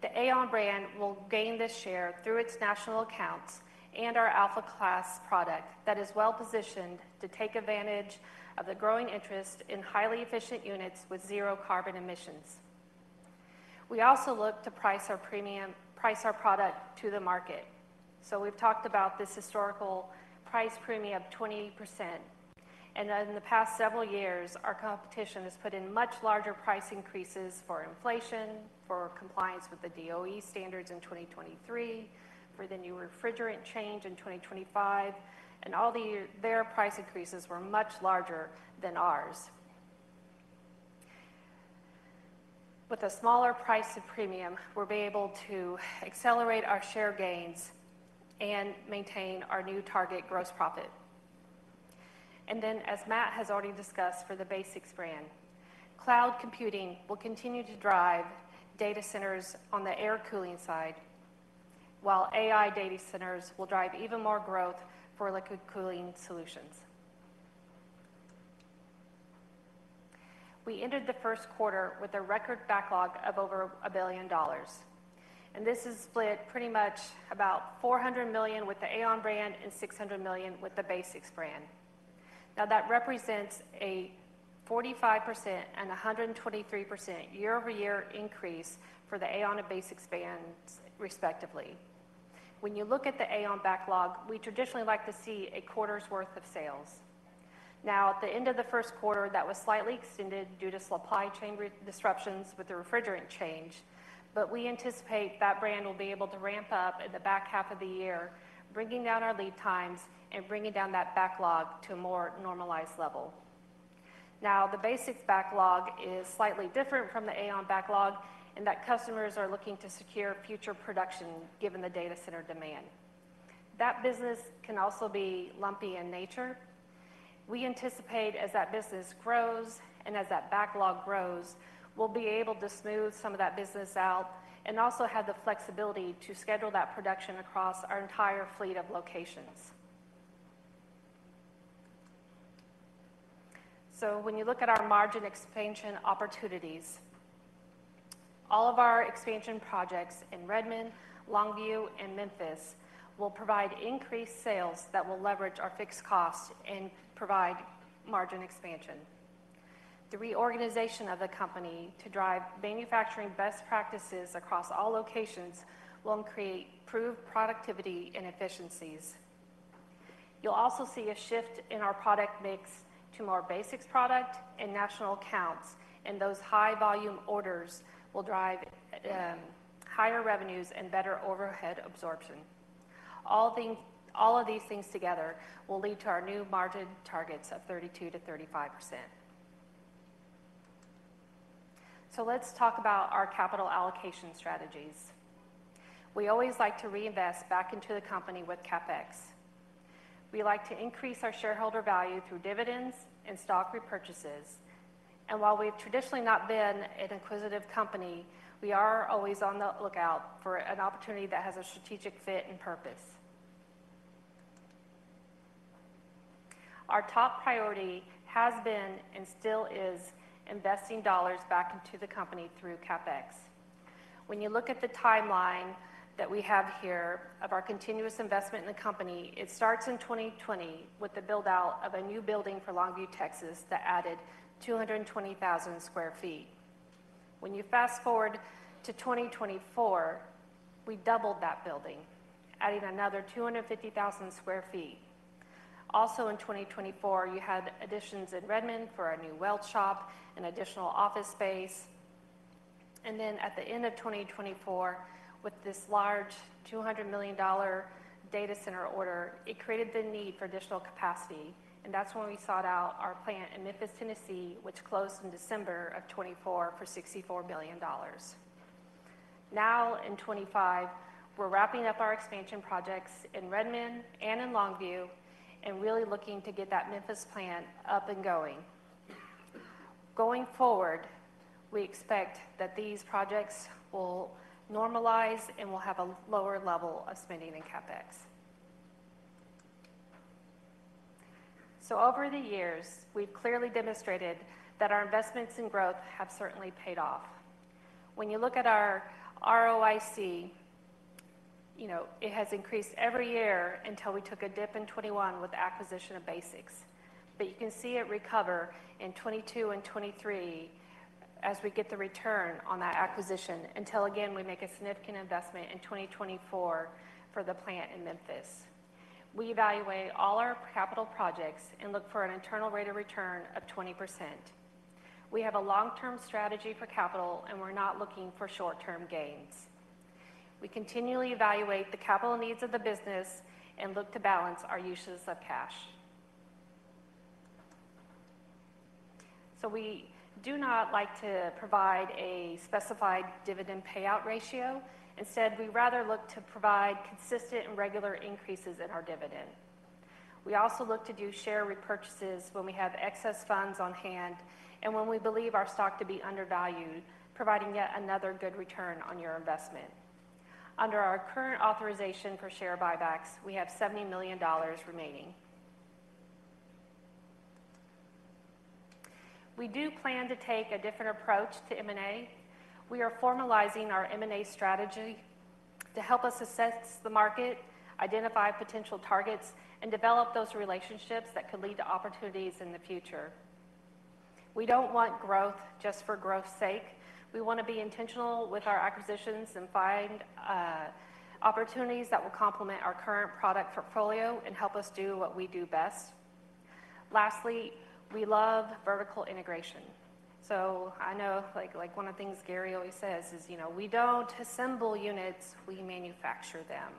The AAON brand will gain this share through its national accounts and our alpha-class product that is well positioned to take advantage of the growing interest in highly efficient units with zero carbon emissions. We also look to price our product to the market. We have talked about this historical price premium of 20%. In the past several years, our competition has put in much larger price increases for inflation, for compliance with the DOE standards in 2023, for the new refrigerant change in 2025. All their price increases were much larger than ours. With a smaller price premium, we will be able to accelerate our share gains and maintain our new target gross profit. As Matt has already discussed for the BASX brand, cloud computing will continue to drive data centers on the air cooling side, while AI data centers will drive even more growth for liquid cooling solutions. We entered the first quarter with a record backlog of over $1 billion. This is split pretty much about $400 million with the AAON brand and $600 million with the BASX brand. That represents a 45% and 123% year-over-year increase for the AAON and BASX brands respectively. When you look at the AAON backlog, we traditionally like to see a quarter's worth of sales. At the end of the first quarter, that was slightly extended due to supply chain disruptions with the refrigerant change. We anticipate that brand will be able to ramp up in the back half of the year, bringing down our lead times and bringing down that backlog to a more normalized level. Now, the BASX backlog is slightly different from the AAON backlog in that customers are looking to secure future production given the data center demand. That business can also be lumpy in nature. We anticipate as that business grows and as that backlog grows, we'll be able to smooth some of that business out and also have the flexibility to schedule that production across our entire fleet of locations. When you look at our margin expansion opportunities, all of our expansion projects in Redmond, Longview, and Memphis will provide increased sales that will leverage our fixed costs and provide margin expansion. The reorganization of the company to drive manufacturing best practices across all locations will improve productivity and efficiencies. You'll also see a shift in our product mix to more BASX product and national accounts, and those high-volume orders will drive higher revenues and better overhead absorption. All of these things together will lead to our new margin targets of 32% to 35%. Let's talk about our capital allocation strategies. We always like to reinvest back into the company with CapEx. We like to increase our shareholder value through dividends and stock repurchases. While we've traditionally not been an acquisitive company, we are always on the lookout for an opportunity that has a strategic fit and purpose. Our top priority has been and still is investing dollars back into the company through CapEx. When you look at the timeline that we have here of our continuous investment in the company, it starts in 2020 with the build-out of a new building for Longview, Texas, that added 220,000 sq ft. When you fast forward to 2024, we doubled that building, adding another 250,000 sq ft. Also in 2024, you had additions in Redmond for a new weld shop and additional office space. At the end of 2024, with this large $200 million data center order, it created the need for additional capacity. That is when we sought out our plant in Memphis, Tennessee, which closed in December of 2024 for $64 million. Now in 2025, we are wrapping up our expansion projects in Redmond and in Longview and really looking to get that Memphis plant up and going. Going forward, we expect that these projects will normalize and we'll have a lower level of spending in CapEx. Over the years, we've clearly demonstrated that our investments in growth have certainly paid off. When you look at our ROIC, it has increased every year until we took a dip in 2021 with the acquisition of BASX. You can see it recover in 2022 and 2023 as we get the return on that acquisition until again we make a significant investment in 2024 for the plant in Memphis. We evaluate all our capital projects and look for an internal rate of return of 20%. We have a long-term strategy for capital, and we're not looking for short-term gains. We continually evaluate the capital needs of the business and look to balance our uses of cash. We do not like to provide a specified dividend payout ratio. Instead, we rather look to provide consistent and regular increases in our dividend. We also look to do share repurchases when we have excess funds on hand and when we believe our stock to be undervalued, providing yet another good return on your investment. Under our current authorization for share buybacks, we have $70 million remaining. We do plan to take a different approach to M&A. We are formalizing our M&A strategy to help us assess the market, identify potential targets, and develop those relationships that could lead to opportunities in the future. We do not want growth just for growth's sake. We want to be intentional with our acquisitions and find opportunities that will complement our current product portfolio and help us do what we do best. Lastly, we love vertical integration. I know one of the things Gary always says is, "We do not assemble units, we manufacture them."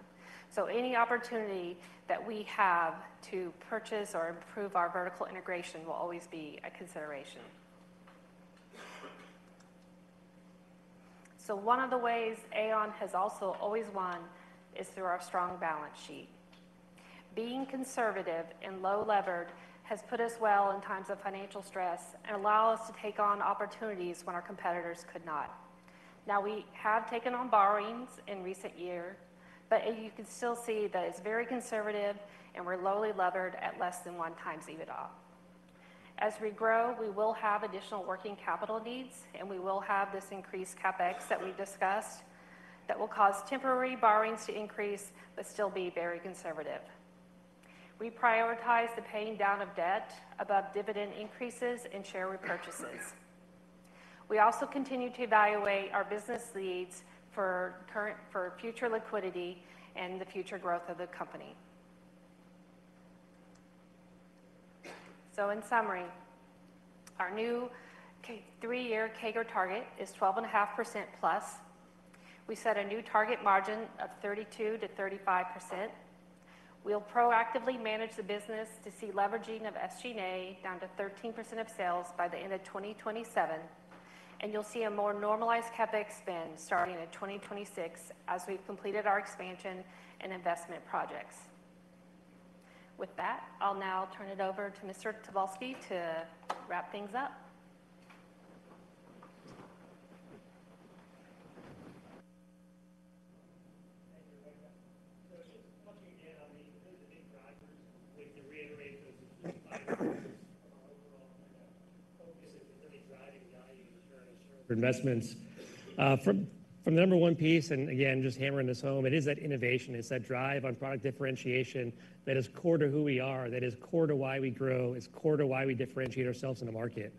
Any opportunity that we have to purchase or improve our vertical integration will always be a consideration. One of the ways AAON has also always won is through our strong balance sheet. Being conservative and low-levered has put us well in times of financial stress and allowed us to take on opportunities when our competitors could not. Now, we have taken on borrowings in recent years, but you can still see that it is very conservative and we are lowly levered at less than one times EBITDA. As we grow, we will have additional working capital needs, and we will have this increased CapEx that we discussed that will cause temporary borrowings to increase, but still be very conservative. We prioritize the paying down of debt above dividend increases and share repurchases. We also continue to evaluate our business needs for future liquidity and the future growth of the company. In summary, our new three-year CAGR target is 12.5% plus. We set a new target margin of 32 to 35%. We will proactively manage the business to see leveraging of SG&A down to 13% of sales by the end of 2027. You will see a more normalized CapEx spend starting in 2026 as we have completed our expansion and investment projects. With that, I will now turn it over to Mr. Tobolski to wrap things up. Just touching in on the incentive drivers. We have to reiterate those incentive drivers of our overall kind of focus and incentive driving value in return of shareholder investments. From the number one piece, and again, just hammering this home, it is that innovation. It's that drive on product differentiation that is core to who we are, that is core to why we grow, is core to why we differentiate ourselves in the market.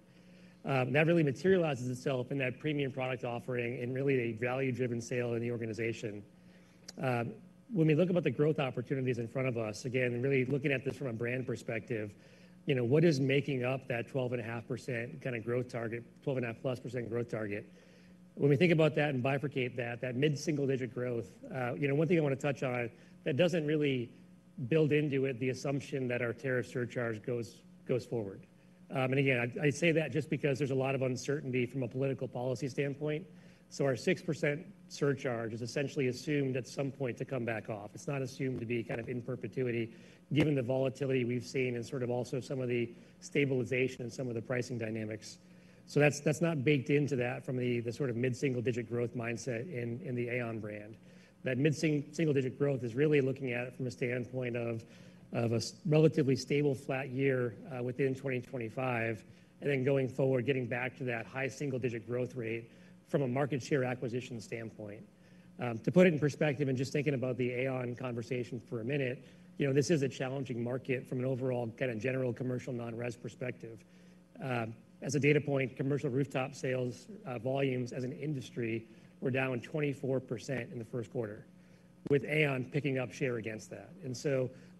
That really materializes itself in that premium product offering and really a value-driven sale in the organization. When we look at the growth opportunities in front of us, again, really looking at this from a brand perspective, what is making up that 12.5% kind of growth target, 12.5+% growth target? When we think about that and bifurcate that, that mid-single-digit growth, one thing I want to touch on that does not really build into it the assumption that our tariff surcharge goes forward. Again, I say that just because there is a lot of uncertainty from a political policy standpoint. Our 6% surcharge is essentially assumed at some point to come back off. It is not assumed to be kind of in perpetuity given the volatility we have seen and sort of also some of the stabilization and some of the pricing dynamics. That is not baked into that from the sort of mid-single-digit growth mindset in the AAON brand. That mid-single-digit growth is really looking at it from a standpoint of a relatively stable flat year within 2025 and then going forward, getting back to that high single-digit growth rate from a market share acquisition standpoint. To put it in perspective and just thinking about the AAON conversation for a minute, this is a challenging market from an overall kind of general commercial non-res perspective. As a data point, commercial rooftop sales volumes as an industry were down 24% in the first quarter, with AAON picking up share against that.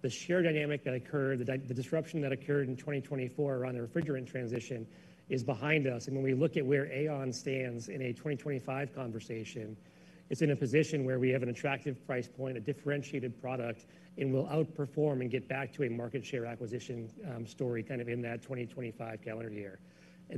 The share dynamic that occurred, the disruption that occurred in 2024 around the refrigerant transition is behind us. When we look at where AAON stands in a 2025 conversation, it is in a position where we have an attractive price point, a differentiated product, and will outperform and get back to a market share acquisition story kind of in that 2025 calendar year.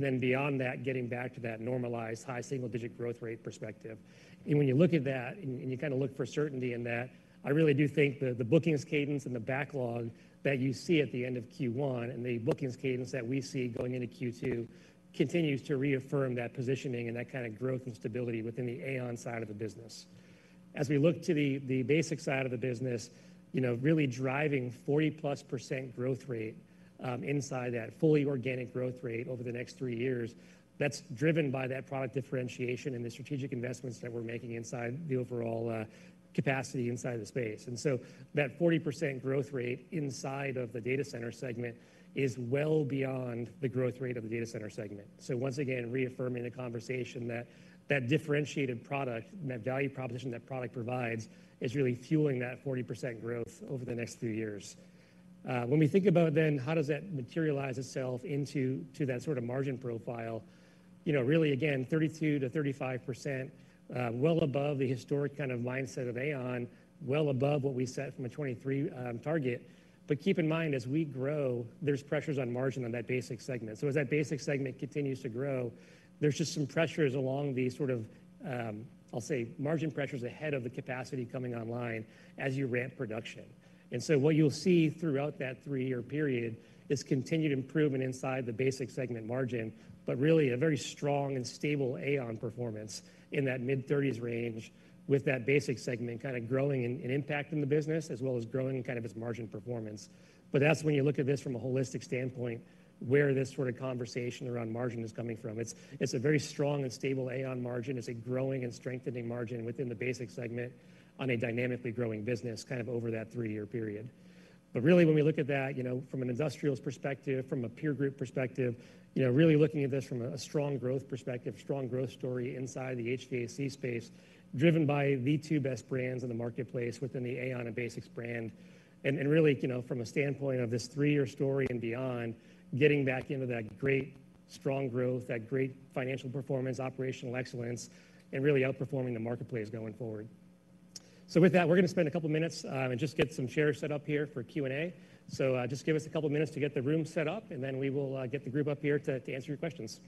Beyond that, getting back to that normalized high single-digit growth rate perspective. When you look at that and you kind of look for certainty in that, I really do think the bookings cadence and the backlog that you see at the end of Q1 and the bookings cadence that we see going into Q2 continues to reaffirm that positioning and that kind of growth and stability within the AAON side of the business. As we look to the BASX side of the business, really driving 40% plus growth rate inside that fully organic growth rate over the next three years, that's driven by that product differentiation and the strategic investments that we're making inside the overall capacity inside the space. That 40% growth rate inside of the data center segment is well beyond the growth rate of the data center segment. Once again, reaffirming the conversation that that differentiated product and that value proposition that product provides is really fueling that 40% growth over the next three years. When we think about then, how does that materialize itself into that sort of margin profile? Really, again, 32% to 35%, well above the historic kind of mindset of AAON, well above what we set from a 2023 target. Keep in mind, as we grow, there's pressures on margin on that BASX segment. As that BASX segment continues to grow, there's just some pressures along the sort of, I'll say, margin pressures ahead of the capacity coming online as you ramp production. What you'll see throughout that three-year period is continued improvement inside the BASX segment margin, but really a very strong and stable AAON performance in that mid-30% range with that BASX segment kind of growing and impacting the business as well as growing kind of its margin performance. When you look at this from a holistic standpoint where this sort of conversation around margin is coming from, it's a very strong and stable AAON margin. It's a growing and strengthening margin within the BASX segment on a dynamically growing business kind of over that three-year period. Really, when we look at that from an industrial perspective, from a peer group perspective, really looking at this from a strong growth perspective, strong growth story inside the HVAC space, driven by the two best brands in the marketplace within the AAON and BASX brand. Really, from a standpoint of this three-year story and beyond, getting back into that great strong growth, that great financial performance, operational excellence, and really outperforming the marketplace going forward. With that, we're going to spend a couple of minutes and just get some chairs set up here for Q&A. Just give us a couple of minutes to get the room set up, and then we will get the group up here to answer your questions.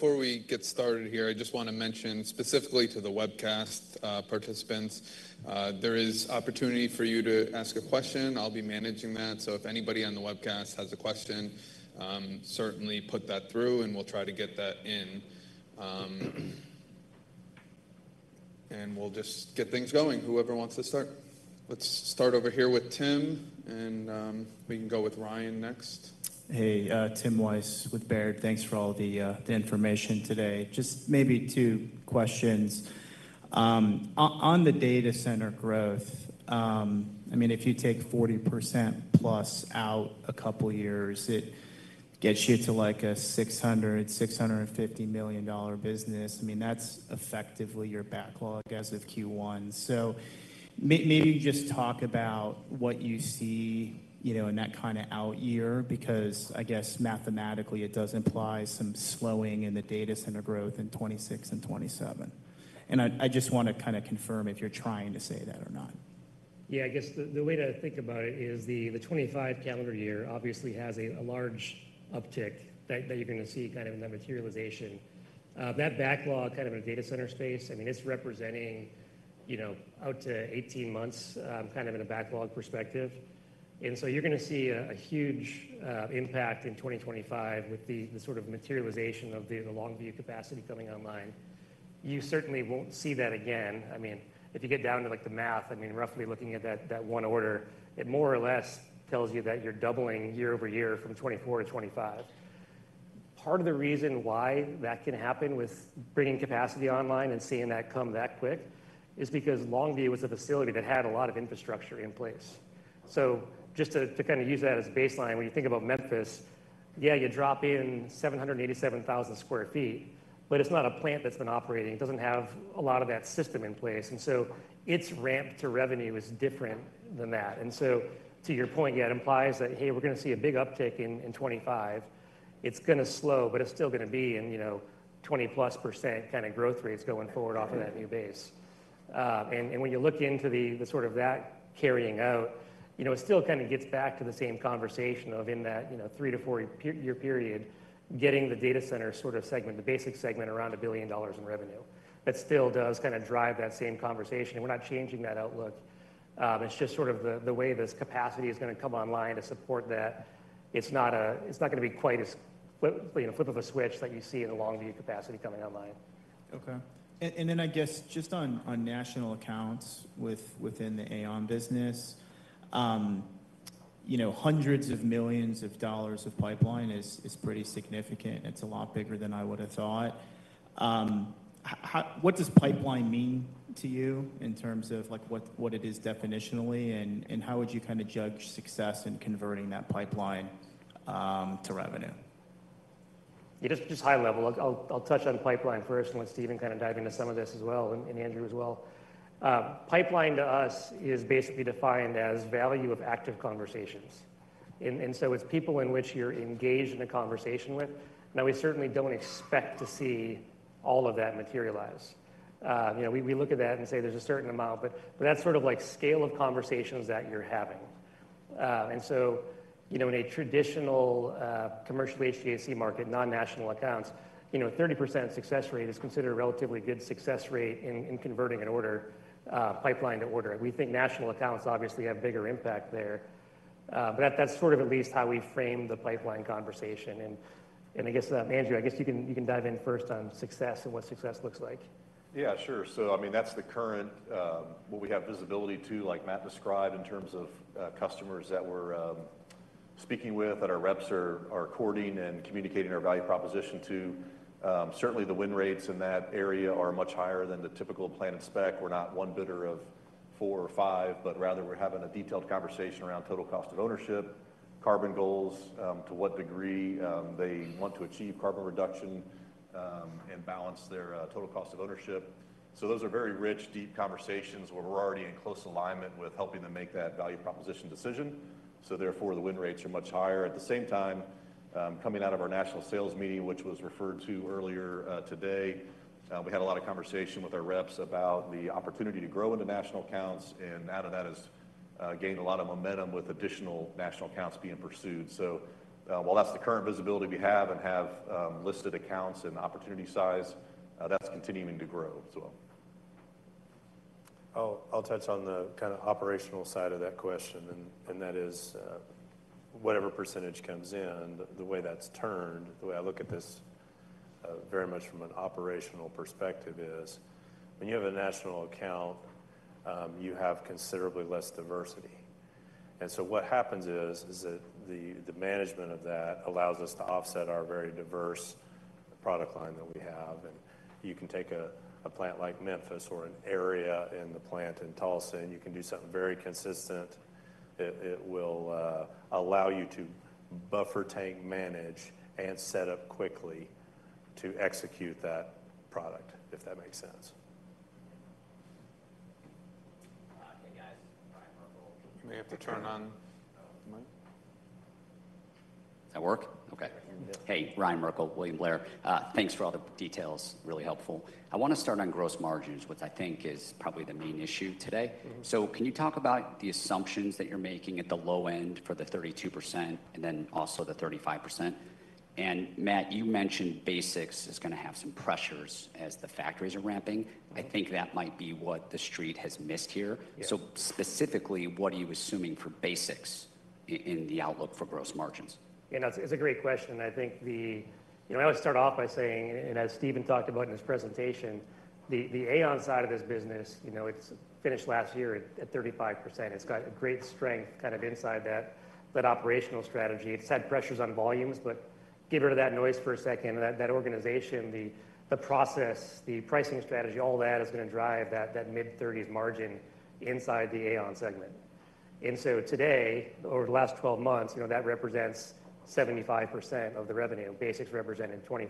If the money get low, low, low, we want everything closed, closed, closed. Yeah, that's just one thing I need the most. Give me all that body, I need you close, close. Let's turn the lights down, ooh. Way down, way down. Can't keep my eyes off you. All right, before we get started here, I just want to mention specifically to the webcast participants, there is opportunity for you to ask a question. I'll be managing that. If anybody on the webcast has a question, certainly put that through and we'll try to get that in. We'll just get things going. Whoever wants to start. Let's start over here with Tim, and we can go with Ryan next. Hey, Tim Wojs with Baird. Thanks for all the information today. Just maybe two questions. On the data center growth, I mean, if you take 40% plus out a couple of years, it gets you to like a $600 million to $650 million business. I mean, that's effectively your backlog as of Q1. Maybe you just talk about what you see in that kind of out year because I guess mathematically it does imply some slowing in the data center growth in 2026 and 2027. I just want to kind of confirm if you're trying to say that or not. Yeah, I guess the way to think about it is the 2025 calendar year obviously has a large uptick that you're going to see kind of in that materialization. That backlog kind of in the data center space, I mean, it's representing out to 18 months kind of in a backlog perspective. You are going to see a huge impact in 2025 with the sort of materialization of the Longview capacity coming online. You certainly won't see that again. I mean, if you get down to the math, I mean, roughly looking at that one order, it more or less tells you that you're doubling year-over-year from 2024 to 2025. Part of the reason why that can happen with bringing capacity online and seeing that come that quick is because Longview was a facility that had a lot of infrastructure in place. Just to kind of use that as a baseline, when you think about Memphis, yeah, you drop in 787,000 sq ft, but it's not a plant that's been operating. It doesn't have a lot of that system in place. Its ramp to revenue is different than that. To your point, yeah, it implies that, hey, we're going to see a big uptick in 2025. It's going to slow, but it's still going to be in 20% plus kind of growth rates going forward off of that new base. When you look into the sort of that carrying out, it still kind of gets back to the same conversation of in that three to four-year period, getting the data center sort of segment, the BASX segment, around $1 billion in revenue. That still does kind of drive that same conversation. We're not changing that outlook. It's just sort of the way this capacity is going to come online to support that. It's not going to be quite as flip of a switch that you see in the Longview capacity coming online. Okay. I guess just on national accounts within the AAON business, hundreds of millions of dollars of pipeline is pretty significant. It is a lot bigger than I would have thought. What does pipeline mean to you in terms of what it is definitionally, and how would you kind of judge success in converting that pipeline to revenue? Yeah, just high level. I'll touch on pipeline first and let Stephen kind of dive into some of this as well and Andrew as well. Pipeline to us is basically defined as value of active conversations. And so it's people in which you're engaged in a conversation with. Now, we certainly don't expect to see all of that materialize. We look at that and say there's a certain amount, but that's sort of like scale of conversations that you're having. In a traditional commercial HVAC market, non-national accounts, 30% success rate is considered a relatively good success rate in converting an order, pipeline to order. We think national accounts obviously have a bigger impact there. That's sort of at least how we frame the pipeline conversation. I guess, Andrew, I guess you can dive in first on success and what success looks like. Yeah, sure. I mean, that's the current what we have visibility to, like Matt described in terms of customers that we're speaking with that our reps are courting and communicating our value proposition to. Certainly, the win rates in that area are much higher than the typical plant and spec. We're not one bidder of four or five, but rather we're having a detailed conversation around total cost of ownership, carbon goals, to what degree they want to achieve carbon reduction and balance their total cost of ownership. Those are very rich, deep conversations where we're already in close alignment with helping them make that value proposition decision. Therefore, the win rates are much higher. At the same time, coming out of our national sales meeting, which was referred to earlier today, we had a lot of conversation with our reps about the opportunity to grow into national accounts. Out of that has gained a lot of momentum with additional national accounts being pursued. While that is the current visibility we have and have listed accounts and opportunity size, that is continuing to grow as well. I'll touch on the kind of operational side of that question. That is whatever % comes in, the way that's turned, the way I look at this very much from an operational perspective is when you have a national account, you have considerably less diversity. What happens is that the management of that allows us to offset our very diverse product line that we have. You can take a plant like Memphis or an area in the plant in Tulsa, and you can do something very consistent. It will allow you to buffer tank manage and set up quickly to execute that product, if that makes sense. Hey, guys. Ryan Merkel. You may have to turn on. That work? Okay. Hey, Ryan Merkel, William Blair. Thanks for all the details. Really helpful. I want to start on gross margins, which I think is probably the main issue today. Can you talk about the assumptions that you're making at the low end for the 32% and then also the 35%? Matt, you mentioned BASX is going to have some pressures as the factories are ramping. I think that might be what the street has missed here. Specifically, what are you assuming for BASX in the outlook for gross margins? Yeah, no, it's a great question. I think I always start off by saying, and as Stephen talked about in his presentation, the AAON side of this business, it finished last year at 35%. It's got a great strength kind of inside that operational strategy. It's had pressures on volumes, but get rid of that noise for a second. That organization, the process, the pricing strategy, all that is going to drive that mid-30% margin inside the AAON segment. Today, over the last 12 months, that represents 75% of the revenue. BASX represented 25%.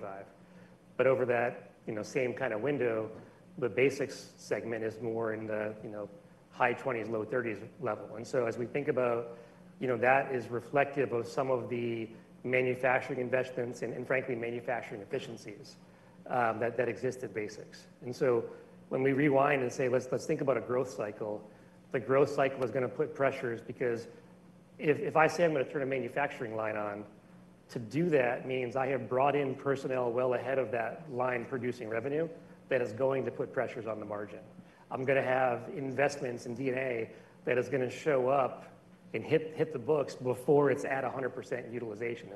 Over that same kind of window, the BASX segment is more in the high 20% to low 30% level. As we think about that, it is reflective of some of the manufacturing investments and, frankly, manufacturing efficiencies that exist at BASX. When we rewind and say, let's think about a growth cycle, the growth cycle is going to put pressures because if I say I'm going to turn a manufacturing line on, to do that means I have brought in personnel well ahead of that line producing revenue that is going to put pressures on the margin. I'm going to have investments in DNA that is going to show up and hit the books before it's at 100% utilization.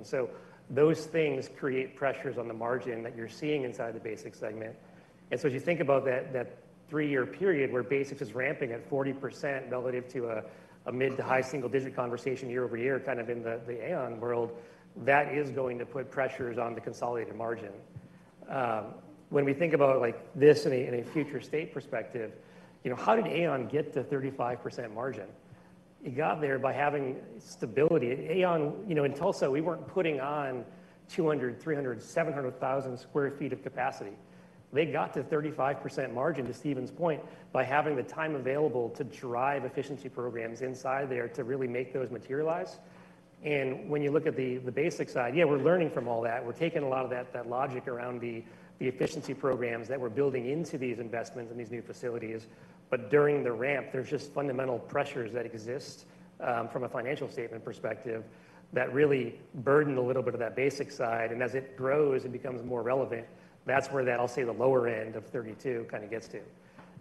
Those things create pressures on the margin that you're seeing inside the BASX segment. As you think about that three-year period where BASX is ramping at 40% relative to a mid to high single-digit conversation year-over-year kind of in the AAON world, that is going to put pressures on the consolidated margin. When we think about this in a future state perspective, how did AAON get to 35% margin? It got there by having stability. AAON in Tulsa, we were not putting on 200,000, 300,000, 700,000 sq ft of capacity. They got to 35% margin, to Stephen's point, by having the time available to drive efficiency programs inside there to really make those materialize. When you look at the BASX side, yeah, we are learning from all that. We are taking a lot of that logic around the efficiency programs that we are building into these investments and these new facilities. During the ramp, there are just fundamental pressures that exist from a financial statement perspective that really burden a little bit of that BASX side. As it grows and becomes more relevant, that is where that, I will say, the lower end of 32 kind of gets to.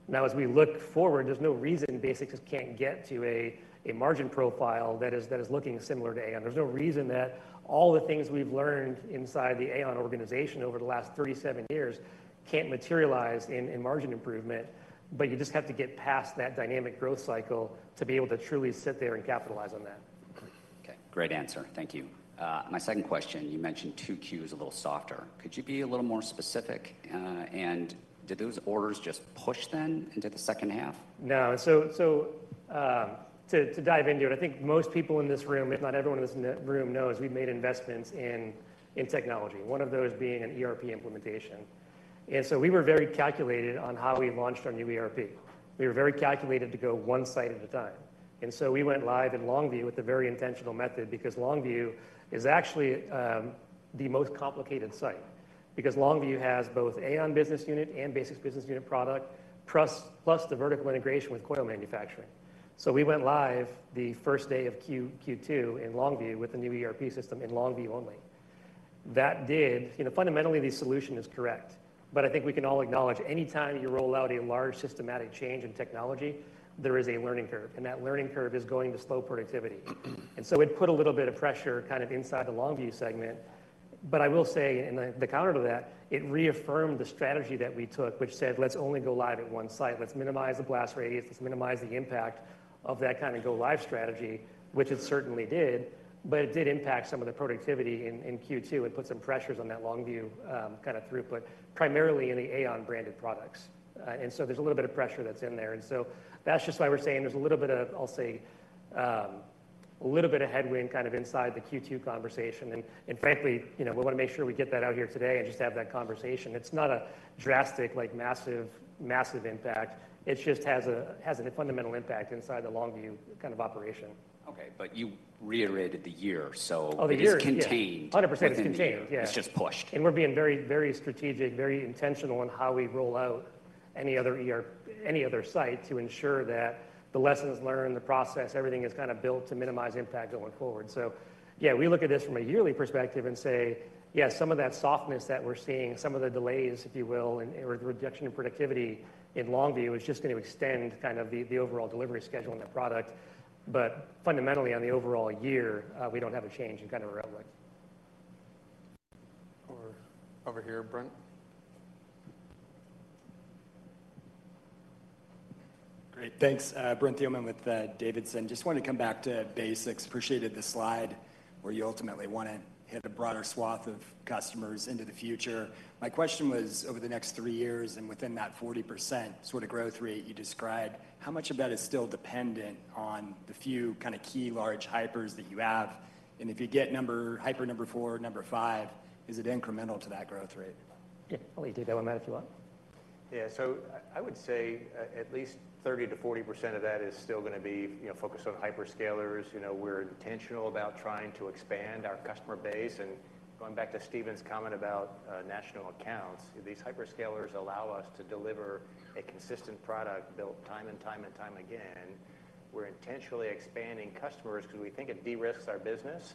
Now, as we look forward, there's no reason BASX can't get to a margin profile that is looking similar to AAON. There's no reason that all the things we've learned inside the AAON organization over the last 37 years can't materialize in margin improvement. You just have to get past that dynamic growth cycle to be able to truly sit there and capitalize on that. Okay. Great answer. Thank you. My second question, you mentioned 2Q is a little softer. Could you be a little more specific? Did those orders just push then into the second half? No. To dive into it, I think most people in this room, if not everyone in this room, knows we have made investments in technology, one of those being an ERP implementation. We were very calculated on how we launched our new ERP. We were very calculated to go one site at a time. We went live in Longview with a very intentional method because Longview is actually the most complicated site because Longview has both AAON business unit and BASX business unit product plus the vertical integration with coil manufacturing. We went live the first day of Q2 in Longview with the new ERP system in Longview only. That did fundamentally, the solution is correct. I think we can all acknowledge anytime you roll out a large systematic change in technology, there is a learning curve. That learning curve is going to slow productivity. It put a little bit of pressure kind of inside the Longview segment. I will say in the counter to that, it reaffirmed the strategy that we took, which said, let's only go live at one site. Let's minimize the blast radius. Let's minimize the impact of that kind of go live strategy, which it certainly did. It did impact some of the productivity in Q2 and put some pressures on that Longview kind of throughput, primarily in the AAON branded products. There is a little bit of pressure that's in there. That is just why we're saying there's a little bit of, I'll say, a little bit of headwind kind of inside the Q2 conversation. Frankly, we want to make sure we get that out here today and just have that conversation. It's not a drastic, massive impact. It just has a fundamental impact inside the Longview kind of operation. Okay. You reiterated the year, so it's contained. Oh, the year is 100% contained. Yeah. It's just pushed. We are being very, very strategic, very intentional in how we roll out any other site to ensure that the lessons learned, the process, everything is kind of built to minimize impact going forward. Yeah, we look at this from a yearly perspective and say, yeah, some of that softness that we are seeing, some of the delays, if you will, or the reduction in productivity in Longview is just going to extend kind of the overall delivery schedule in the product. Fundamentally, on the overall year, we do not have a change in kind of our outlook. Over here, Brent. Great. Thanks, Brent Thielman with D.A. Davidson. Just wanted to come back to BASX. Appreciated the slide where you ultimately want to hit a broader swath of customers into the future. My question was, over the next three years and within that 40% sort of growth rate you described, how much of that is still dependent on the few kind of key large hypers that you have? If you get hyper number four, number five, is it incremental to that growth rate? Yeah. I'll let you take that one, Matt, if you want. Yeah. I would say at least 30% to 40% of that is still going to be focused on hyperscalers. We're intentional about trying to expand our customer base. Going back to Stephen's comment about national accounts, these hyperscalers allow us to deliver a consistent product built time and time and time again. We're intentionally expanding customers because we think it de-risks our business.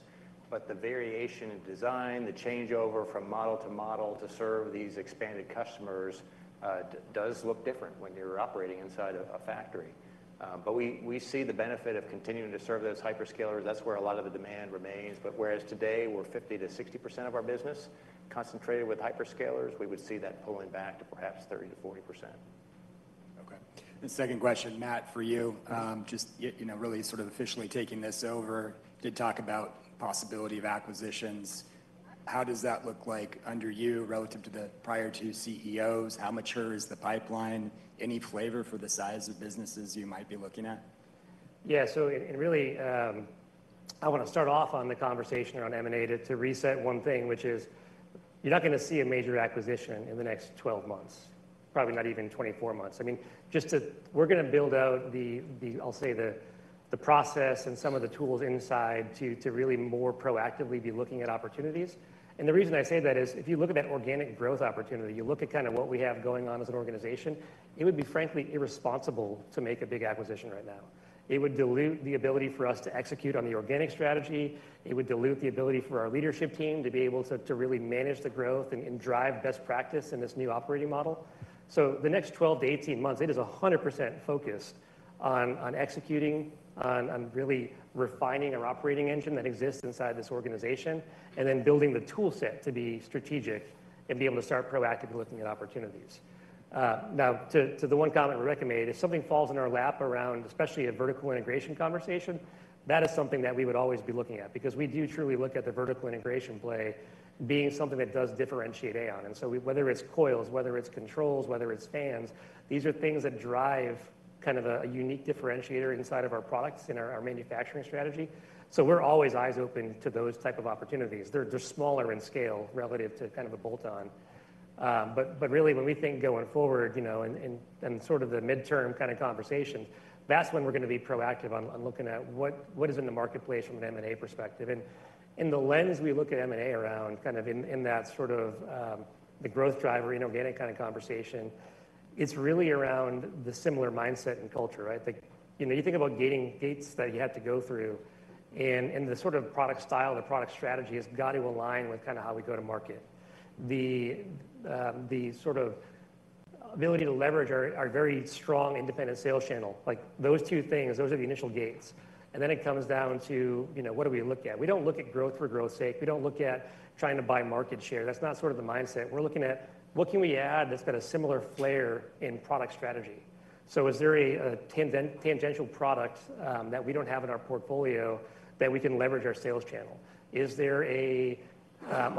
The variation in design, the changeover from model to model to serve these expanded customers does look different when you're operating inside a factory. We see the benefit of continuing to serve those hyperscalers. That's where a lot of the demand remains. Whereas today we're 50-60% of our business concentrated with hyperscalers, we would see that pulling back to perhaps 30% to 40%. Okay. Second question, Matt, for you, just really sort of officially taking this over, did talk about possibility of acquisitions. How does that look like under you relative to the prior two CEOs? How mature is the pipeline? Any flavor for the size of businesses you might be looking at? Yeah. Really, I want to start off on the conversation around M&A to reset one thing, which is you're not going to see a major acquisition in the next 12 months, probably not even 24 months. I mean, we're going to build out, I'll say, the process and some of the tools inside to really more proactively be looking at opportunities. The reason I say that is if you look at that organic growth opportunity, you look at kind of what we have going on as an organization, it would be frankly irresponsible to make a big acquisition right now. It would dilute the ability for us to execute on the organic strategy. It would dilute the ability for our leadership team to be able to really manage the growth and drive best practice in this new operating model. The next 12 to 18 months, it is 100% focused on executing, on really refining our operating engine that exists inside this organization, and then building the toolset to be strategic and be able to start proactively looking at opportunities. Now, to the one comment Rebecca made, if something falls in our lap around, especially a vertical integration conversation, that is something that we would always be looking at because we do truly look at the vertical integration play being something that does differentiate AAON. Whether it's coils, whether it's controls, whether it's fans, these are things that drive kind of a unique differentiator inside of our products and our manufacturing strategy. We're always eyes open to those type of opportunities. They're smaller in scale relative to kind of a bolt-on. Really, when we think going forward and sort of the midterm kind of conversation, that's when we're going to be proactive on looking at what is in the marketplace from an M&A perspective. The lens we look at M&A around, kind of in that sort of the growth driver in organic kind of conversation, it's really around the similar mindset and culture, right? You think about gates that you have to go through, and the sort of product style, the product strategy has got to align with kind of how we go to market. The sort of ability to leverage our very strong independent sales channel, those two things, those are the initial gates. It comes down to what do we look at? We do not look at growth for growth's sake. We do not look at trying to buy market share. That's not sort of the mindset. We're looking at what can we add that's got a similar flair in product strategy. Is there a tangential product that we don't have in our portfolio that we can leverage our sales channel? Is there a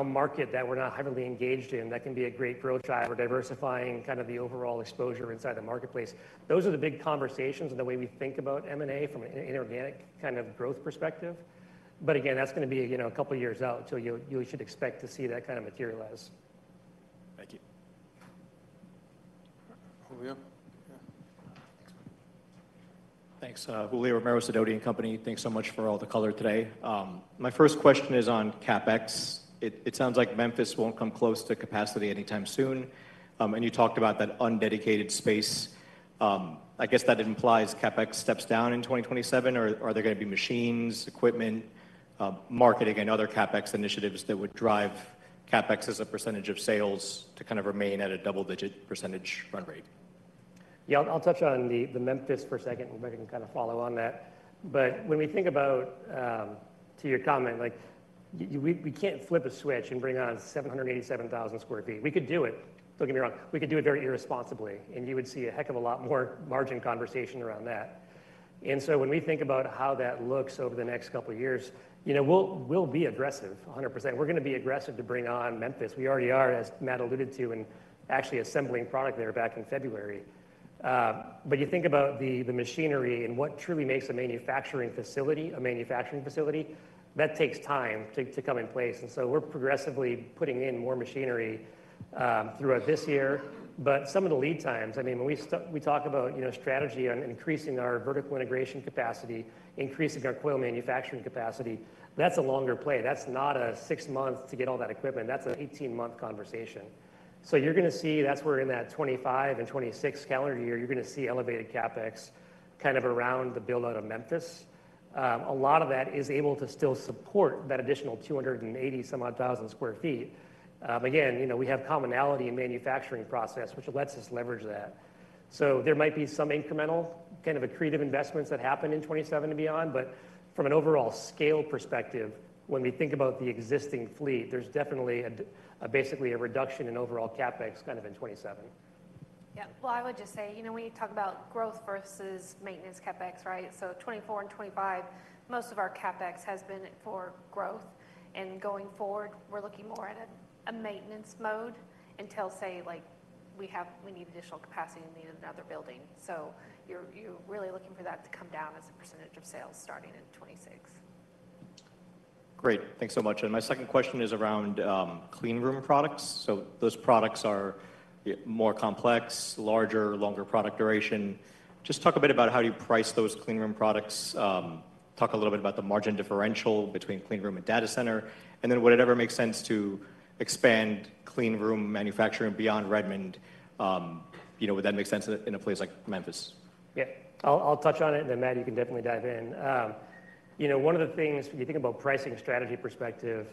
market that we're not heavily engaged in that can be a great growth driver, diversifying kind of the overall exposure inside the marketplace? Those are the big conversations and the way we think about M&A from an inorganic kind of growth perspective. Again, that's going to be a couple of years out until you should expect to see that kind of materialize. Thank you. Julio. Yeah. Thanks, Julio Romero Sidoti and Company. Thanks so much for all the color today. My first question is on CapEx. It sounds like Memphis won't come close to capacity anytime soon. You talked about that undecated space. I guess that implies CapEx steps down in 2027. Are there going to be machines, equipment, marketing, and other CapEx initiatives that would drive CapEx as a percentage of sales to kind of remain at a double-digit percentage run rate? Yeah. I'll touch on the Memphis for a second, and Rebecca can kind of follow on that. When we think about, to your comment, we can't flip a switch and bring on 787,000 sq ft. We could do it. Don't get me wrong. We could do it very irresponsibly, and you would see a heck of a lot more margin conversation around that. When we think about how that looks over the next couple of years, we'll be aggressive 100%. We're going to be aggressive to bring on Memphis. We already are, as Matt alluded to, and actually assembling product there back in February. You think about the machinery and what truly makes a manufacturing facility a manufacturing facility, that takes time to come in place. We're progressively putting in more machinery throughout this year. But some of the lead times, I mean, when we talk about strategy on increasing our vertical integration capacity, increasing our coil manufacturing capacity, that's a longer play. That's not a six months to get all that equipment. That's an 18-month conversation. You're going to see that's where in that 2025 and 2026 calendar year, you're going to see elevated CapEx kind of around the build-out of Memphis. A lot of that is able to still support that additional 280-some-odd thousand sq ft. Again, we have commonality in manufacturing process, which lets us leverage that. There might be some incremental kind of accretive investments that happen in 2027 and beyond. From an overall scale perspective, when we think about the existing fleet, there's definitely basically a reduction in overall CapEx kind of in 2027. Yeah. I would just say when you talk about growth versus maintenance CapEx, right? So 2024 and 2025, most of our CapEx has been for growth. Going forward, we're looking more at a maintenance mode until, say, we need additional capacity and need another building. You're really looking for that to come down as a percentage of sales starting in 2026. Great. Thanks so much. My second question is around clean room products. Those products are more complex, larger, longer product duration. Just talk a bit about how do you price those clean room products. Talk a little bit about the margin differential between clean room and data center. Would it ever make sense to expand clean room manufacturing beyond Redmond? Would that make sense in a place like Memphis? Yeah. I'll touch on it. And then, Matt, you can definitely dive in. One of the things when you think about pricing strategy perspective,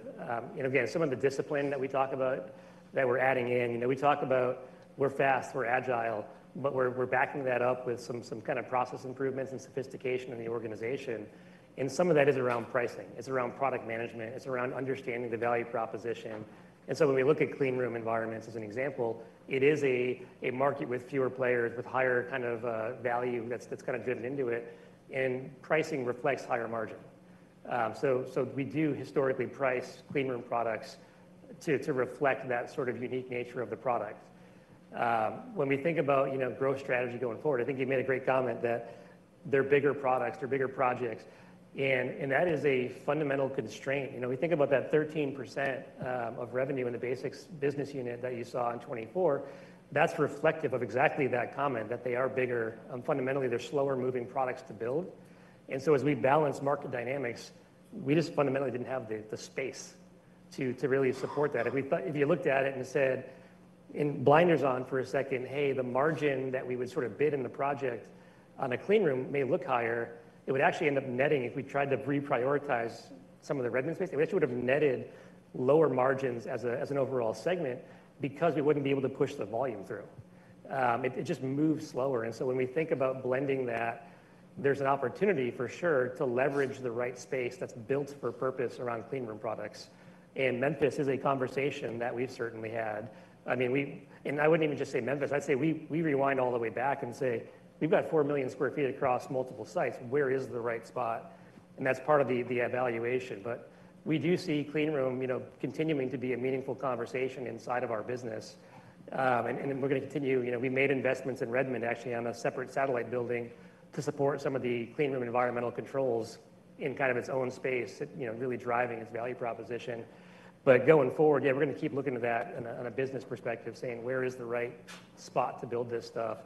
again, some of the discipline that we talk about that we're adding in, we talk about we're fast, we're agile, but we're backing that up with some kind of process improvements and sophistication in the organization. And some of that is around pricing. It's around product management. It's around understanding the value proposition. And so when we look at clean room environments as an example, it is a market with fewer players, with higher kind of value that's kind of driven into it. And pricing reflects higher margin. So we do historically price clean room products to reflect that sort of unique nature of the product. When we think about growth strategy going forward, I think you made a great comment that they're bigger products, they're bigger projects. That is a fundamental constraint. We think about that 13% of revenue in the BASX business unit that you saw in 2024. That is reflective of exactly that comment that they are bigger. Fundamentally, they're slower-moving products to build. As we balance market dynamics, we just fundamentally did not have the space to really support that. If you looked at it and said, in blinders on for a second, hey, the margin that we would sort of bid in the project on a clean room may look higher, it would actually end up netting if we tried to reprioritize some of the Redmond space. It would have netted lower margins as an overall segment because we would not be able to push the volume through. It just moves slower. When we think about blending that, there's an opportunity for sure to leverage the right space that's built for purpose around clean room products. Memphis is a conversation that we've certainly had. I mean, I wouldn't even just say Memphis. I'd say we rewind all the way back and say, we've got 4 million sq ft across multiple sites. Where is the right spot? That's part of the evaluation. We do see clean room continuing to be a meaningful conversation inside of our business. We're going to continue. We made investments in Redmond, actually, on a separate satellite building to support some of the clean room environmental controls in kind of its own space, really driving its value proposition. Going forward, yeah, we're going to keep looking at that on a business perspective, saying, where is the right spot to build this stuff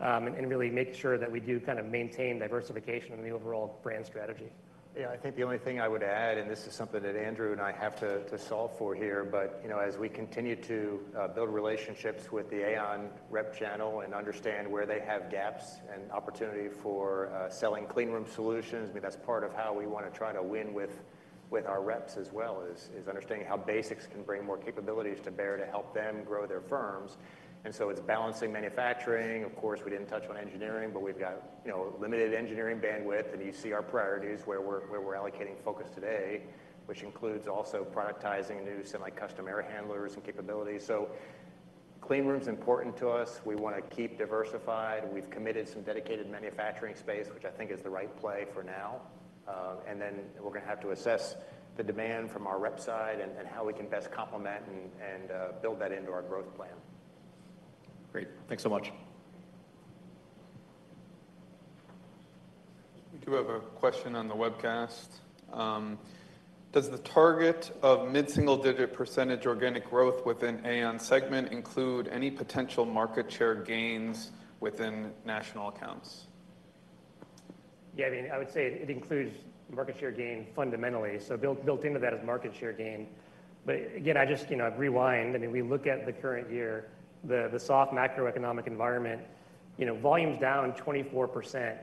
and really make sure that we do kind of maintain diversification in the overall brand strategy. Yeah. I think the only thing I would add, and this is something that Andrew and I have to solve for here, but as we continue to build relationships with the AAON rep channel and understand where they have gaps and opportunity for selling clean room solutions, I mean, that's part of how we want to try to win with our reps as well is understanding how BASX can bring more capabilities to bear to help them grow their firms. It's balancing manufacturing. Of course, we didn't touch on engineering, but we've got limited engineering bandwidth. You see our priorities where we're allocating focus today, which includes also productizing new semi-custom air handlers and capabilities. Clean room is important to us. We want to keep diversified. We've committed some dedicated manufacturing space, which I think is the right play for now. We're going to have to assess the demand from our rep side and how we can best complement and build that into our growth plan. Great. Thanks so much. We do have a question on the webcast. Does the target of mid-single digit % organic growth within AAON segment include any potential market share gains within national accounts? Yeah. I mean, I would say it includes market share gain fundamentally. So built into that is market share gain. But again, I just rewind. I mean, we look at the current year, the soft macroeconomic environment, volumes down 24%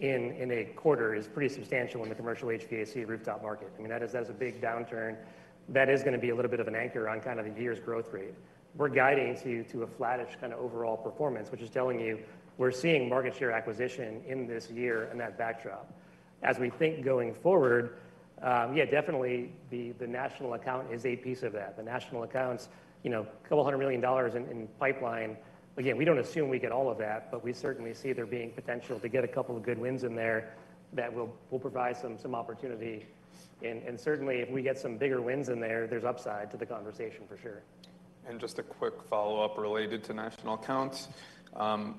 in a quarter is pretty substantial in the commercial HVAC rooftop market. I mean, that is a big downturn. That is going to be a little bit of an anchor on kind of the year's growth rate. We're guiding to a flattish kind of overall performance, which is telling you we're seeing market share acquisition in this year and that backdrop. As we think going forward, yeah, definitely the national account is a piece of that. The national accounts, a couple hundred million dollars in pipeline. Again, we do not assume we get all of that, but we certainly see there being potential to get a couple of good wins in there that will provide some opportunity. Certainly, if we get some bigger wins in there, there is upside to the conversation for sure. Just a quick follow-up related to national accounts.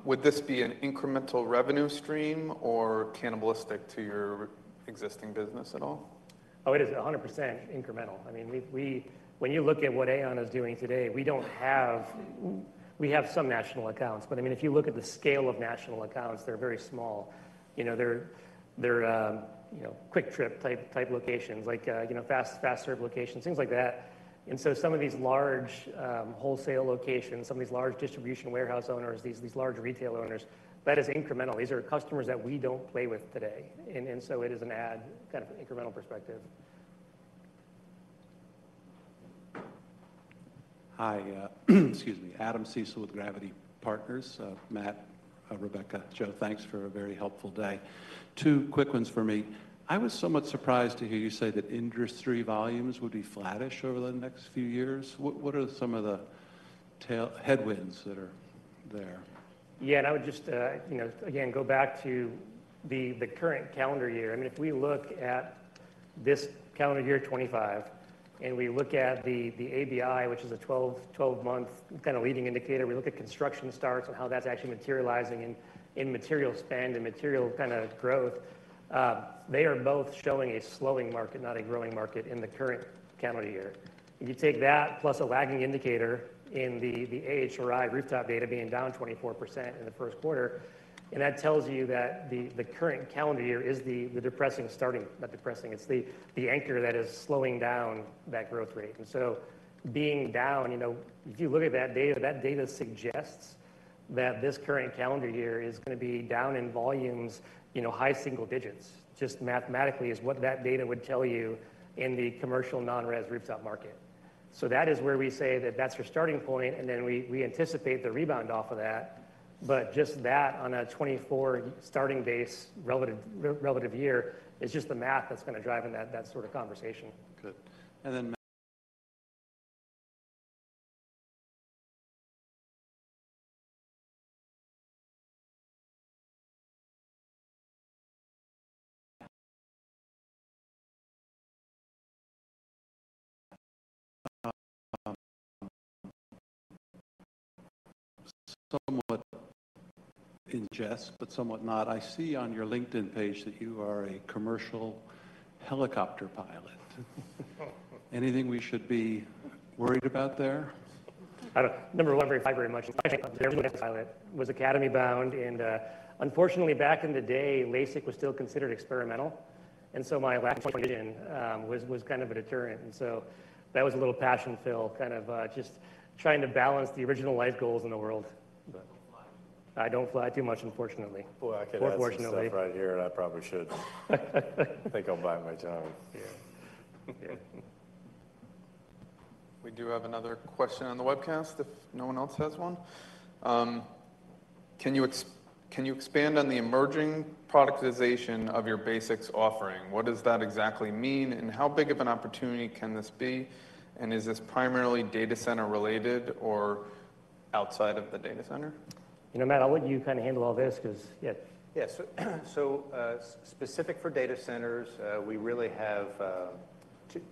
Would this be an incremental revenue stream or cannibalistic to your existing business at all? Oh, it is 100% incremental. I mean, when you look at what AAON is doing today, we have some national accounts. I mean, if you look at the scale of national accounts, they're very small. They're quick trip type locations, like fast serve locations, things like that. Some of these large wholesale locations, some of these large distribution warehouse owners, these large retail owners, that is incremental. These are customers that we do not play with today. It is an add kind of incremental perspective. Hi. Excuse me. Adam Seessel with Gravity Partners. Matt, Rebecca, Joe, thanks for a very helpful day. Two quick ones for me. I was somewhat surprised to hear you say that industry volumes would be flattish over the next few years. What are some of the headwinds that are there? Yeah. I would just, again, go back to the current calendar year. I mean, if we look at this calendar year 2025 and we look at the ABI, which is a 12-month kind of leading indicator, we look at construction starts and how that's actually materializing in material spend and material kind of growth, they are both showing a slowing market, not a growing market in the current calendar year. You take that plus a lagging indicator in the AHRI rooftop data being down 24% in the first quarter, and that tells you that the current calendar year is the depressing starting, not depressing. It is the anchor that is slowing down that growth rate. If you look at that data, that data suggests that this current calendar year is going to be down in volumes, high single digits, just mathematically is what that data would tell you in the commercial non-res rooftop market. That is where we say that is your starting point, and then we anticipate the rebound off of that. Just that on a 2024 starting base relative year is just the math that is going to drive in that sort of conversation. Good. Somewhat in jest, but somewhat not, I see on your LinkedIn page that you are a commercial helicopter pilot. Anything we should be worried about there? I don't remember every fiber imagine. I think I was an airplane pilot. I was academy bound. Unfortunately, back in the day, LASIK was still considered experimental. My lack of vision was kind of a deterrent. That was a little passion fill, kind of just trying to balance the original life goals in the world. I don't fly too much, unfortunately. I could ask yourself right here, and I probably should. I think I'll buy my time. Yeah. We do have another question on the webcast if no one else has one. Can you expand on the emerging productization of your BASX offering? What does that exactly mean? How big of an opportunity can this be? Is this primarily data center related or outside of the data center? You know, Matt, I'll let you kind of handle all this because, yeah. Yeah. So specific for data centers, we really have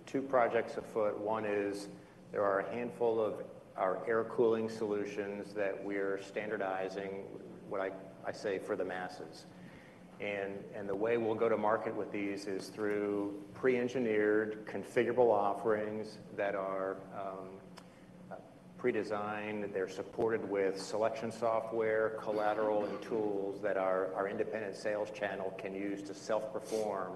two projects afoot. One is there are a handful of our air cooling solutions that we're standardizing, what I say for the masses. The way we'll go to market with these is through pre-engineered configurable offerings that are pre-designed. They're supported with selection software, collateral, and tools that our independent sales channel can use to self-perform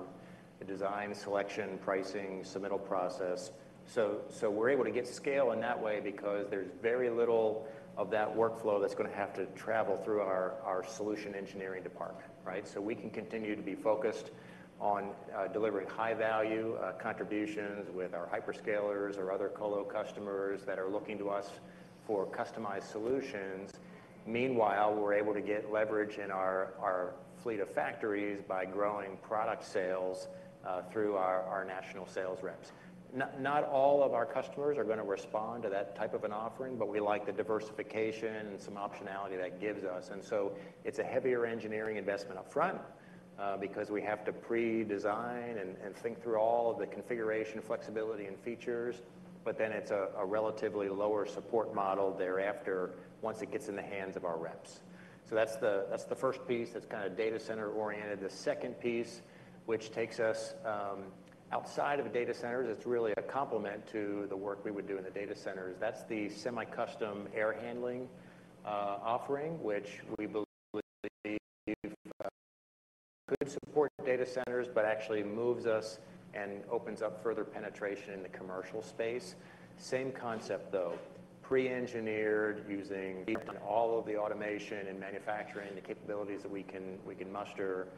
the design, selection, pricing, submittal process. We're able to get scale in that way because there's very little of that workflow that's going to have to travel through our solution engineering department, right? We can continue to be focused on delivering high-value contributions with our hyperscalers or other colo customers that are looking to us for customized solutions. Meanwhile, we're able to get leverage in our fleet of factories by growing product sales through our national sales reps. Not all of our customers are going to respond to that type of an offering, but we like the diversification and some optionality that gives us. It is a heavier engineering investment upfront because we have to pre-design and think through all of the configuration, flexibility, and features. It is a relatively lower support model thereafter once it gets in the hands of our reps. That is the first piece. That is kind of data center oriented. The second piece, which takes us outside of data centers, is really a complement to the work we would do in the data centers. That is the semi-custom air handling offering, which we believe could support data centers, but actually moves us and opens up further penetration in the commercial space. Same concept, though. Pre-engineered using all of the automation and manufacturing, the capabilities that we can muster.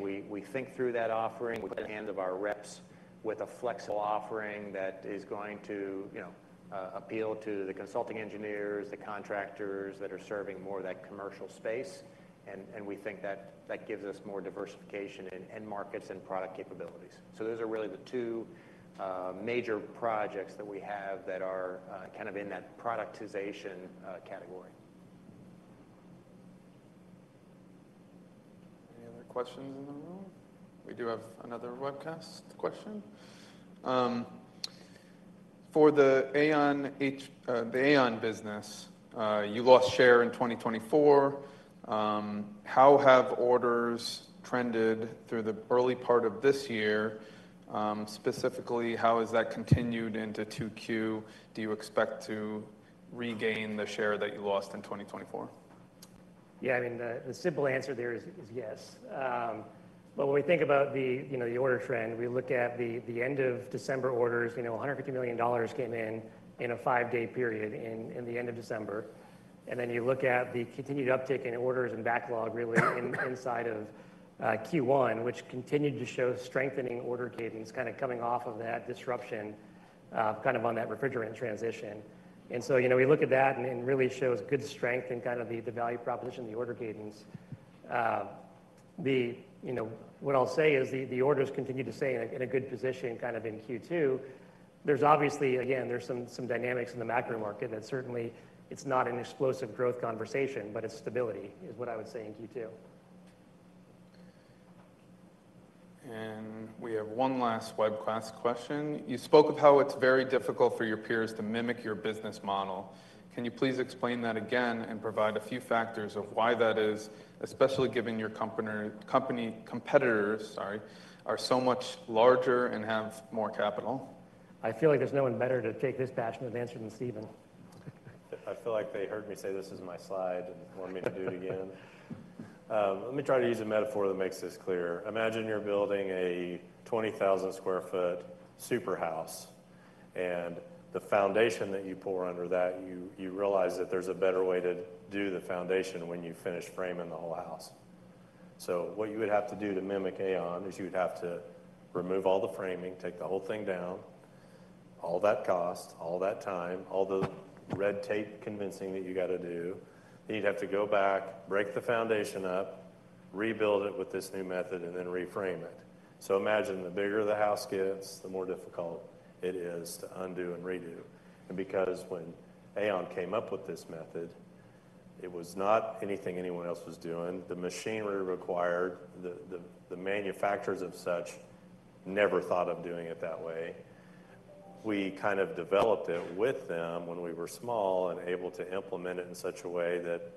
We think through that offering. We put it in the hands of our reps with a flexible offering that is going to appeal to the consulting engineers, the contractors that are serving more of that commercial space. We think that that gives us more diversification in end markets and product capabilities. Those are really the two major projects that we have that are kind of in that productization category. Any other questions in the room? We do have another webcast question. For the AAON business, you lost share in 2024. How have orders trended through the early part of this year? Specifically, how has that continued into Q2? Do you expect to regain the share that you lost in 2024? Yeah. I mean, the simple answer there is yes. But when we think about the order trend, we look at the end of December orders, $150 million came in in a five-day period in the end of December. And then you look at the continued uptick in orders and backlog really inside of Q1, which continued to show strengthening order cadence kind of coming off of that disruption kind of on that refrigerant transition. And so we look at that and really shows good strength in kind of the value proposition, the order cadence. What I'll say is the orders continue to stay in a good position kind of in Q2. There's obviously, again, there's some dynamics in the macro market that certainly it's not an explosive growth conversation, but it's stability is what I would say in Q2. We have one last webcast question. You spoke of how it is very difficult for your peers to mimic your business model. Can you please explain that again and provide a few factors of why that is, especially given your company competitors, sorry, are so much larger and have more capital? I feel like there's no one better to take this passionate answer than Stephen. I feel like they heard me say this is my slide and want me to do it again. Let me try to use a metaphor that makes this clear. Imagine you're building a 20,000 sq ft super house. The foundation that you pour under that, you realize that there's a better way to do the foundation when you finish framing the whole house. What you would have to do to mimic AAON is you would have to remove all the framing, take the whole thing down, all that cost, all that time, all the red tape convincing that you got to do. You'd have to go back, break the foundation up, rebuild it with this new method, and then reframe it. Imagine the bigger the house gets, the more difficult it is to undo and redo. Because when AAON came up with this method, it was not anything anyone else was doing. The machinery required, the manufacturers of such never thought of doing it that way. We kind of developed it with them when we were small and able to implement it in such a way that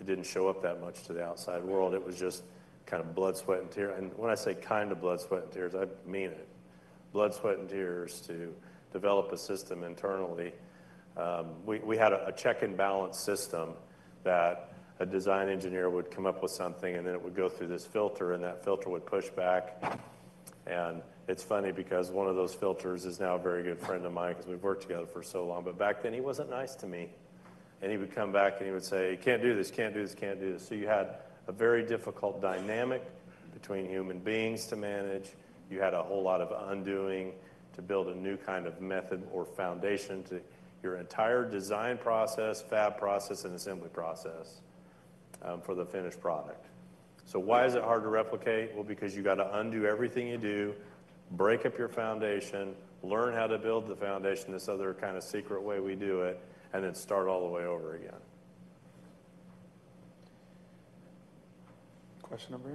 it did not show up that much to the outside world. It was just kind of blood, sweat, and tears. And when I say kind of blood, sweat, and tears, I mean it. Blood, sweat, and tears to develop a system internally. We had a check and balance system that a design engineer would come up with something, and then it would go through this filter, and that filter would push back. It is funny because one of those filters is now a very good friend of mine because we have worked together for so long. Back then, he was not nice to me. He would come back and he would say, "Can't do this, can't do this, can't do this." You had a very difficult dynamic between human beings to manage. You had a whole lot of undoing to build a new kind of method or foundation to your entire design process, fab process, and assembly process for the finished product. Why is it hard to replicate? Because you have to undo everything you do, break up your foundation, learn how to build the foundation, this other kind of secret way we do it, and then start all the way over again. Question number?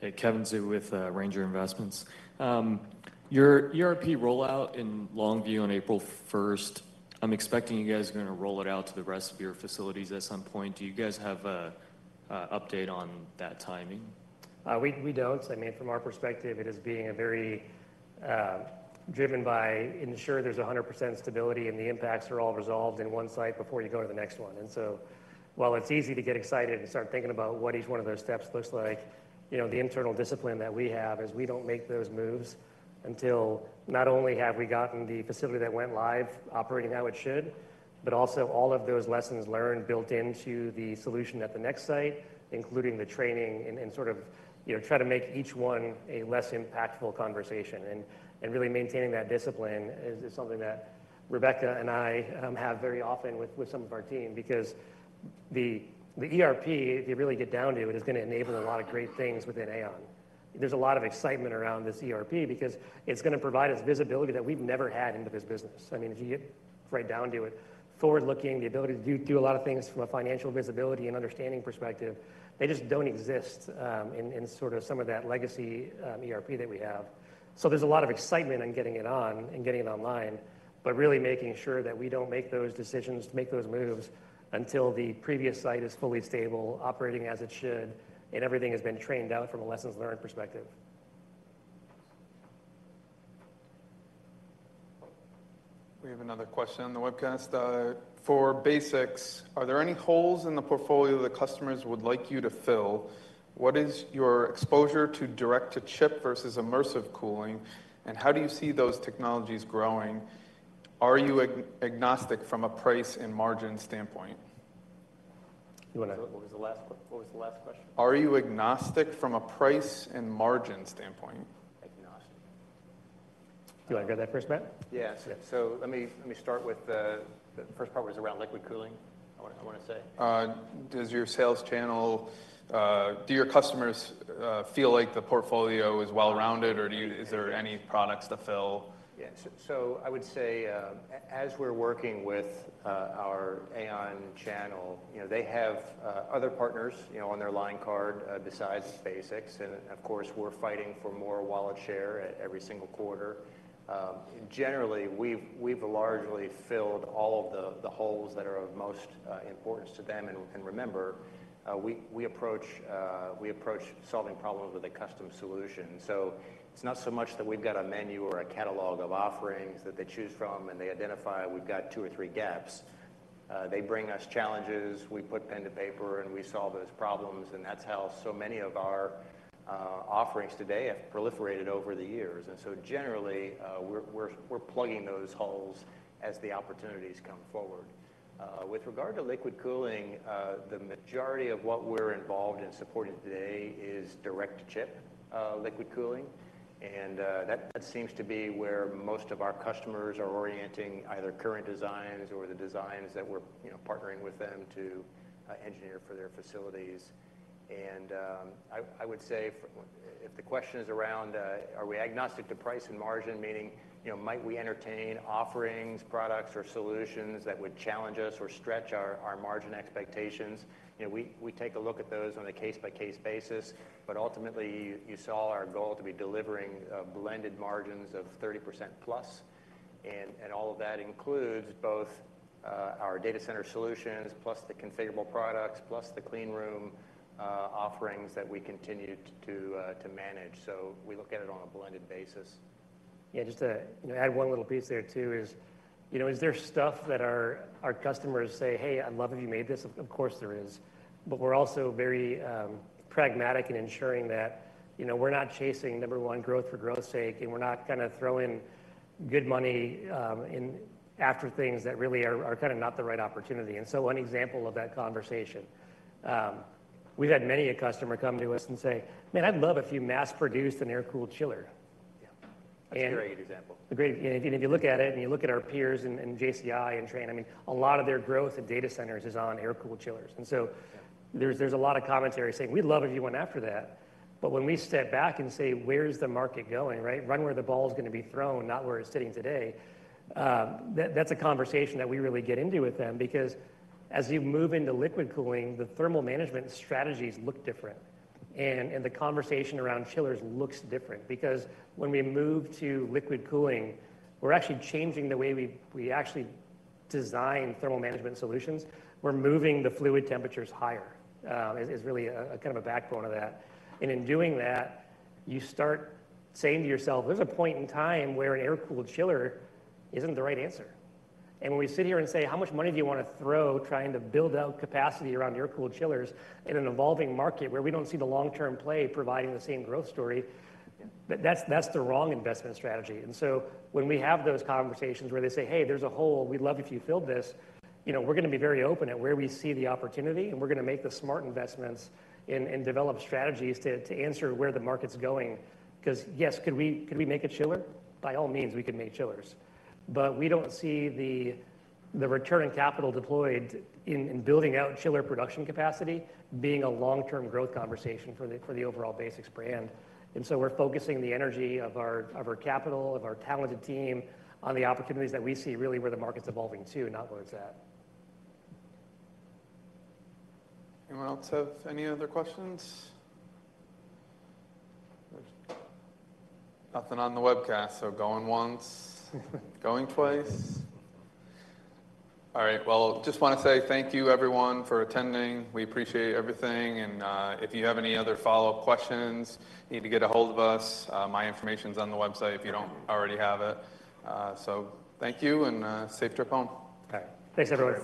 Hey, Kevin Zhu with Ranger Investments. Your ERP rollout in Longview on April 1, I'm expecting you guys are going to roll it out to the rest of your facilities at some point. Do you guys have an update on that timing? We do not. I mean, from our perspective, it is being very driven by ensuring there is 100% stability and the impacts are all resolved in one site before you go to the next one. While it is easy to get excited and start thinking about what each one of those steps looks like, the internal discipline that we have is we do not make those moves until not only have we gotten the facility that went live operating how it should, but also all of those lessons learned built into the solution at the next site, including the training and sort of try to make each one a less impactful conversation. Really maintaining that discipline is something that Rebecca and I have very often with some of our team because the ERP, if you really get down to it, is going to enable a lot of great things within AAON. There's a lot of excitement around this ERP because it's going to provide us visibility that we've never had into this business. I mean, if you get right down to it, forward-looking, the ability to do a lot of things from a financial visibility and understanding perspective, they just don't exist in sort of some of that legacy ERP that we have. There's a lot of excitement in getting it on and getting it online, but really making sure that we don't make those decisions, make those moves until the previous site is fully stable, operating as it should, and everything has been trained out from a lessons learned perspective. We have another question on the webcast. For BASX, are there any holes in the portfolio that customers would like you to fill? What is your exposure to direct-to-chip versus immersive cooling? How do you see those technologies growing? Are you agnostic from a price and margin standpoint? You want to ask what was the last question? Are you agnostic from a price and margin standpoint? Agnostic. Do you want to go to that first, Matt? Yeah. Let me start with the first part was around liquid cooling, I want to say. Does your sales channel, do your customers feel like the portfolio is well-rounded, or is there any products to fill? Yeah. I would say as we're working with our AAON channel, they have other partners on their line card besides BASX. Of course, we're fighting for more wallet share every single quarter. Generally, we've largely filled all of the holes that are of most importance to them. Remember, we approach solving problems with a custom solution. It's not so much that we've got a menu or a catalog of offerings that they choose from and they identify we've got two or three gaps. They bring us challenges. We put pen to paper and we solve those problems. That's how so many of our offerings today have proliferated over the years. Generally, we're plugging those holes as the opportunities come forward. With regard to liquid cooling, the majority of what we're involved in supporting today is direct-to-chip liquid cooling. That seems to be where most of our customers are orienting either current designs or the designs that we're partnering with them to engineer for their facilities. I would say if the question is around, are we agnostic to price and margin, meaning might we entertain offerings, products, or solutions that would challenge us or stretch our margin expectations, we take a look at those on a case-by-case basis. Ultimately, you saw our goal to be delivering blended margins of 30% plus. All of that includes both our data center solutions plus the configurable products plus the clean room offerings that we continue to manage. We look at it on a blended basis. Yeah. Just to add one little piece there too is, is there stuff that our customers say, "Hey, I'd love if you made this"? Of course there is. We are also very pragmatic in ensuring that we're not chasing number one growth for growth's sake, and we're not kind of throwing good money after things that really are kind of not the right opportunity. One example of that conversation, we've had many a customer come to us and say, "Man, I'd love if you mass-produced an Air-cooled chiller. That's a great example. If you look at it and you look at our peers in JCI and Trane, I mean, a lot of their growth in data centers is on Air-cooled chillers. There is a lot of commentary saying, "We'd love if you went after that." When we step back and say, "Where's the market going, right? Run where the ball's going to be thrown, not where it's sitting today." That is a conversation that we really get into with them because as you move into liquid cooling, the thermal management strategies look different. The conversation around chillers looks different because when we move to liquid cooling, we're actually changing the way we actually design thermal management solutions. We're moving the fluid temperatures higher is really kind of a backbone of that. In doing that, you start saying to yourself, "There's a point in time where an Air-cooled chiller isn't the right answer." When we sit here and say, "How much money do you want to throw trying to build out capacity around Air-cooled chillers in an evolving market where we don't see the long-term play providing the same growth story?" that's the wrong investment strategy. When we have those conversations where they say, "Hey, there's a hole. We'd love if you filled this," we're going to be very open at where we see the opportunity, and we're going to make the smart investments and develop strategies to answer where the market's going. Because yes, could we make a chiller? By all means, we could make chillers. We do not see the return on capital deployed in building out chiller production capacity being a long-term growth conversation for the overall BASX brand. We are focusing the energy of our capital, of our talented team, on the opportunities that we see really where the market is evolving to, not where it is at. Anyone else have any other questions? Nothing on the webcast, so going once, going twice. All right. I just want to say thank you, everyone, for attending. We appreciate everything. If you have any other follow-up questions, need to get a hold of us, my information's on the website if you don't already have it. Thank you and safe trip home. Thanks, everyone.